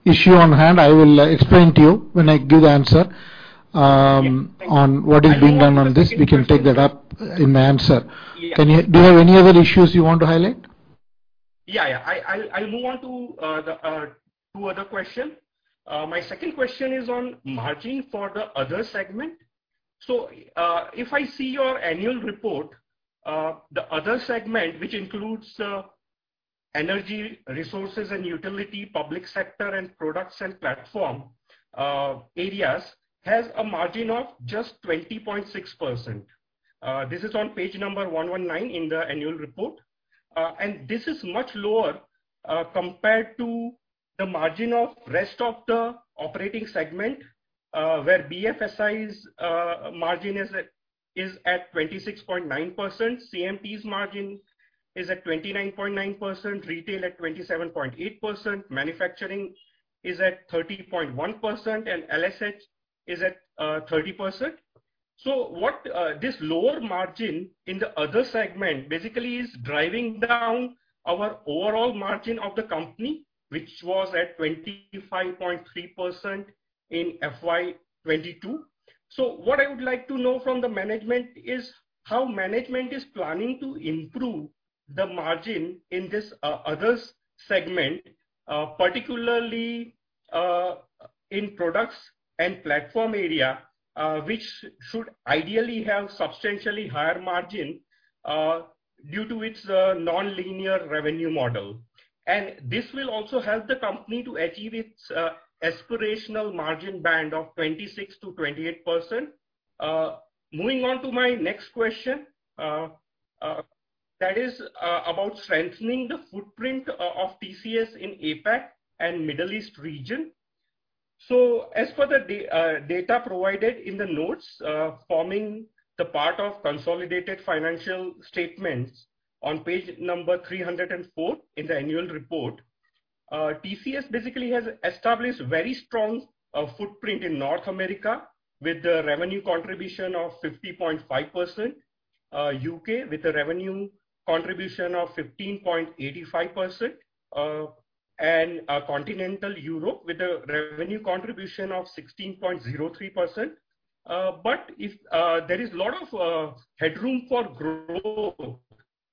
issue on hand. I will explain to you when I give answer. Yes. Thank you. on what is being done on this. I want to ask the second question. We can take that up in my answer. Yeah. Do you have any other issues you want to highlight? I'll move on to the two other questions. My second question is on margin for the other segment. If I see your annual report, the other segment, which includes energy resources and utility, public sector and products and platform areas, has a margin of just 20.6%. This is on page number 119 in the annual report. This is much lower compared to the margin of rest of the operating segment, where BFSI's margin is at 26.9%, CMI's margin is at 29.9%, Retail at 27.8%, Manufacturing is at 13.1%, and LS&H is at 30%. What this lower margin in the other segment basically is driving down our overall margin of the company, which was at 25.3% in FY 2022. What I would like to know from the management is how management is planning to improve the margin in this others segment, particularly in products and platform area, which should ideally have substantially higher margin due to its nonlinear revenue model. This will also help the company to achieve its aspirational margin band of 26%-28%. Moving on to my next question, that is about strengthening the footprint of TCS in APAC and Middle East region. As per the data provided in the notes forming the part of consolidated financial statements on page number 304 in the annual report, TCS basically has established very strong footprint in North America with the revenue contribution of 50.5%, UK with a revenue contribution of 15.85%, and Continental Europe with a revenue contribution of 16.03%. But there is a lot of headroom for growth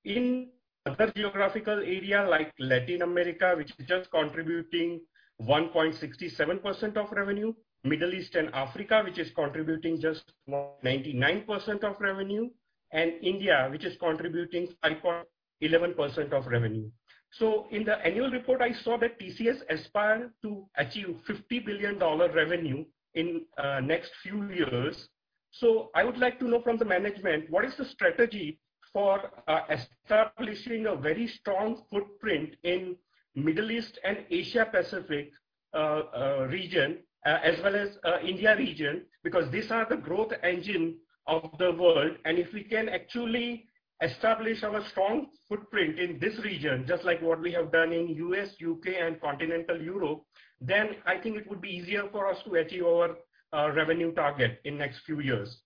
in other geographical area like Latin America, which is just contributing 1.67% of revenue, Middle East and Africa, which is contributing just 9.99% of revenue, and India, which is contributing 5.11% of revenue. In the annual report, I saw that TCS aspire to achieve $50 billion revenue in next few years. I would like to know from the management what is the strategy for establishing a very strong footprint in Middle East and Asia Pacific region as well as India region, because these are the growth engine of the world. If we can actually establish our strong footprint in this region, just like what we have done in US, UK and Continental Europe, then I think it would be easier for us to achieve our revenue target in next few years.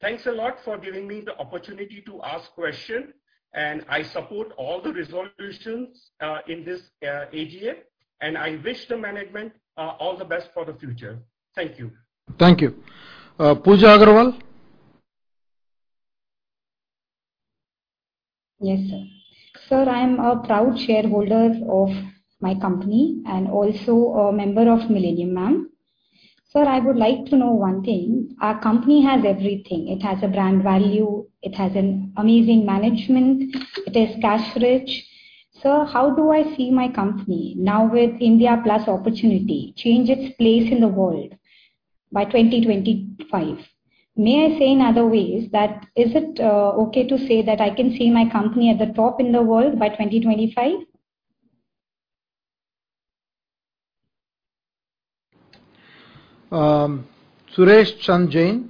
Thanks a lot for giving me the opportunity to ask question, and I support all the resolutions in this AGM, and I wish the management all the best for the future. Thank you. Thank you. Pooja Agarwal. Yes, sir. Sir, I am a proud shareholder of my company and also a member of Millennium Mams. Sir, I would like to know one thing. Our company has everything. It has a brand value. It has an amazing management. It is cash rich. Sir, how do I see my company now with India Plus opportunity change its place in the world by 2025? May I say in other ways that is it okay to say that I can see my company at the top in the world by 2025? Suresh Chand Jain.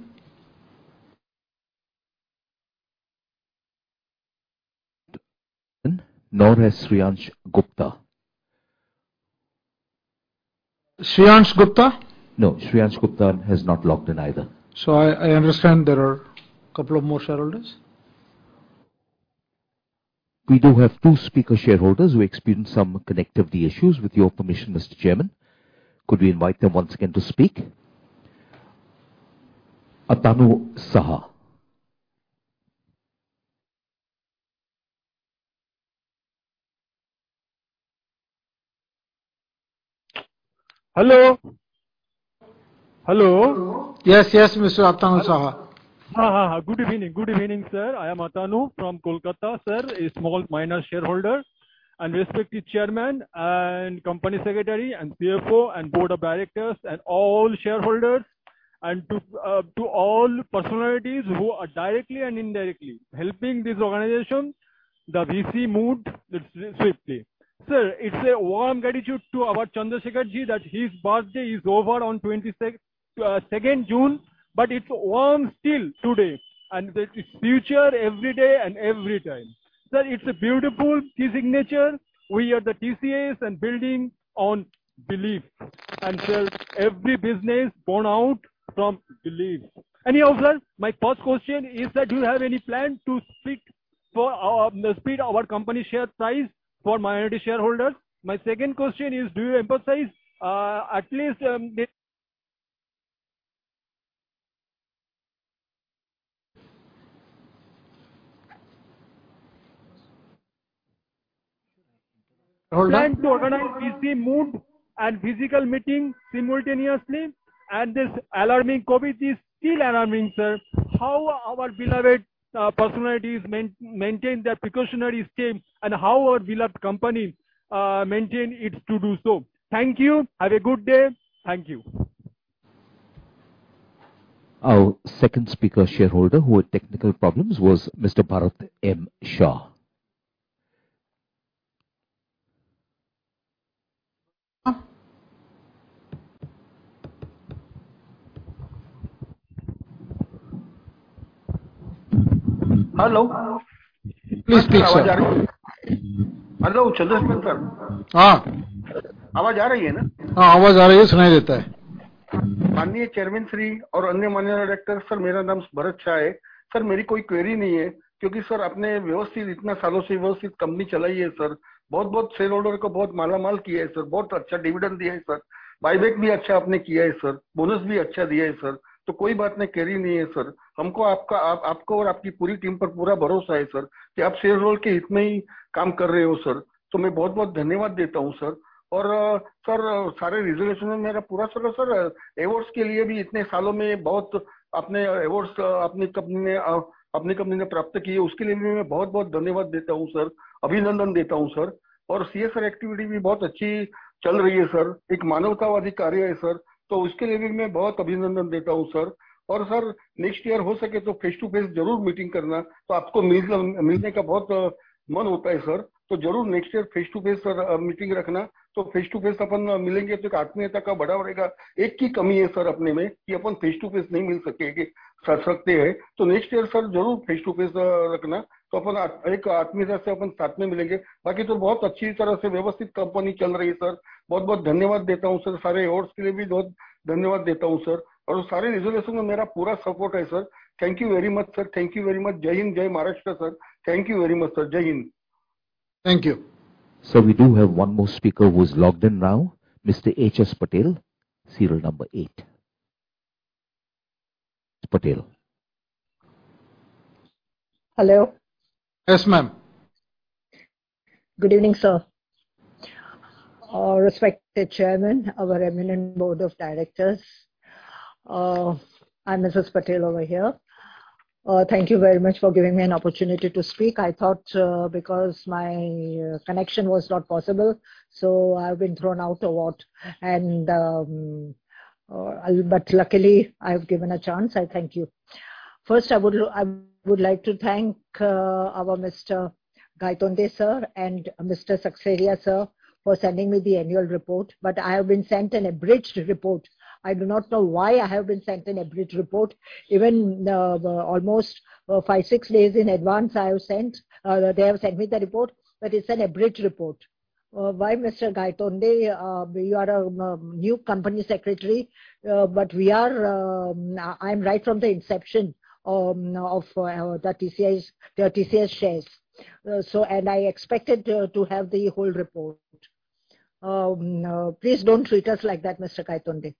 Nor has Shriyansh Gupta. Shriyansh Gupta. No, Shriyansh Gupta has not logged in either. I understand there are couple of more shareholders. We do have two speaker shareholders who experienced some connectivity issues. With your permission, Mr. Chairman, could we invite them once again to speak? Atanu Saha. Hello. Hello. Yes, yes, Mr. Atanu Saha. Ha ha ha. Good evening. Good evening, sir. I am Atanu Saha from Kolkata, sir, a small minor shareholder and respected chairman and company secretary and CFO and board of directors and all shareholders and to all personalities who are directly and indirectly helping this organization, the virtual mode swiftly. Sir, it's a warm gratitude to our N. Chandrasekaran ji that his birthday is over on June 22, but it's warm still today and it's future every day and every time. Sir, it's a beautiful signature. We are the TCS and building on belief. Sir, every business born out from belief. Anyhow, sir, my first question is that do you have any plan to split our company share price for minority shareholders? My second question is do you emphasize at least plan to organize virtual mode and physical meeting simultaneously. This alarming COVID is still alarming, sir. How our beloved personalities maintain their precautionary scheme and how our beloved company maintain its to do so. Thank you. Have a good day. Thank you. Our second speaker shareholder who had technical problems was Mr. Bharat M. Shah. Hello. Please speak, sir. Hello, N. Chandrasekaran sir. Ha. (Fl) (Fl) (Fl). (Fl) (Fl) Thank you. Sir, we do have one more speaker who is logged in now. Mr. H.S. Patel, serial number 8. Patel. Hello. Yes, ma'am. Good evening, sir. Respected Chairman, our eminent Board of Directors. I'm Mrs. Patel over here. Thank you very much for giving me an opportunity to speak. I thought because my connection was not possible, so I've been thrown out a lot. But luckily, I've given a chance. I thank you. First, I would like to thank our Mr. Gaitonde, sir, and Mr. Seksaria, sir, for sending me the annual report. I have been sent an abridged report. I do not know why I have been sent an abridged report. Even almost five, six days in advance, they have sent me the report, but it's an abridged report. Why, Mr. Gaitonde? You are a new company secretary, but I'm right from the inception of the TCS shares. I expected to have the whole report. Please don't treat us like that, Mr. Gaitonde.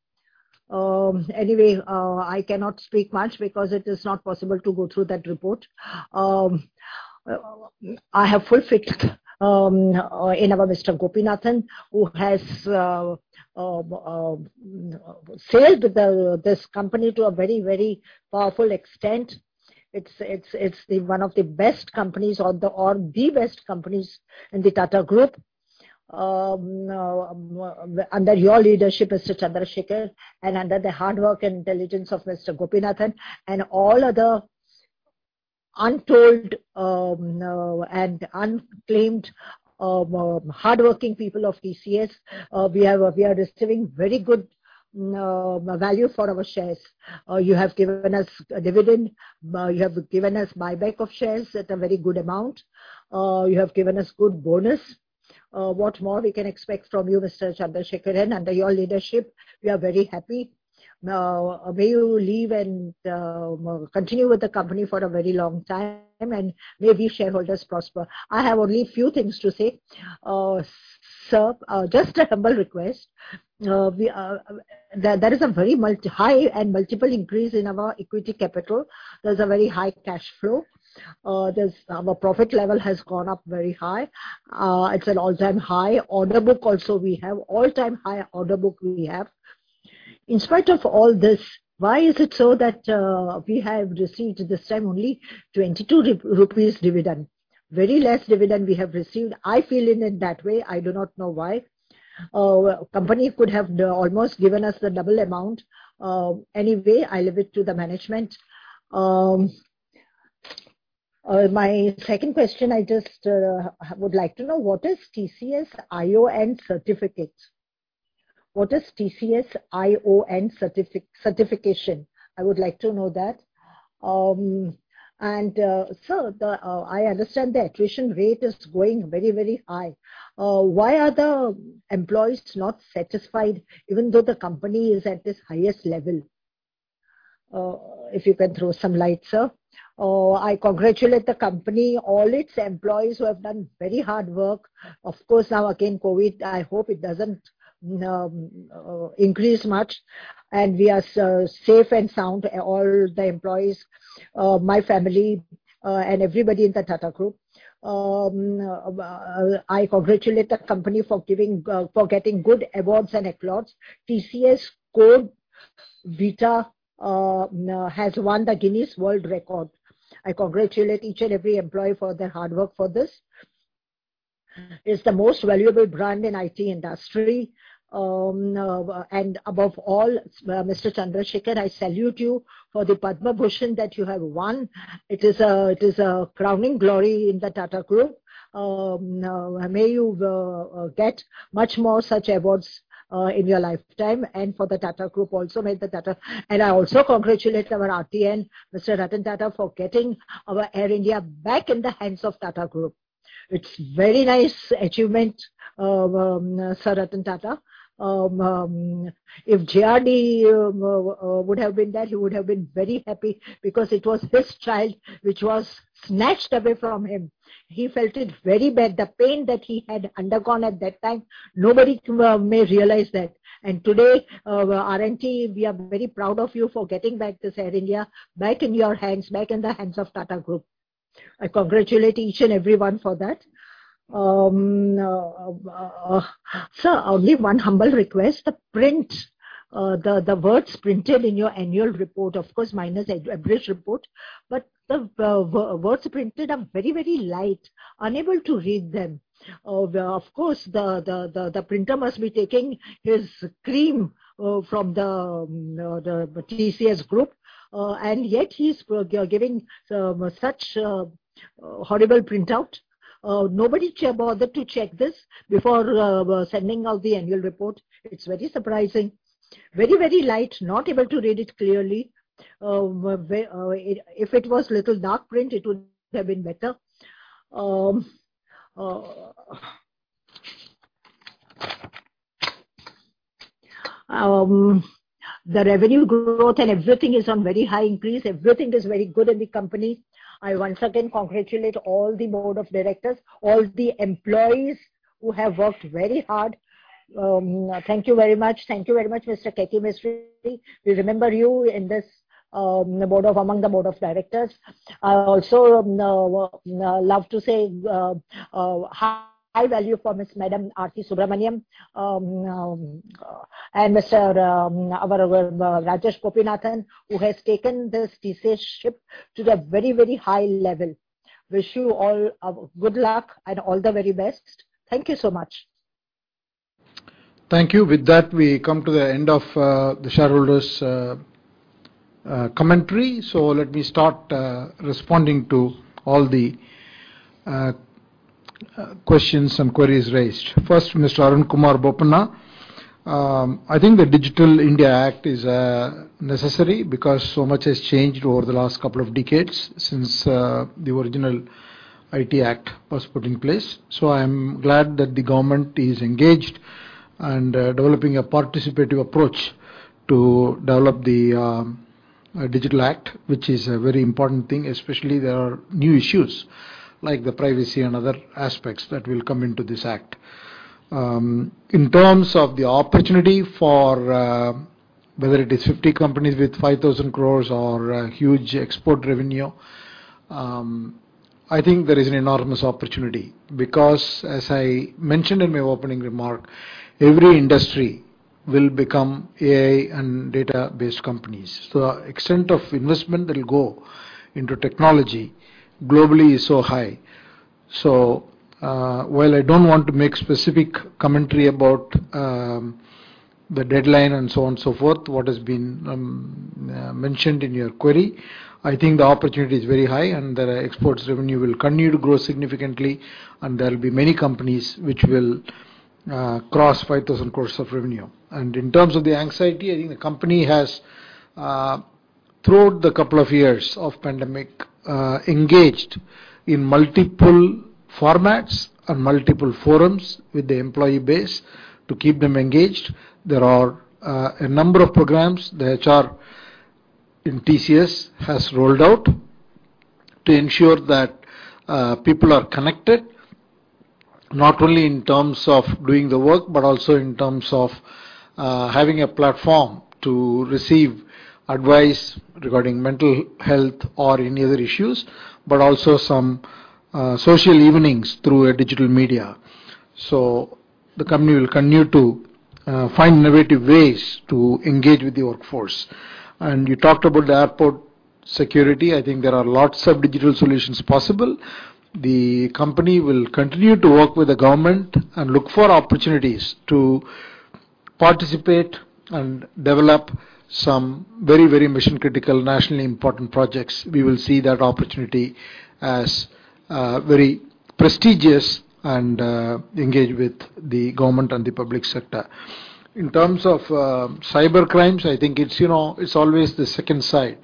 Anyway, I cannot speak much because it is not possible to go through that report. I have full faith in our Mr. Gopinathan, who has sailed this company to a very powerful extent. It's the one of the best companies or the best companies in the Tata Group. Under your leadership, Mr. Chandrasekaran, and under the hard work and diligence of Mr. Gopinathan and all other untold and unclaimed hardworking people of TCS, we are receiving very good value for our shares. You have given us a dividend. You have given us buyback of shares at a very good amount. You have given us good bonus. What more we can expect from you, Mr. Chandrasekaran, under your leadership? We are very happy. May you live and continue with the company for a very long time, and may we shareholders prosper. I have only a few things to say. Sir, just a humble request. There is a very high and multiple increase in our equity capital. There's a very high cash flow. Our profit level has gone up very high. It's an all-time high. Order book also we have, all-time high order book we have. In spite of all this, why is it so that we have received this time only 22 rupees dividend? Very less dividend we have received. I feel in it that way. I do not know why. Company could have almost given us the double amount. Anyway, I leave it to the management. My second question, I just would like to know what is TCS iON certificate? What is TCS iON certification? I would like to know that. Sir, I understand the attrition rate is going very, very high. Why are the employees not satisfied even though the company is at this highest level? If you can throw some light, sir. I congratulate the company, all its employees who have done very hard work. Of course, now again, COVID, I hope it doesn't increase much. We are safe and sound, all the employees, my family, and everybody in the Tata Group. I congratulate the company for getting good awards and applause. TCS CodeVita has won the Guinness World Record. I congratulate each and every employee for their hard work for this. It's the most valuable brand in IT industry. Above all, Mr. N. Chandrasekaran, I salute you for the Padma Bhushan that you have won. It is a crowning glory in the Tata Group. May you get much more such awards in your lifetime. For the Tata Group also, may the Tata Group. I also congratulate our RNT, Mr. Ratan Tata, for getting our Air India back in the hands of Tata Group. It's very nice achievement, Sir Ratan Tata. If J.R.D. Tata would have been there, he would have been very happy because it was his child which was snatched away from him. He felt it very bad. The pain that he had undergone at that time, nobody may realize that. Today, RNT, we are very proud of you for getting back this Air India back in your hands, back in the hands of Tata Group. I congratulate each and everyone for that. Sir, only one humble request. The print, the words printed in your annual report, of course minus the annual report, but the words printed are very, very light. Unable to read them. Of course, the printer must be taking his cream from the TCS group, and yet he's giving such horrible printout. Nobody bothered to check this before sending out the annual report. It's very surprising. Very, very light. Not able to read it clearly. If it was little dark print, it would have been better. The revenue growth and everything is on very high increase. Everything is very good in the company. I once again congratulate all the board of directors, all the employees who have worked very hard. Thank you very much. Thank you very much, Mr. Keki M. Mistry. We remember you in this among the board of directors. I also love to say high value for Miss Madam Aarthi Subramaniam and our Mr. Rajesh Gopinathan, who has taken this TCS ship to the very, very high level. Wish you all good luck and all the very best. Thank you so much. Thank you. With that, we come to the end of the shareholders' commentary. Let me start responding to all the questions and queries raised. First, Mr. Arunkumar Boppana. I think the Digital India Act is necessary because so much has changed over the last couple of decades since the original IT Act was put in place. I'm glad that the government is engaged and developing a participative approach to develop the Digital Act, which is a very important thing, especially there are new issues like the privacy and other aspects that will come into this act. In terms of the opportunity for whether it is 50 companies with 5,000 crore or a huge export revenue, I think there is an enormous opportunity because as I mentioned in my opening remark, every industry will become AI and data-based companies. The extent of investment that will go into technology globally is so high. While I don't want to make specific commentary about the deadline and so on and so forth, what has been mentioned in your query, I think the opportunity is very high and the exports revenue will continue to grow significantly and there will be many companies which will cross 5,000 crore of revenue. In terms of the anxiety, I think the company has throughout the couple of years of pandemic engaged in multiple formats and multiple forums with the employee base to keep them engaged. There are a number of programs the HR in TCS has rolled out to ensure that people are connected, not only in terms of doing the work, but also in terms of having a platform to receive advice regarding mental health or any other issues, but also some social evenings through a digital media. The company will continue to find innovative ways to engage with the workforce. You talked about the airport security. I think there are lots of digital solutions possible. The company will continue to work with the government and look for opportunities to participate and develop some very, very mission-critical, nationally important projects. We will see that opportunity as very prestigious and engage with the government and the public sector. In terms of cybercrimes, I think it's, you know, it's always the second side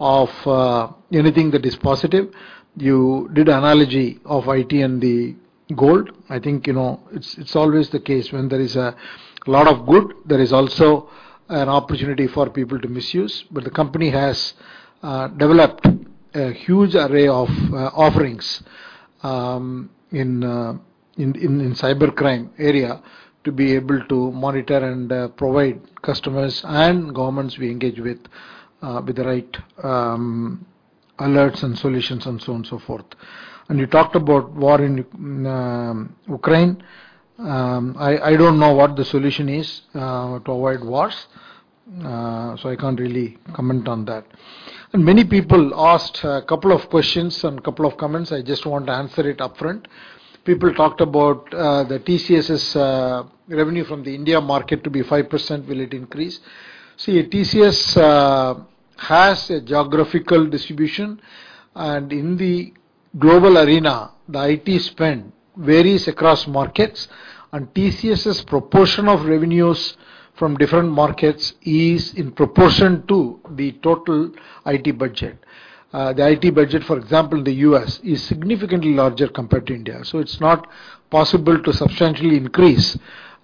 of anything that is positive. You did analogy of IT and the gold. I think, you know, it's always the case when there is a lot of good, there is also an opportunity for people to misuse. But the company has developed a huge array of offerings in cybercrime area to be able to monitor and provide customers and governments we engage with with the right alerts and solutions and so on and so forth. You talked about war in Ukraine. I don't know what the solution is to avoid wars, so I can't really comment on that. Many people asked a couple of questions and couple of comments. I just want to answer it upfront. People talked about the TCS's revenue from the India market to be 5%, will it increase? See, TCS has a geographical distribution, and in the global arena, the IT spend varies across markets. TCS's proportion of revenues from different markets is in proportion to the total IT budget. The IT budget, for example, in the U.S., is significantly larger compared to India. It's not possible to substantially increase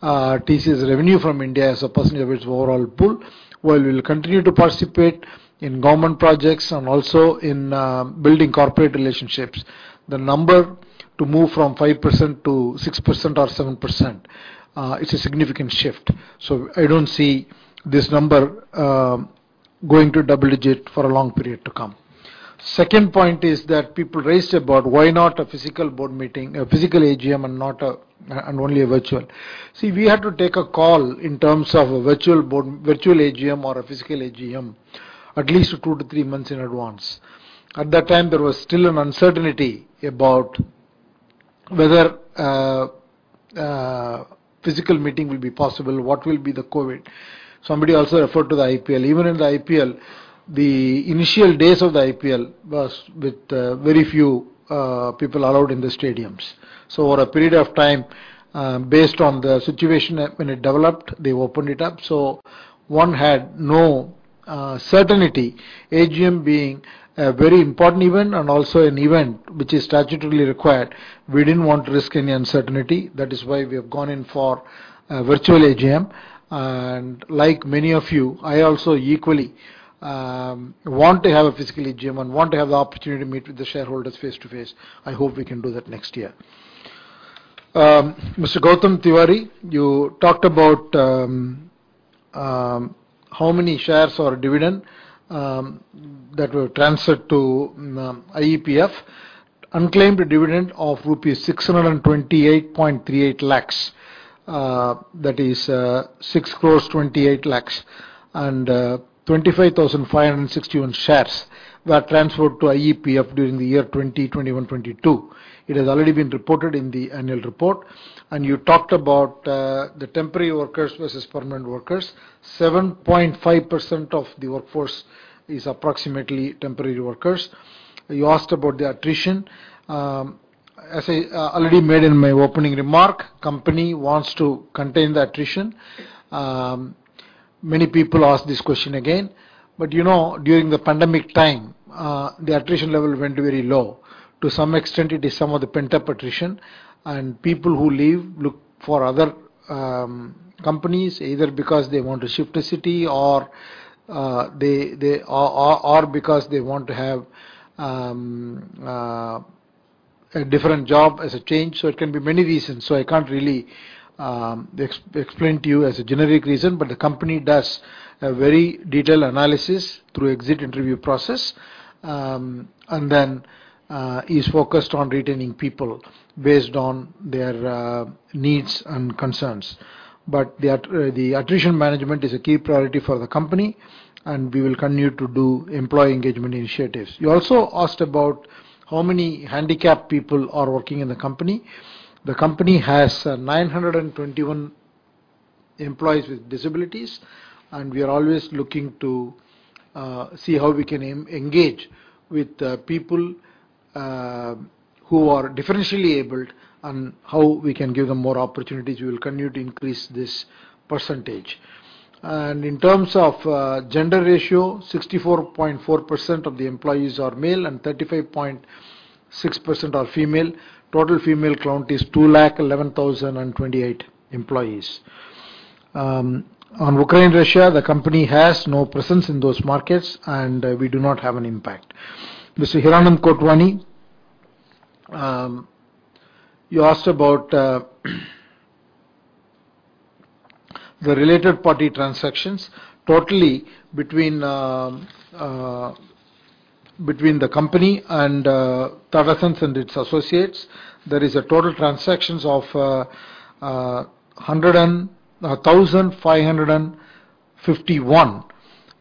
TCS revenue from India as a percentage of its overall pool. While we'll continue to participate in government projects and also in building corporate relationships, the number to move from 5% to 6% or 7%, it's a significant shift. I don't see this number going to double digit for a long period to come. Second point is that people raised about why not a physical board meeting, a physical AGM and not only a virtual. See, we had to take a call in terms of a virtual board, virtual AGM or a physical AGM at least 2-3 months in advance. At that time, there was still an uncertainty about whether physical meeting will be possible, what will be the COVID. Somebody also referred to the IPL. Even in the IPL, the initial days of the IPL was with very few people allowed in the stadiums. Over a period of time, based on the situation when it developed, they opened it up. One had no certainty. AGM being a very important event and also an event which is statutorily required, we didn't want to risk any uncertainty. That is why we have gone in for a virtual AGM. Like many of you, I also equally want to have a physical AGM and want to have the opportunity to meet with the shareholders face to face. I hope we can do that next year. Mr. Gautam Tiwari, you talked about how many shares or dividend that were transferred to IEPF. Unclaimed dividend of rupees 628.38 lakhs, that is, 6 crores 28 lakhs and 25,561 shares were transferred to IEPF during the year 2021-22. It has already been reported in the annual report. You talked about the temporary workers versus permanent workers. 7.5% of the workforce is approximately temporary workers. You asked about the attrition. As I already made in my opening remark, company wants to contain the attrition. Many people ask this question again, but you know during the pandemic time, the attrition level went very low. To some extent, it is some of the pent-up attrition and people who leave look for other companies, either because they want to shift a city or because they want to have a different job as a change. So it can be many reasons. So I can't really explain to you as a generic reason. But the company does a very detailed analysis through exit interview process and then is focused on retaining people based on their needs and concerns. Attrition management is a key priority for the company, and we will continue to do employee engagement initiatives. You also asked about how many handicapped people are working in the company. The company has 921 employees with disabilities, and we are always looking to see how we can engage with people who are differentially abled and how we can give them more opportunities. We will continue to increase this percentage. In terms of gender ratio, 64.4% of the employees are male and 35.6% are female. Total female count is 211,028 employees. On Ukraine, Russia, the company has no presence in those markets, and we do not have an impact. Mr. Hiranand Kotwani, you asked about the related party transactions. Total between the company and Tata Sons and its associates, there is a total transactions of 1,551.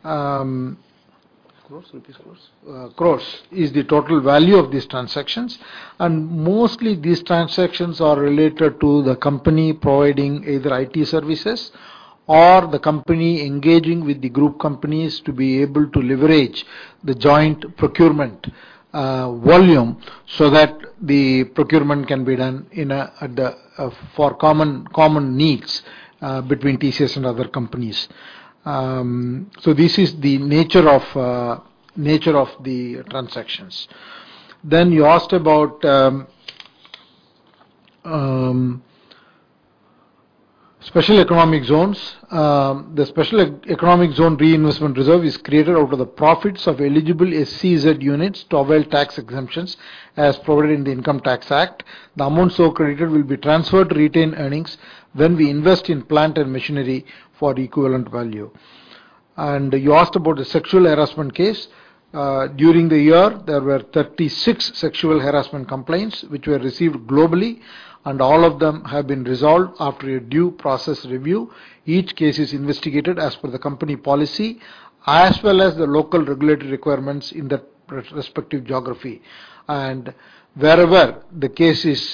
crores. crores is the total value of these transactions. Mostly these transactions are related to the company providing either IT services or the company engaging with the group companies to be able to leverage the joint procurement volume so that the procurement can be done for common needs between TCS and other companies. This is the nature of the transactions. You asked about special economic zones. The special economic zone reinvestment reserve is created out of the profits of eligible SEZ units to avail tax exemptions as provided in the Income Tax Act. The amount so credited will be transferred to retained earnings when we invest in plant and machinery for equivalent value. You asked about the sexual harassment case. During the year, there were 36 sexual harassment complaints which were received globally, and all of them have been resolved after a due process review. Each case is investigated as per the company policy as well as the local regulatory requirements in that respective geography. Wherever the case is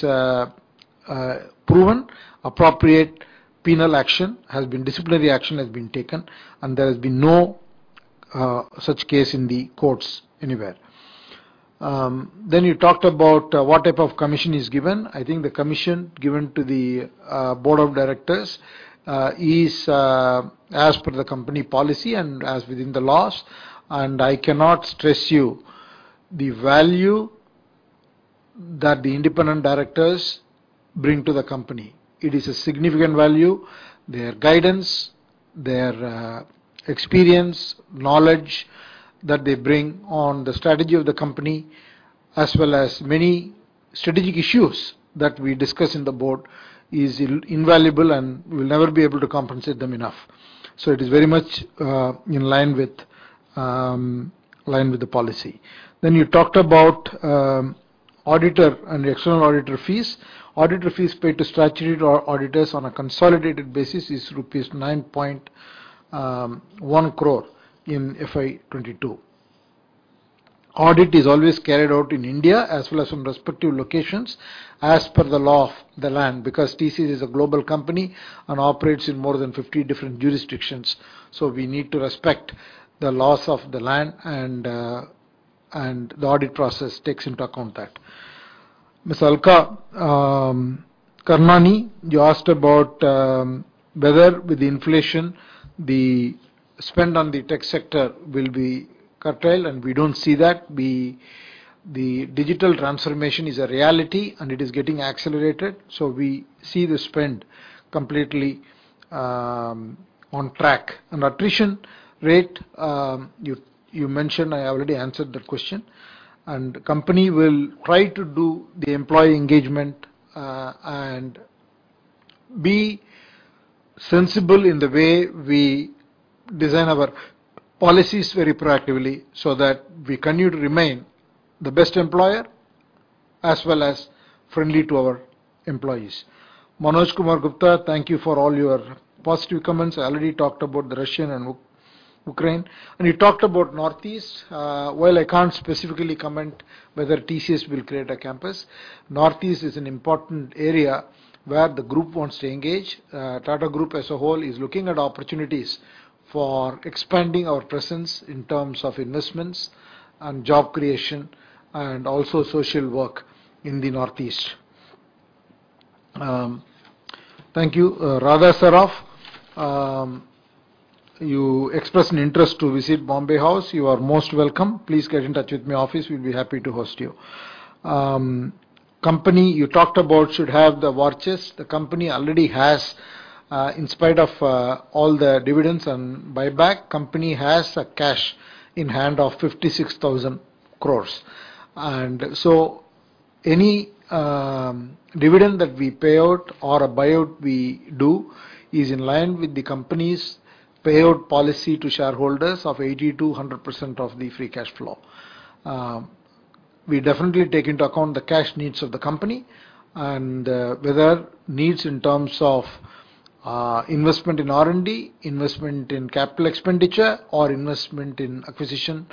proven, disciplinary action has been taken, and there has been no such case in the courts anywhere. You talked about what type of commission is given. I think the commission given to the board of directors is as per the company policy and as within the laws. I cannot stress you the value that the independent directors bring to the company. It is a significant value. Their guidance, their experience, knowledge that they bring on the strategy of the company, as well as many strategic issues that we discuss in the board is invaluable, and we'll never be able to compensate them enough. It is very much in line with the policy. You talked about auditor and the external auditor fees. Auditor fees paid to statutory auditors on a consolidated basis is rupees 9.1 crore in FY 2022. Audit is always carried out in India as well as in respective locations as per the law of the land, because TCS is a global company and operates in more than 50 different jurisdictions. We need to respect the laws of the land and the audit process takes into account that. Miss Alka Karnani, you asked about whether with the inflation, the spend on the tech sector will be curtailed, and we don't see that. The digital transformation is a reality, and it is getting accelerated. We see the spend completely on track. Attrition rate you mentioned, I already answered that question. Company will try to do the employee engagement and be sensible in the way we design our policies very proactively, so that we continue to remain the best employer as well as friendly to our employees. Manoj Kumar Gupta, thank you for all your positive comments. I already talked about the Russia and Ukraine. You talked about Northeast. While I can't specifically comment whether TCS will create a campus, Northeast is an important area where the group wants to engage. Tata Group as a whole is looking at opportunities for expanding our presence in terms of investments and job creation and also social work in the Northeast. Thank you, Radha Saraf. You expressed an interest to visit Bombay House. You are most welcome. Please get in touch with my office. We'll be happy to host you. Company you talked about should have the watches. The company already has, in spite of all the dividends and buyback, a cash in hand of 56,000 crore. Any dividend that we pay out or a buyback we do is in line with the company's payout policy to shareholders of 80%-100% of the free cash flow. We definitely take into account the cash needs of the company and whether needs in terms of investment in R&D, investment in capital expenditure or investment in acquisition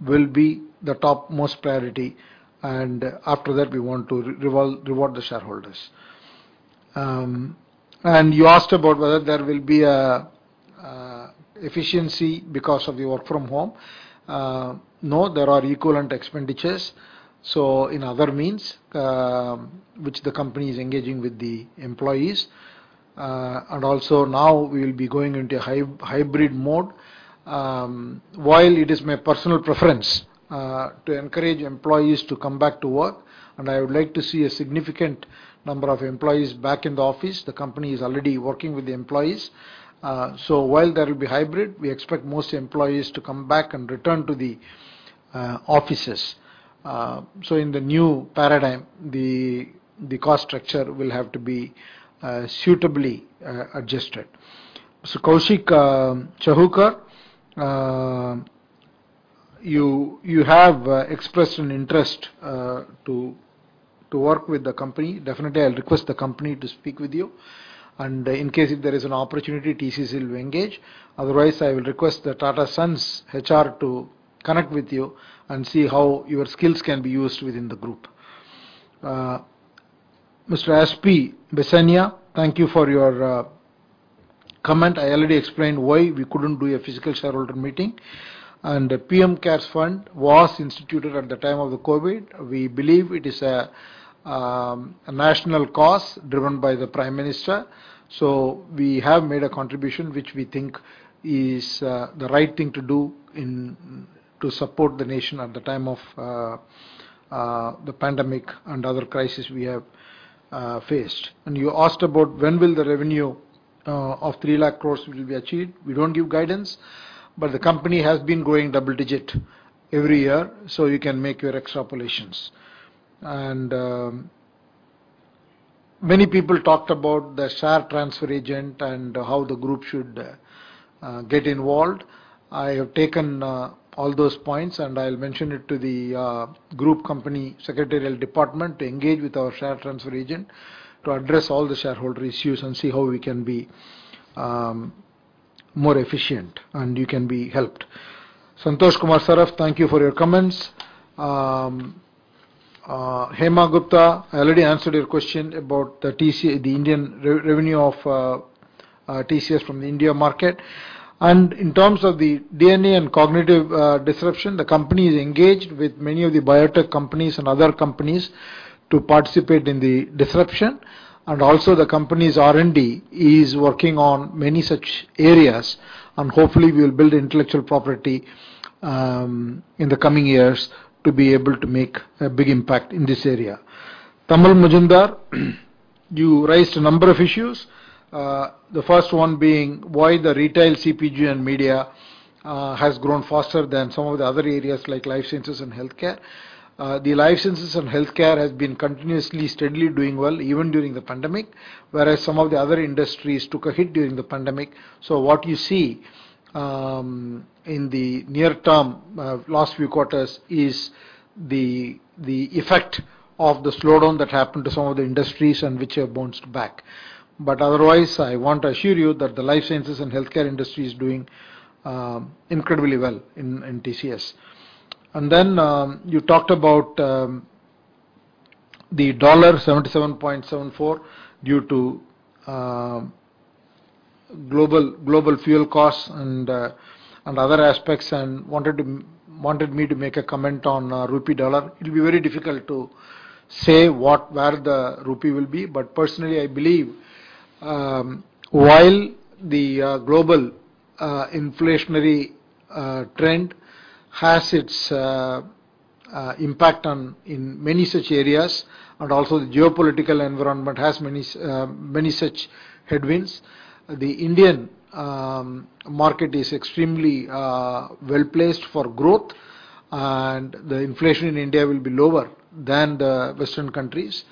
will be the topmost priority. After that, we want to reward the shareholders. You asked about whether there will be a efficiency because of the work from home. No, there are equivalent expenditures. In other means, which the company is engaging with the employees. Also now we'll be going into a hybrid mode. While it is my personal preference to encourage employees to come back to work, and I would like to see a significant number of employees back in the office, the company is already working with the employees. While there will be hybrid, we expect most employees to come back and return to the offices. In the new paradigm, the cost structure will have to be suitably adjusted. Kaushik Chahukar, you have expressed an interest to work with the company. Definitely, I'll request the company to speak with you. In case if there is an opportunity, TCS will engage. Otherwise, I will request the Tata Sons HR to connect with you and see how your skills can be used within the group. Mr. S.P. Vasani, thank you for your comment. I already explained why we couldn't do a physical shareholder meeting. The PM CARES Fund was instituted at the time of the COVID. We believe it is a national cause driven by the Prime Minister. We have made a contribution which we think is the right thing to do to support the nation at the time of the pandemic and other crisis we have faced. You asked about when the revenue of 3 lakh crore will be achieved. We don't give guidance, but the company has been growing double-digit every year, so you can make your extrapolations. Many people talked about the share transfer agent and how the group should get involved. I have taken all those points, and I'll mention it to the group company secretarial department to engage with our share transfer agent to address all the shareholder issues and see how we can be more efficient and you can be helped. Santosh Kumar Saraf, thank you for your comments. Hema Gupta, I already answered your question about the Indian revenue of TCS from the India market. In terms of the DNA and cognitive disruption, the company is engaged with many of the biotech companies and other companies to participate in the disruption. Also the company's R&D is working on many such areas, and hopefully we will build intellectual property in the coming years to be able to make a big impact in this area. Tamal Majumdar, you raised a number of issues. The first one being why the retail CPG and media has grown faster than some of the other areas like life sciences and healthcare. The life sciences and healthcare has been continuously steadily doing well even during the pandemic, whereas some of the other industries took a hit during the pandemic. What you see in the near term, last few quarters, is the effect of the slowdown that happened to some of the industries and which have bounced back. Otherwise, I want to assure you that the life sciences and healthcare industry is doing incredibly well in TCS. You talked about the $77.74 due to global fuel costs and other aspects, and wanted me to make a comment on rupee dollar. It will be very difficult to say where the rupee will be. Personally, I believe, while the global inflationary trend has its impact on in many such areas, and also the geopolitical environment has many such headwinds, the Indian market is extremely well-placed for growth, and the inflation in India will be lower than the Western countries.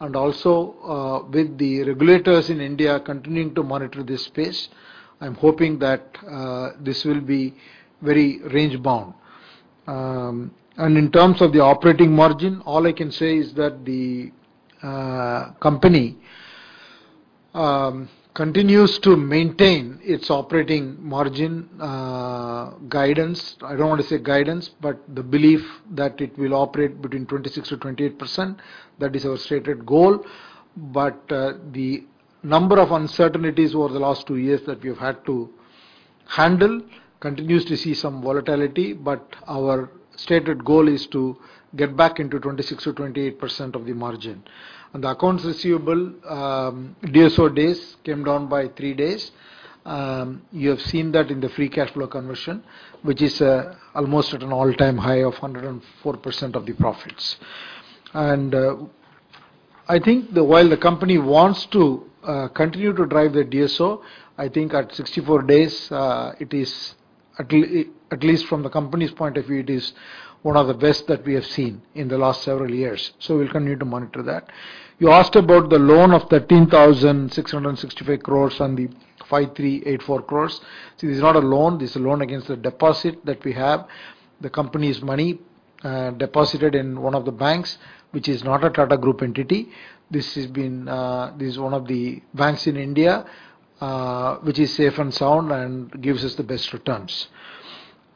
Also, with the regulators in India continuing to monitor this space, I'm hoping that this will be very range-bound. In terms of the operating margin, all I can say is that the company continues to maintain its operating margin guidance. I don't wanna say guidance, but the belief that it will operate between 26%-28%, that is our stated goal. The number of uncertainties over the last two years that we have had to handle continues to see some volatility, but our stated goal is to get back into 26%-28% of the margin. The accounts receivable, DSO days came down by three days. You have seen that in the free cash flow conversion, which is almost at an all-time high of 104% of the profits. I think while the company wants to continue to drive the DSO, I think at 64 days, it is at least from the company's point of view, it is one of the best that we have seen in the last several years. We'll continue to monitor that. You asked about the loan of 13,665 crores and the 5,384 crores. See, this is not a loan, this is a loan against the deposit that we have. The company's money deposited in one of the banks, which is not a Tata Group entity. This has been. This is one of the banks in India, which is safe and sound and gives us the best returns.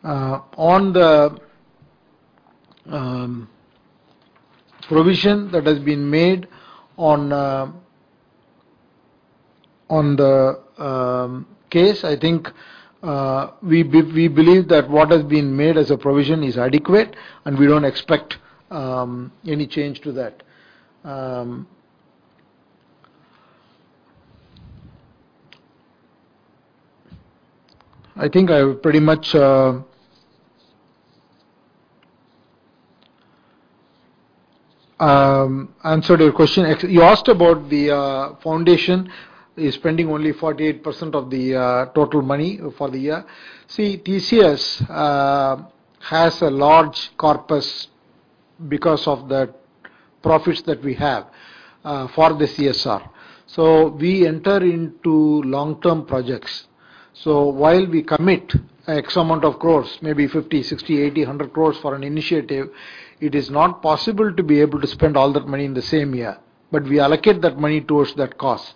On the provision that has been made on the case, I think we believe that what has been made as a provision is adequate, and we don't expect any change to that. I think I've pretty much answered your question. Actually, you asked about the foundation is spending only 48% of the total money for the year. See, TCS has a large corpus because of the profits that we have for the CSR. We enter into long-term projects. While we commit X amount of crores, maybe 50, 60, 80, 100 crores for an initiative, it is not possible to be able to spend all that money in the same year. We allocate that money towards that cause.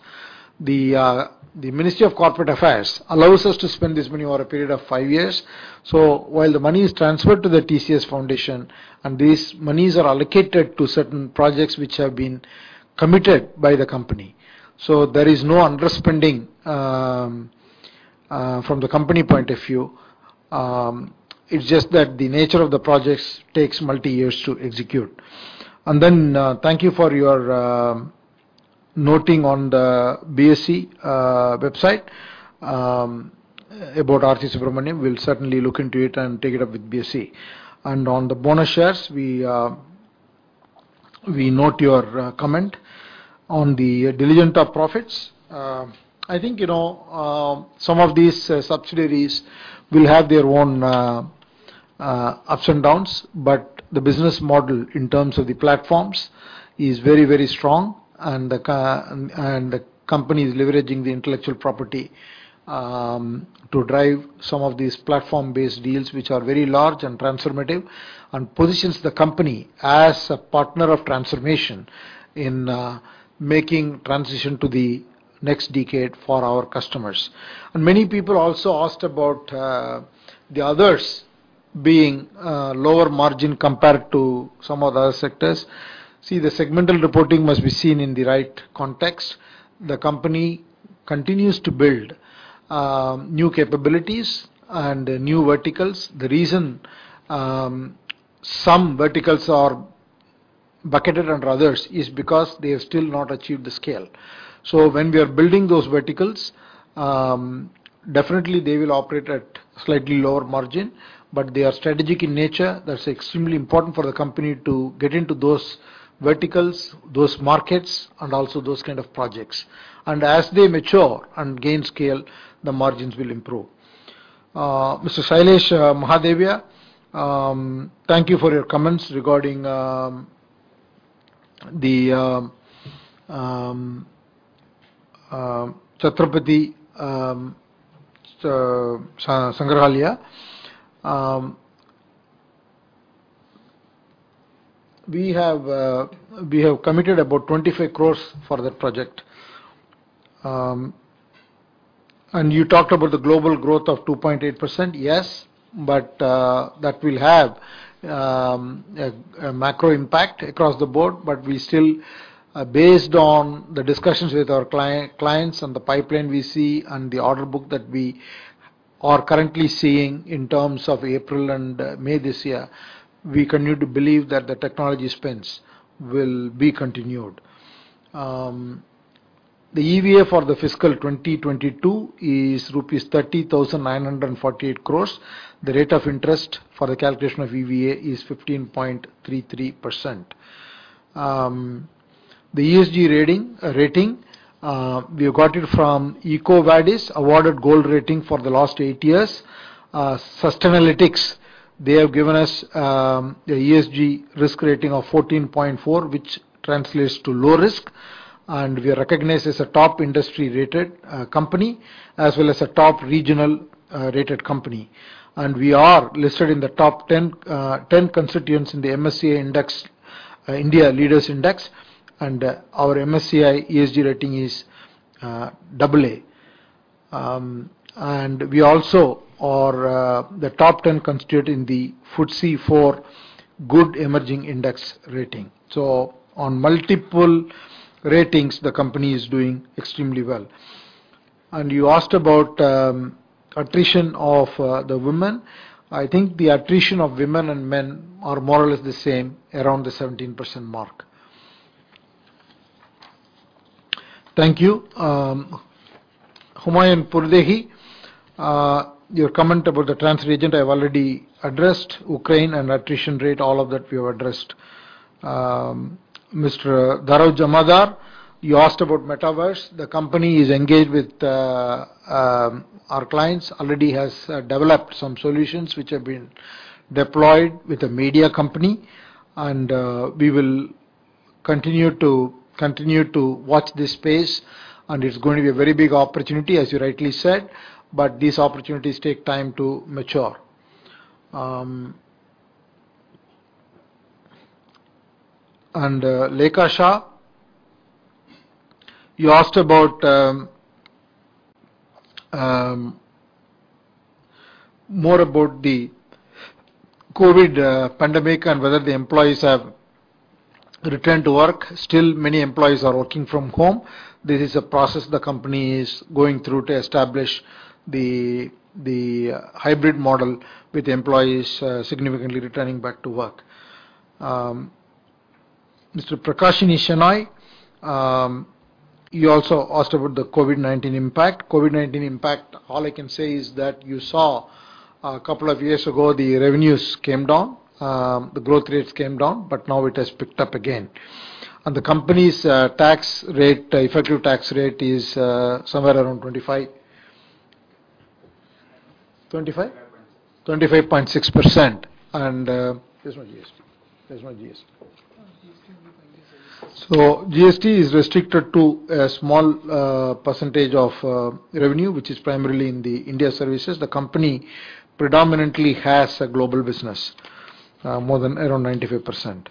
The Ministry of Corporate Affairs allows us to spend this money over a period of five years. While the money is transferred to the TCS Foundation, and these monies are allocated to certain projects which have been committed by the company. There is no underspending from the company point of view. It's just that the nature of the projects takes multi years to execute. Thank you for your noting on the BSE website about R.C. Subramaniam. We'll certainly look into it and take it up with BSE. On the bonus shares, we note your comment. On the Diligenta profits, I think, you know, some of these subsidiaries will have their own ups and downs, but the business model in terms of the platforms is very, very strong and the company is leveraging the intellectual property to drive some of these platform-based deals which are very large and transformative, and positions the company as a partner of transformation in making transition to the next decade for our customers. Many people also asked about the others being lower margin compared to some of the other sectors. See, the segmental reporting must be seen in the right context. The company continues to build new capabilities and new verticals. The reason some verticals are bucketed under others is because they have still not achieved the scale. When we are building those verticals, definitely they will operate at slightly lower margin, but they are strategic in nature. That's extremely important for the company to get into those verticals, those markets, and also those kind of projects. As they mature and gain scale, the margins will improve. Mr. Sailesh Mahadevia, thank you for your comments regarding the Chhatrapati Sangrahalaya. We have committed about 25 crore for that project. You talked about the global growth of 2.8%. Yes, that will have a macro impact across the board, but we still, based on the discussions with our clients and the pipeline we see and the order book that we are currently seeing in terms of April and May this year, we continue to believe that the technology spends will be continued. The EVA for the fiscal 2022 is rupees 30,948 crore. The rate of interest for the calculation of EVA is 15.33%. The ESG rating we have got from EcoVadis, awarded gold rating for the last eight years. Sustainalytics, they have given us an ESG risk rating of 14.4, which translates to low risk. We are recognized as a top industry-rated company, as well as a top regional rated company. We are listed in the top 10 constituents in the MSCI Index, India Leaders Index, and our MSCI ESG rating is AA. We also are the top 10 constituent in the FTSE4Good Emerging Index rating. On multiple ratings, the company is doing extremely well. You asked about attrition of the women. I think the attrition of women and men are more or less the same, around the 17% mark. Thank you. Humayun Purdehi, your comment about the trans region, I've already addressed. Ukraine and attrition rate, all of that we have addressed. Mr. Dharav Jamadar, you asked about Metaverse. The company is engaged with our clients, already has developed some solutions which have been deployed with a media company, and we will continue to watch this space, and it's going to be a very big opportunity, as you rightly said, but these opportunities take time to mature. Lekha Shah, you asked about more about the COVID pandemic and whether the employees have returned to work. Still many employees are working from home. This is a process the company is going through to establish the hybrid model with employees significantly returning back to work. Mr. Prakashini Shenoy, you also asked about the COVID-19 impact. COVID-19 impact, all I can say is that you saw a couple of years ago, the revenues came down, the growth rates came down, but now it has picked up again. The company's tax rate, effective tax rate is somewhere around 25%. 25.6. 25.6%. There's no GST. GST will be. GST is restricted to a small percentage of revenue, which is primarily in the India services. The company predominantly has a global business, more than around 95%.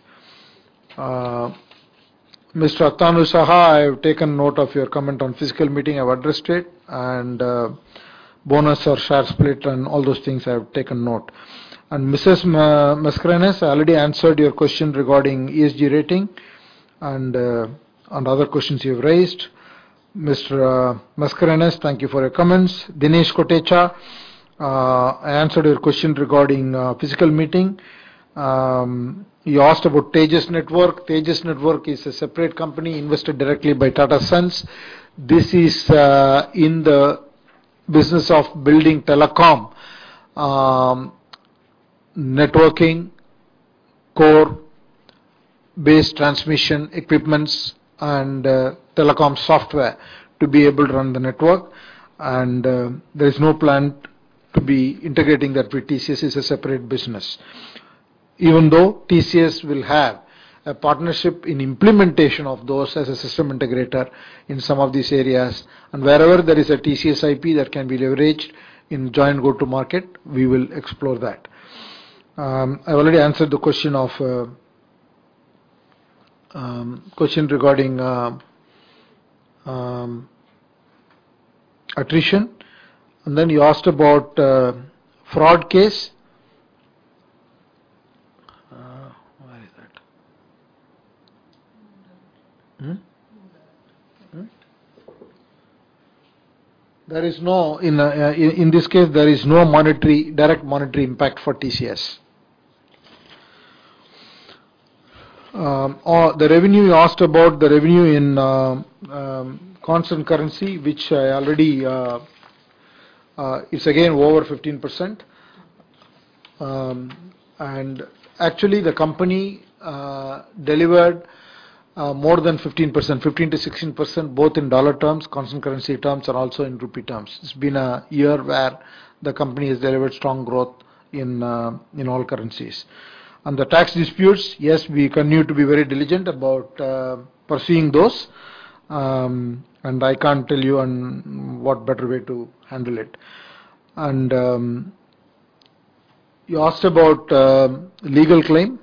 Mr. Atanu Saha, I have taken note of your comment on physical meeting. I've addressed it. Bonus or share split and all those things, I have taken note. Mrs. Mascarenhas, I already answered your question regarding ESG rating and other questions you've raised. Mr. Mascarenhas, thank you for your comments. Dinesh Kotecha, I answered your question regarding physical meeting. You asked about Tejas Networks. Tejas Networks is a separate company invested directly by Tata Sons. This is in the business of building telecom networking, core base transmission equipments and telecom software to be able to run the network. There is no plan to be integrating that with TCS. It's a separate business. Even though TCS will have a partnership in implementation of those as a system integrator in some of these areas, and wherever there is a TCS IP that can be leveraged in joint go-to-market, we will explore that. I already answered the question regarding attrition. You asked about fraud case. Where is that? There is no direct monetary impact for TCS. You asked about the revenue in constant currency, which I already answered. It's again over 15%. Actually, the company delivered more than 15%. 15%-16% both in dollar terms, constant currency terms, and also in rupee terms. It's been a year where the company has delivered strong growth in all currencies. On the tax disputes, yes, we continue to be very diligent about pursuing those. I can't tell you on what better way to handle it. You asked about legal claim.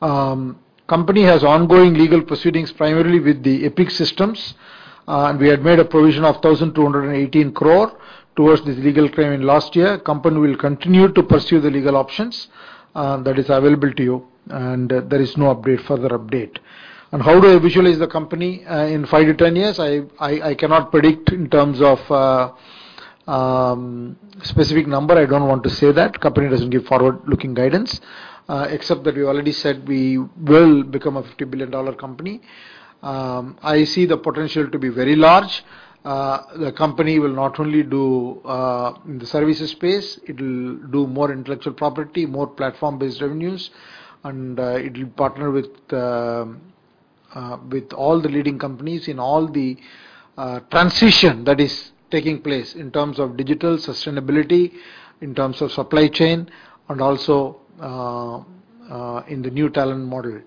Company has ongoing legal proceedings, primarily with the Epic Systems. We had made a provision of 1,218 crore towards this legal claim in last year. Company will continue to pursue the legal options that is available to you. There is no update, further update. On how do I visualize the company in 5-10 years, I cannot predict in terms of specific number. I don't want to say that. The company doesn't give forward-looking guidance, except that we already said we will become a $50 billion company. I see the potential to be very large. The company will not only do in the services space, it will do more intellectual property, more platform-based revenues, and it will partner with all the leading companies in all the transition that is taking place in terms of digital sustainability, in terms of supply chain, and also in the new talent model.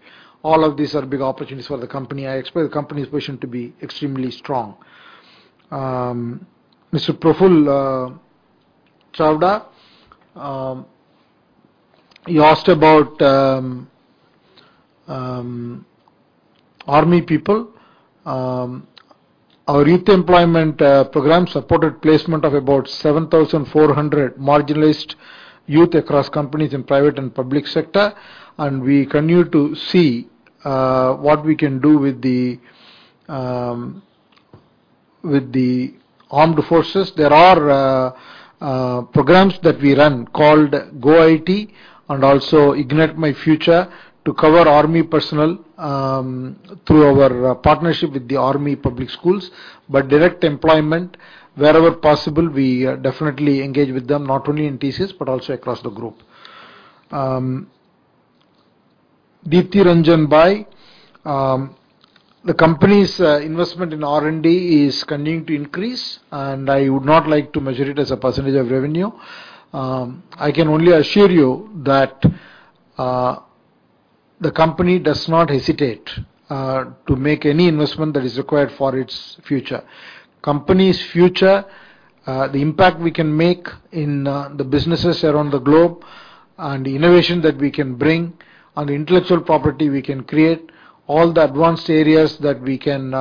All of these are big opportunities for the company. I expect the company's position to be extremely strong. Mr. Praful Chavda, you asked about employees. Our youth employment program supported placement of about 7,400 marginalized youth across companies in private and public sector. We continue to see what we can do with the armed forces. There are programs that we run called goIT and also Ignite My Future to cover army personnel through our partnership with the army public schools. Direct employment, wherever possible, we definitely engage with them, not only in TCS, but also across the group. Deepti Ranjan, the company's investment in R&D is continuing to increase, and I would not like to measure it as a percentage of revenue. I can only assure you that the company does not hesitate to make any investment that is required for its future. Company's future, the impact we can make in the businesses around the globe, and the innovation that we can bring, and the intellectual property we can create, all the advanced areas that we can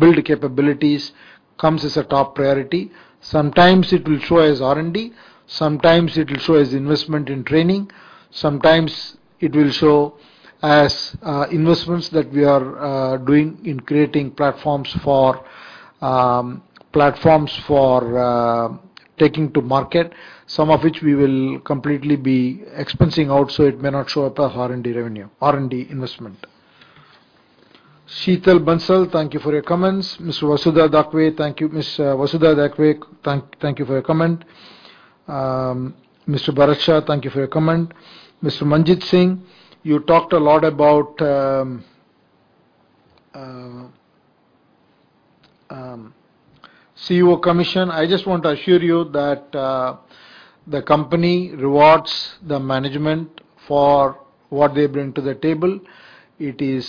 build capabilities, comes as a top priority. Sometimes it will show as R&D, sometimes it will show as investment in training, sometimes it will show as investments that we are doing in creating platforms for taking to market, some of which we will completely be expensing out, so it may not show up as R&D investment. Sheetal Shankar Bansal, thank you for your comments. Mr. Vasudha Dhakde, thank you. Ms. Vasudha Dhakde, thank you for your comment. Mr. Bharat M. Shah, thank you for your comment. Mr. Manjit Singh, you talked a lot about CEO commission. I just want to assure you that, the company rewards the management for what they bring to the table. It is,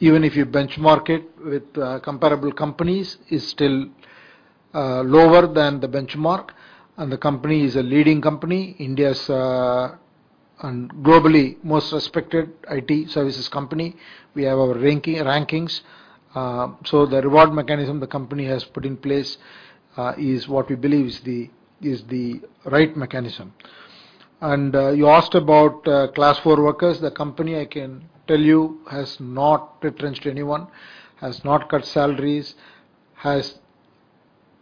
even if you benchmark it with, comparable companies, is still, lower than the benchmark. The company is a leading company. India's, and globally most respected IT services company. We have our rankings. The reward mechanism the company has put in place, is what we believe is the right mechanism. You asked about, class four workers. The company, I can tell you, has not retrenched anyone, has not cut salaries, has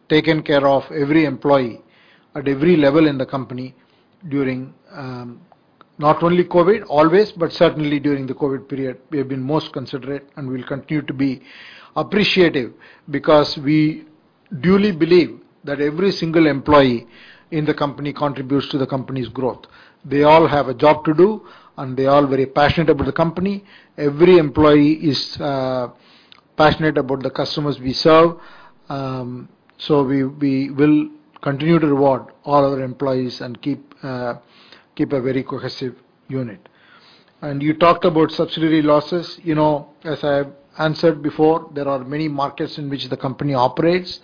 taken care of every employee at every level in the company during, not only COVID, always, but certainly during the COVID period. We have been most considerate and will continue to be appreciative because we duly believe that every single employee in the company contributes to the company's growth. They all have a job to do, and they're all very passionate about the company. Every employee is passionate about the customers we serve. So we will continue to reward all our employees and keep a very cohesive unit. You talked about subsidiary losses. You know, as I've answered before, there are many markets in which the company operates.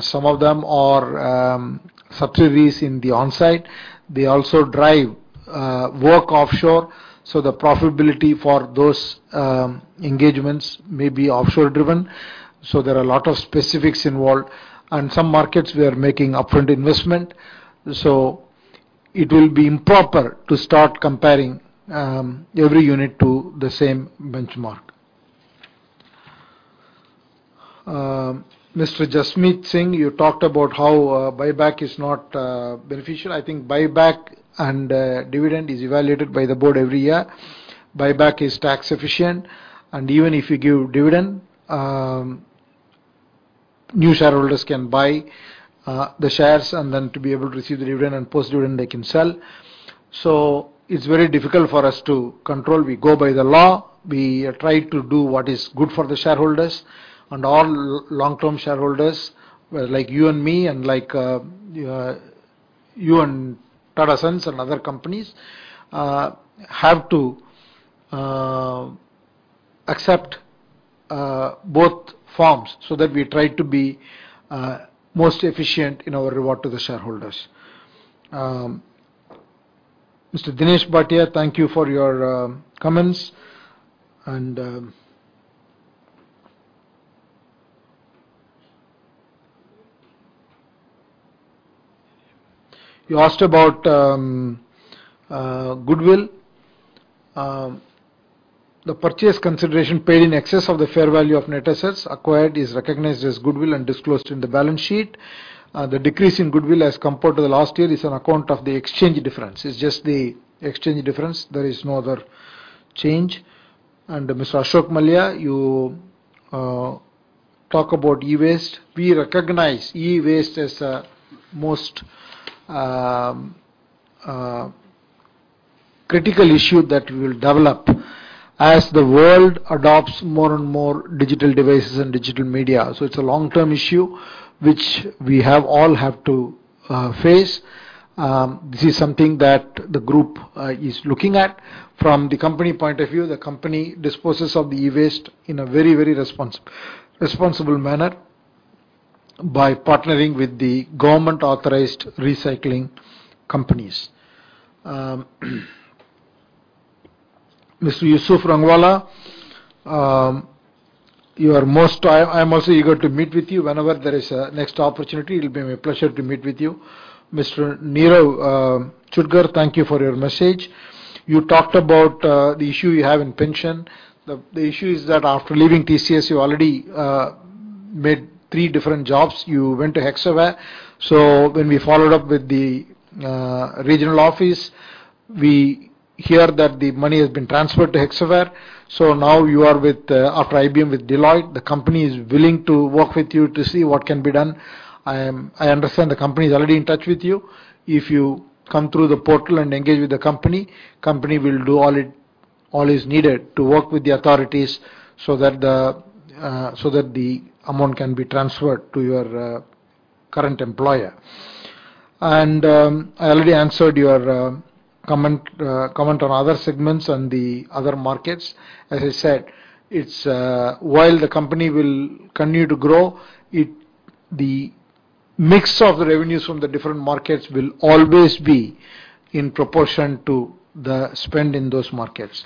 Some of them are subsidiaries in the onsite. They also drive work offshore, so the profitability for those engagements may be offshore driven, so there are a lot of specifics involved. Some markets we are making upfront investment. So it will be improper to start comparing every unit to the same benchmark. Mr. Jasmeet Singh, you talked about how a buyback is not beneficial. I think buyback and dividend is evaluated by the board every year. Buyback is tax efficient and even if you give dividend, new shareholders can buy the shares and then to be able to receive the dividend, and post dividend they can sell. It's very difficult for us to control. We go by the law. We try to do what is good for the shareholders and all long-term shareholders, like you and me and like you and Tata Sons and other companies, have to accept both forms so that we try to be most efficient in our reward to the shareholders. Mr. Dinesh Bhatia, thank you for your comments and. You asked about goodwill. The purchase consideration paid in excess of the fair value of net assets acquired is recognized as goodwill and disclosed in the balance sheet. The decrease in goodwill as compared to the last year is an account of the exchange difference. It's just the exchange difference. There is no other change. Mr. Ashok Mallya, you talk about e-waste. We recognize e-waste as a critical issue that we will develop as the world adopts more and more digital devices and digital media. It's a long-term issue which we all have to face. This is something that the group is looking at. From the company point of view, the company disposes of the e-waste in a very responsible manner by partnering with the government-authorized recycling companies. Mr. Yusuf Rangwala, you are most... I am also eager to meet with you whenever there is a next opportunity. It will be my pleasure to meet with you. Mr. Neeraj Chudgar, thank you for your message. You talked about the issue you have in pension. The issue is that after leaving TCS, you already made three different jobs. You went to Hexaware. When we followed up with the regional office, we hear that the money has been transferred to Hexaware. Now you are with, after IBM, with Deloitte. The company is willing to work with you to see what can be done. I understand the company is already in touch with you. If you come through the portal and engage with the company will do all it. All is needed to work with the authorities so that the amount can be transferred to your current employer. I already answered your comment on other segments and the other markets. As I said, while the company will continue to grow, the mix of the revenues from the different markets will always be in proportion to the spend in those markets.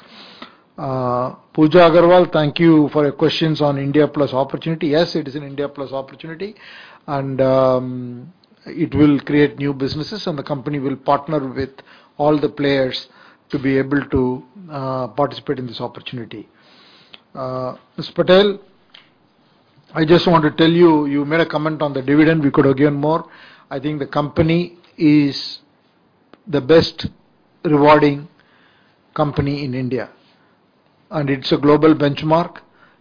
Pooja Agarwal, thank you for your questions on India Plus opportunity. Yes, it is an India Plus opportunity, and it will create new businesses and the company will partner with all the players to be able to participate in this opportunity. Ms. Patel, I just want to tell you made a comment on the dividend, we could have given more. I think the company is the best rewarding company in India, and it's a global benchmark.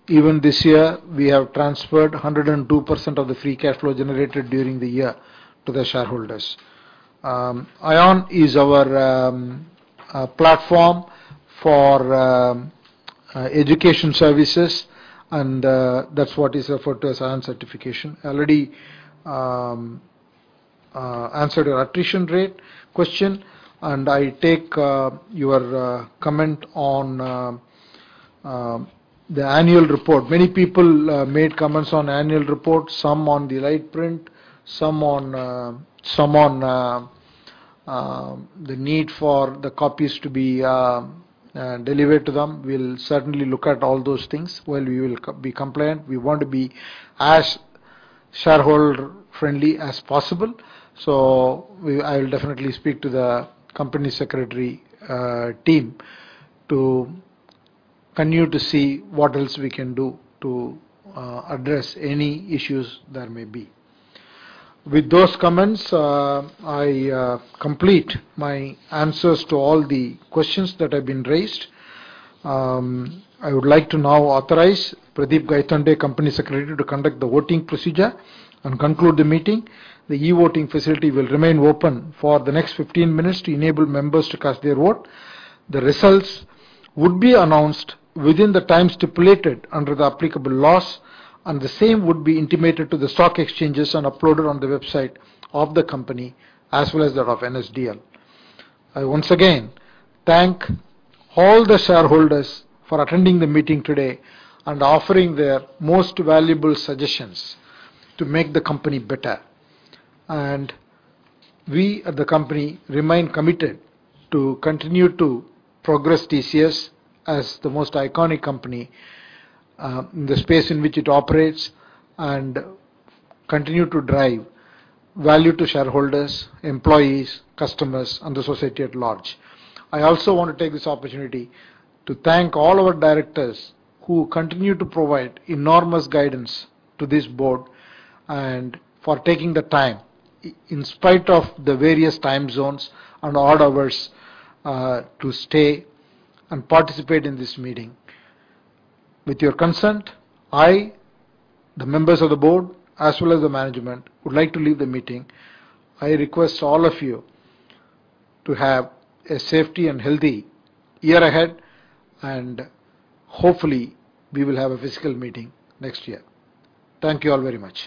Even this year, we have transferred 102% of the free cash flow generated during the year to the shareholders. ION is our platform for education services, and that's what is referred to as ION certification. I already answered your attrition rate question, and I take your comment on the annual report. Many people made comments on annual report, some on the light print, some on the need for the copies to be delivered to them. We'll certainly look at all those things while we will be compliant. We want to be as shareholder-friendly as possible. I will definitely speak to the company secretary team to continue to see what else we can do to address any issues there may be. With those comments, I complete my answers to all the questions that have been raised. I would like to now authorize Pradeep Gaitonde, Company Secretary, to conduct the voting procedure and conclude the meeting. The e-voting facility will remain open for the next 15 minutes to enable members to cast their vote. The results would be announced within the time stipulated under the applicable laws, and the same would be intimated to the stock exchanges and uploaded on the website of the company as well as that of NSDL. I once again thank all the shareholders for attending the meeting today and offering their most valuable suggestions to make the company better. We at the company remain committed to continue to progress TCS as the most iconic company, in the space in which it operates and continue to drive value to shareholders, employees, customers, and the society at large. I also want to take this opportunity to thank all our directors who continue to provide enormous guidance to this board and for taking the time, in spite of the various time zones and odd hours, to stay and participate in this meeting. With your consent, I, the members of the board, as well as the management, would like to leave the meeting. I request all of you to have a safe and healthy year ahead, and hopefully, we will have a physical meeting next year. Tank you all very much.